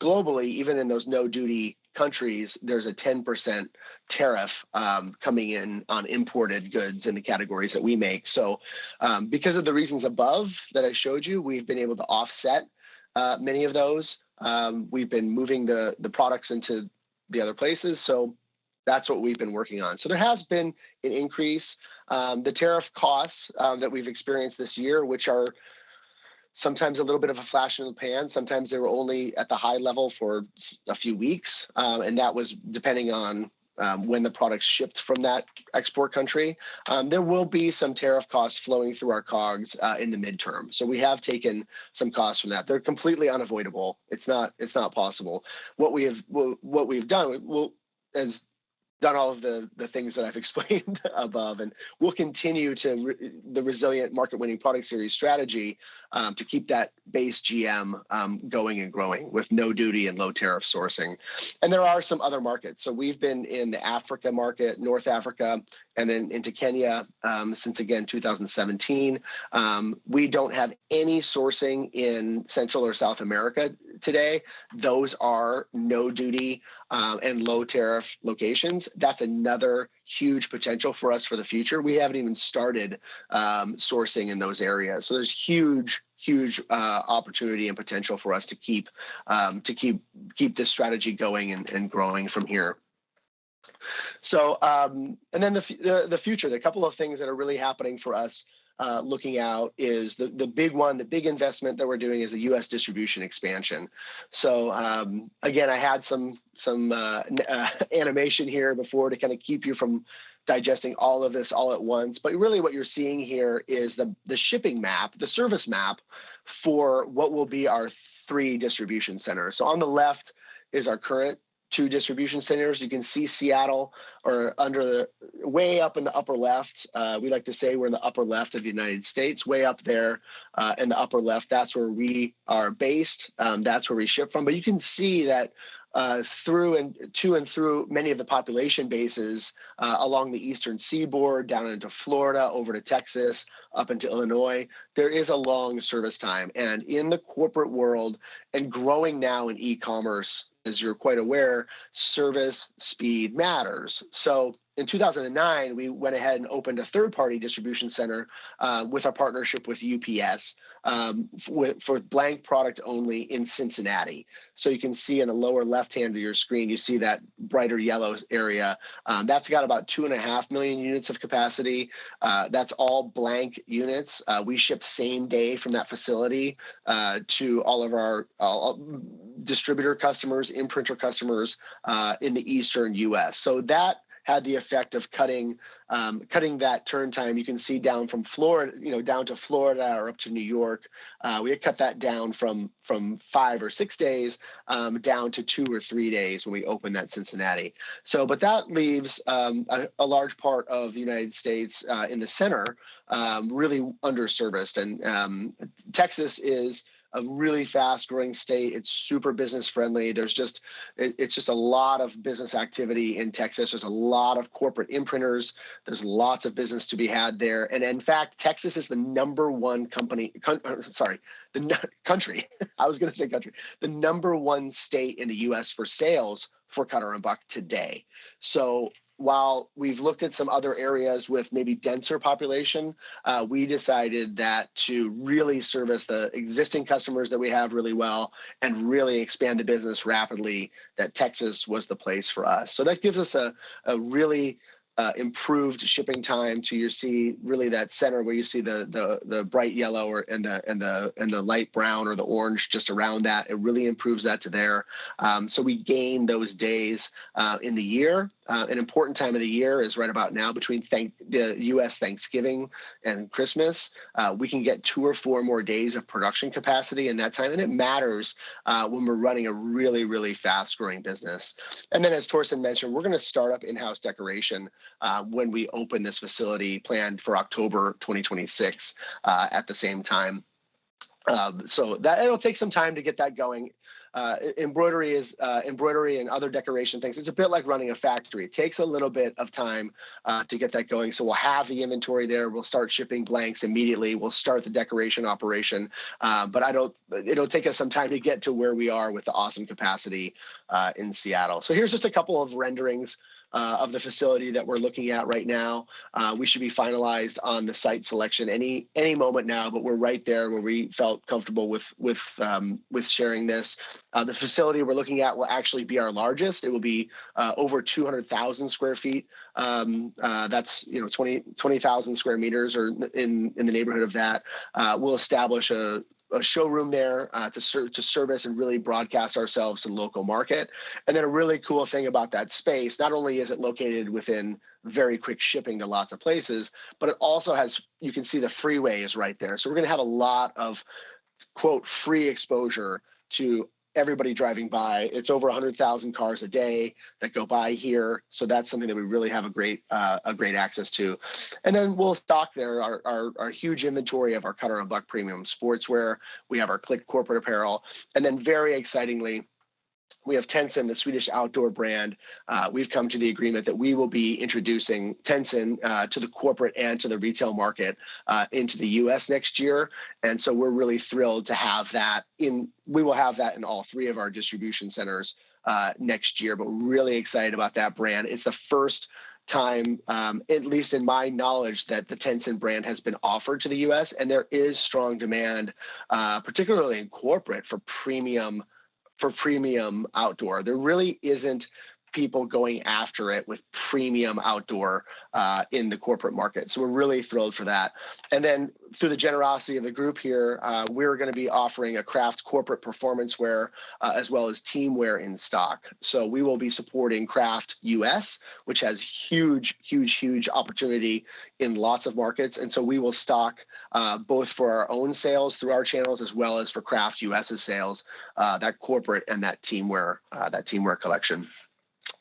Globally, even in those no-duty countries, there's a 10% tariff coming in on imported goods in the categories that we make. Because of the reasons above that I showed you, we've been able to offset many of those. We've been moving the products into the other places. That's what we've been working on. There has been an increase. The tariff costs that we've experienced this year, which are sometimes a little bit of a flash in the pan, sometimes they were only at the high level for a few weeks. That was depending on when the product shipped from that export country. There will be some tariff costs flowing through our COGS in the medium term. We have taken some costs from that. They're completely unavoidable. It's not possible. What we have done, as we've done all of the things that I've explained above, and we'll continue the resilient market-winning product series strategy to keep that base GM going and growing with no-duty and low-tariff sourcing. And there are some other markets. So we've been in the Africa market, North Africa, and then into Kenya since, again, 2017. We don't have any sourcing in Central or South America today. Those are no-duty and low-tariff locations. That's another huge potential for us for the future. We haven't even started sourcing in those areas. So there's huge, huge opportunity and potential for us to keep this strategy going and growing from here. And then the future, there are a couple of things that are really happening for us looking out is the big one. The big investment that we're doing is a U.S. distribution expansion. So again, I had some animation here before to kind of keep you from digesting all of this all at once. But really what you're seeing here is the shipping map, the service map for what will be our three distribution centers. So on the left is our current two distribution centers. You can see Seattle, way up in the upper left. We like to say we're in the upper left of the United States. Way up there in the upper left, that's where we are based. That's where we ship from. But you can see that to and through many of the population bases along the Eastern Seaboard, down into Florida, over to Texas, up into Illinois, there is a long service time. And in the corporate world and growing now in e-commerce, as you're quite aware, service speed matters. In 2009, we went ahead and opened a third-party distribution center with our partnership with UPS for blank product only in Cincinnati. You can see in the lower left hand of your screen, you see that brighter yellow area. That's got about two and a half million units of capacity. That's all blank units. We ship same day from that facility to all of our distributor customers, imprinter customers in the Eastern U.S. That had the effect of cutting that turn time. You can see down to Florida or up to New York, we had cut that down from five or six days down to two or three days when we opened that Cincinnati. That leaves a large part of the United States in the center really underserviced. Texas is a really fast-growing state. It's super business-friendly. It's just a lot of business activity in Texas. There's a lot of corporate imprinters. There's lots of business to be had there. And in fact, Texas is the number one company sorry, the country. I was going to say country. The number one state in the U.S. for sales for Cutter & Buck today. So while we've looked at some other areas with maybe denser population, we decided that to really service the existing customers that we have really well and really expand the business rapidly, that Texas was the place for us. So that gives us a really improved shipping time to you see, really that center where you see the bright yellow and the light brown or the orange just around that. It really improves that to there. So we gain those days in the year. An important time of the year is right about now between U.S. Thanksgiving and Christmas. We can get two or four more days of production capacity in that time. And it matters when we're running a really, really fast-growing business. And then as Torsten mentioned, we're going to start up in-house decoration when we open this facility planned for October 2026 at the same time. So it'll take some time to get that going. Embroidery and other decoration things, it's a bit like running a factory. It takes a little bit of time to get that going. So we'll have the inventory there. We'll start shipping blanks immediately. We'll start the decoration operation. But it'll take us some time to get to where we are with the awesome capacity in Seattle. So here's just a couple of renderings of the facility that we're looking at right now. We should be finalized on the site selection any moment now, but we're right there where we felt comfortable with sharing this. The facility we're looking at will actually be our largest. It will be over 200,000 sq ft. That's 20,000 square meters or in the neighborhood of that. We'll establish a showroom there to service and really broadcast ourselves to the local market, and then a really cool thing about that space, not only is it located within very quick shipping to lots of places, but it also has, you can see the freeway is right there. So we're going to have a lot of "free exposure" to everybody driving by. It's over 100,000 cars a day that go by here. So that's something that we really have a great access to, and then we'll stock there our huge inventory of our Cutter & Buck premium sportswear. We have our Clique corporate apparel. And then very excitingly, we have Tenson, the Swedish outdoor brand. We've come to the agreement that we will be introducing Tenson to the corporate and to the retail market into the US next year. And so we're really thrilled to have that. We will have that in all three of our distribution centers next year, but we're really excited about that brand. It's the first time, at least in my knowledge, that the Tenson brand has been offered to the US. And there is strong demand, particularly in corporate, for premium outdoor. There really isn't people going after it with premium outdoor in the corporate market. So we're really thrilled for that. And then through the generosity of the group here, we're going to be offering a Craft corporate performance wear as well as teamwear in stock. So we will be supporting Craft U.S., which has huge, huge, huge opportunity in lots of markets. And so we will stock both for our own sales through our channels as well as for Craft U.S.'s sales, that corporate and that teamwear collection.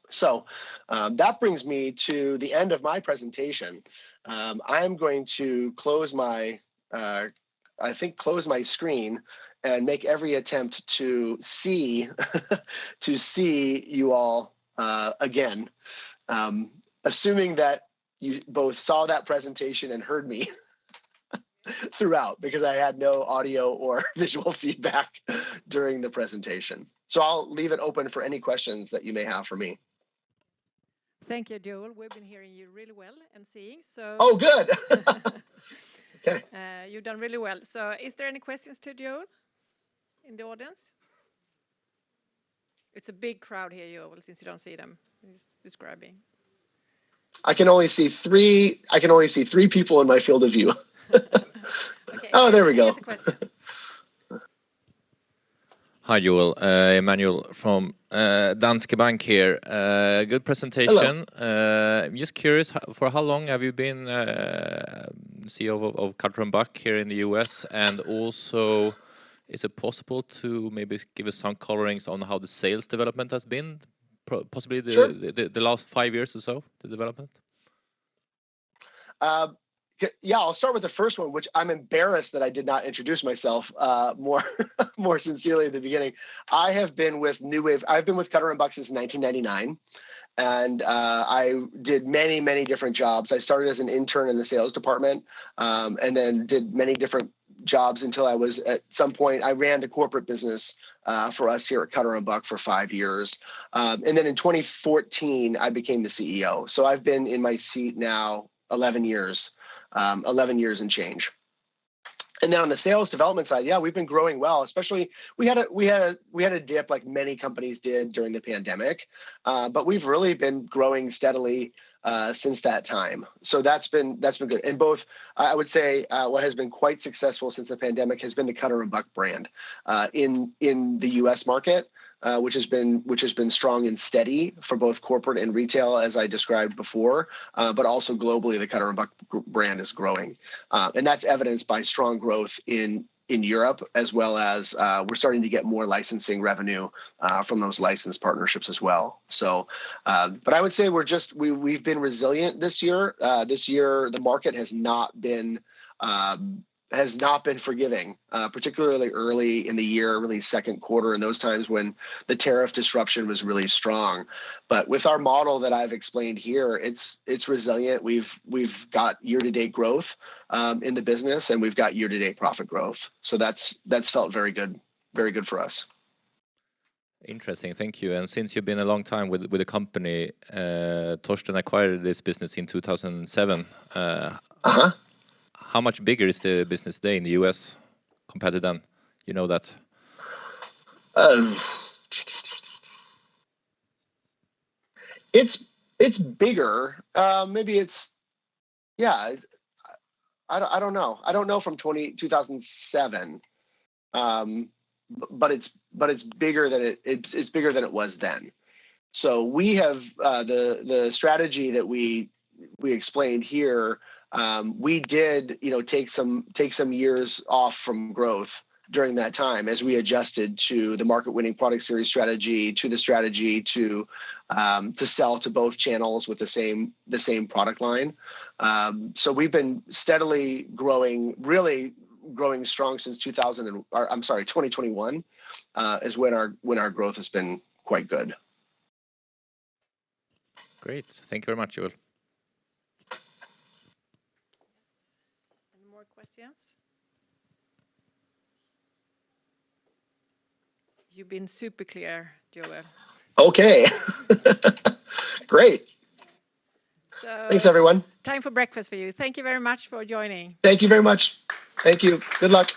So that brings me to the end of my presentation. I am going to close my, I think, close my screen and make every attempt to see you all again, assuming that you both saw that presentation and heard me throughout because I had no audio or visual feedback during the presentation. So I'll leave it open for any questions that you may have for me. Thank you, Joel. We've been hearing you really well and seeing, so. Oh, good. Okay. You've done really well. So is there any questions to Joel in the audience? It's a big crowd here, Joel, since you don't see them. It's describing. I can only see three. I can only see three people in my field of view. Oh, there we go. Hi, Joel. Emanuel from Danske Bank here. Good presentation. I'm just curious, for how long have you been CEO of Cutter & Buck here in the U.S.? And also, is it possible to maybe give us some color on how the sales development has been, possibly the last five years or so, the development? Yeah, I'll start with the first one, which I'm embarrassed that I did not introduce myself more sincerely at the beginning. I have been with New Wave. I've been with Cutter & Buck since 1999, and I did many, many different jobs. I started as an intern in the sales department and then did many different jobs until I was at some point, I ran the corporate business for us here at Cutter & Buck for five years, and then in 2014, I became the CEO, so I've been in my seat now 11 years, 11 years and change, and then on the sales development side, yeah, we've been growing well, especially we had a dip like many companies did during the pandemic, but we've really been growing steadily since that time, so that's been good. Both, I would say what has been quite successful since the pandemic has been the Cutter & Buck brand in the U.S. market, which has been strong and steady for both corporate and retail, as I described before, but also globally, the Cutter & Buck brand is growing. That's evidenced by strong growth in Europe as well as we're starting to get more licensing revenue from those license partnerships as well. I would say we've been resilient this year. The market has not been forgiving this year, particularly early in the year, early second quarter, in those times when the tariff disruption was really strong. With our model that I've explained here, it's resilient. We've got year-to-date growth in the business, and we've got year-to-date profit growth. That's felt very good for us. Interesting. Thank you. And since you've been a long time with the company, Torsten acquired this business in 2007. How much bigger is the business today in the U.S. compared to then? You know that. It's bigger. Maybe it's, yeah, I don't know. I don't know from 2007, but it's bigger than it was then. So the strategy that we explained here, we did take some years off from growth during that time as we adjusted to the market-winning product series strategy, to the strategy to sell to both channels with the same product line. So we've been steadily growing, really growing strong since 2000 or I'm sorry, 2021 is when our growth has been quite good. Great. Thank you very much, Joel. Any more questions? You've been super clear, Joel. Okay. Great. Thanks, everyone. Time for breakfast for you. Thank you very much for joining. Thank you very much. Thank you. Good luck.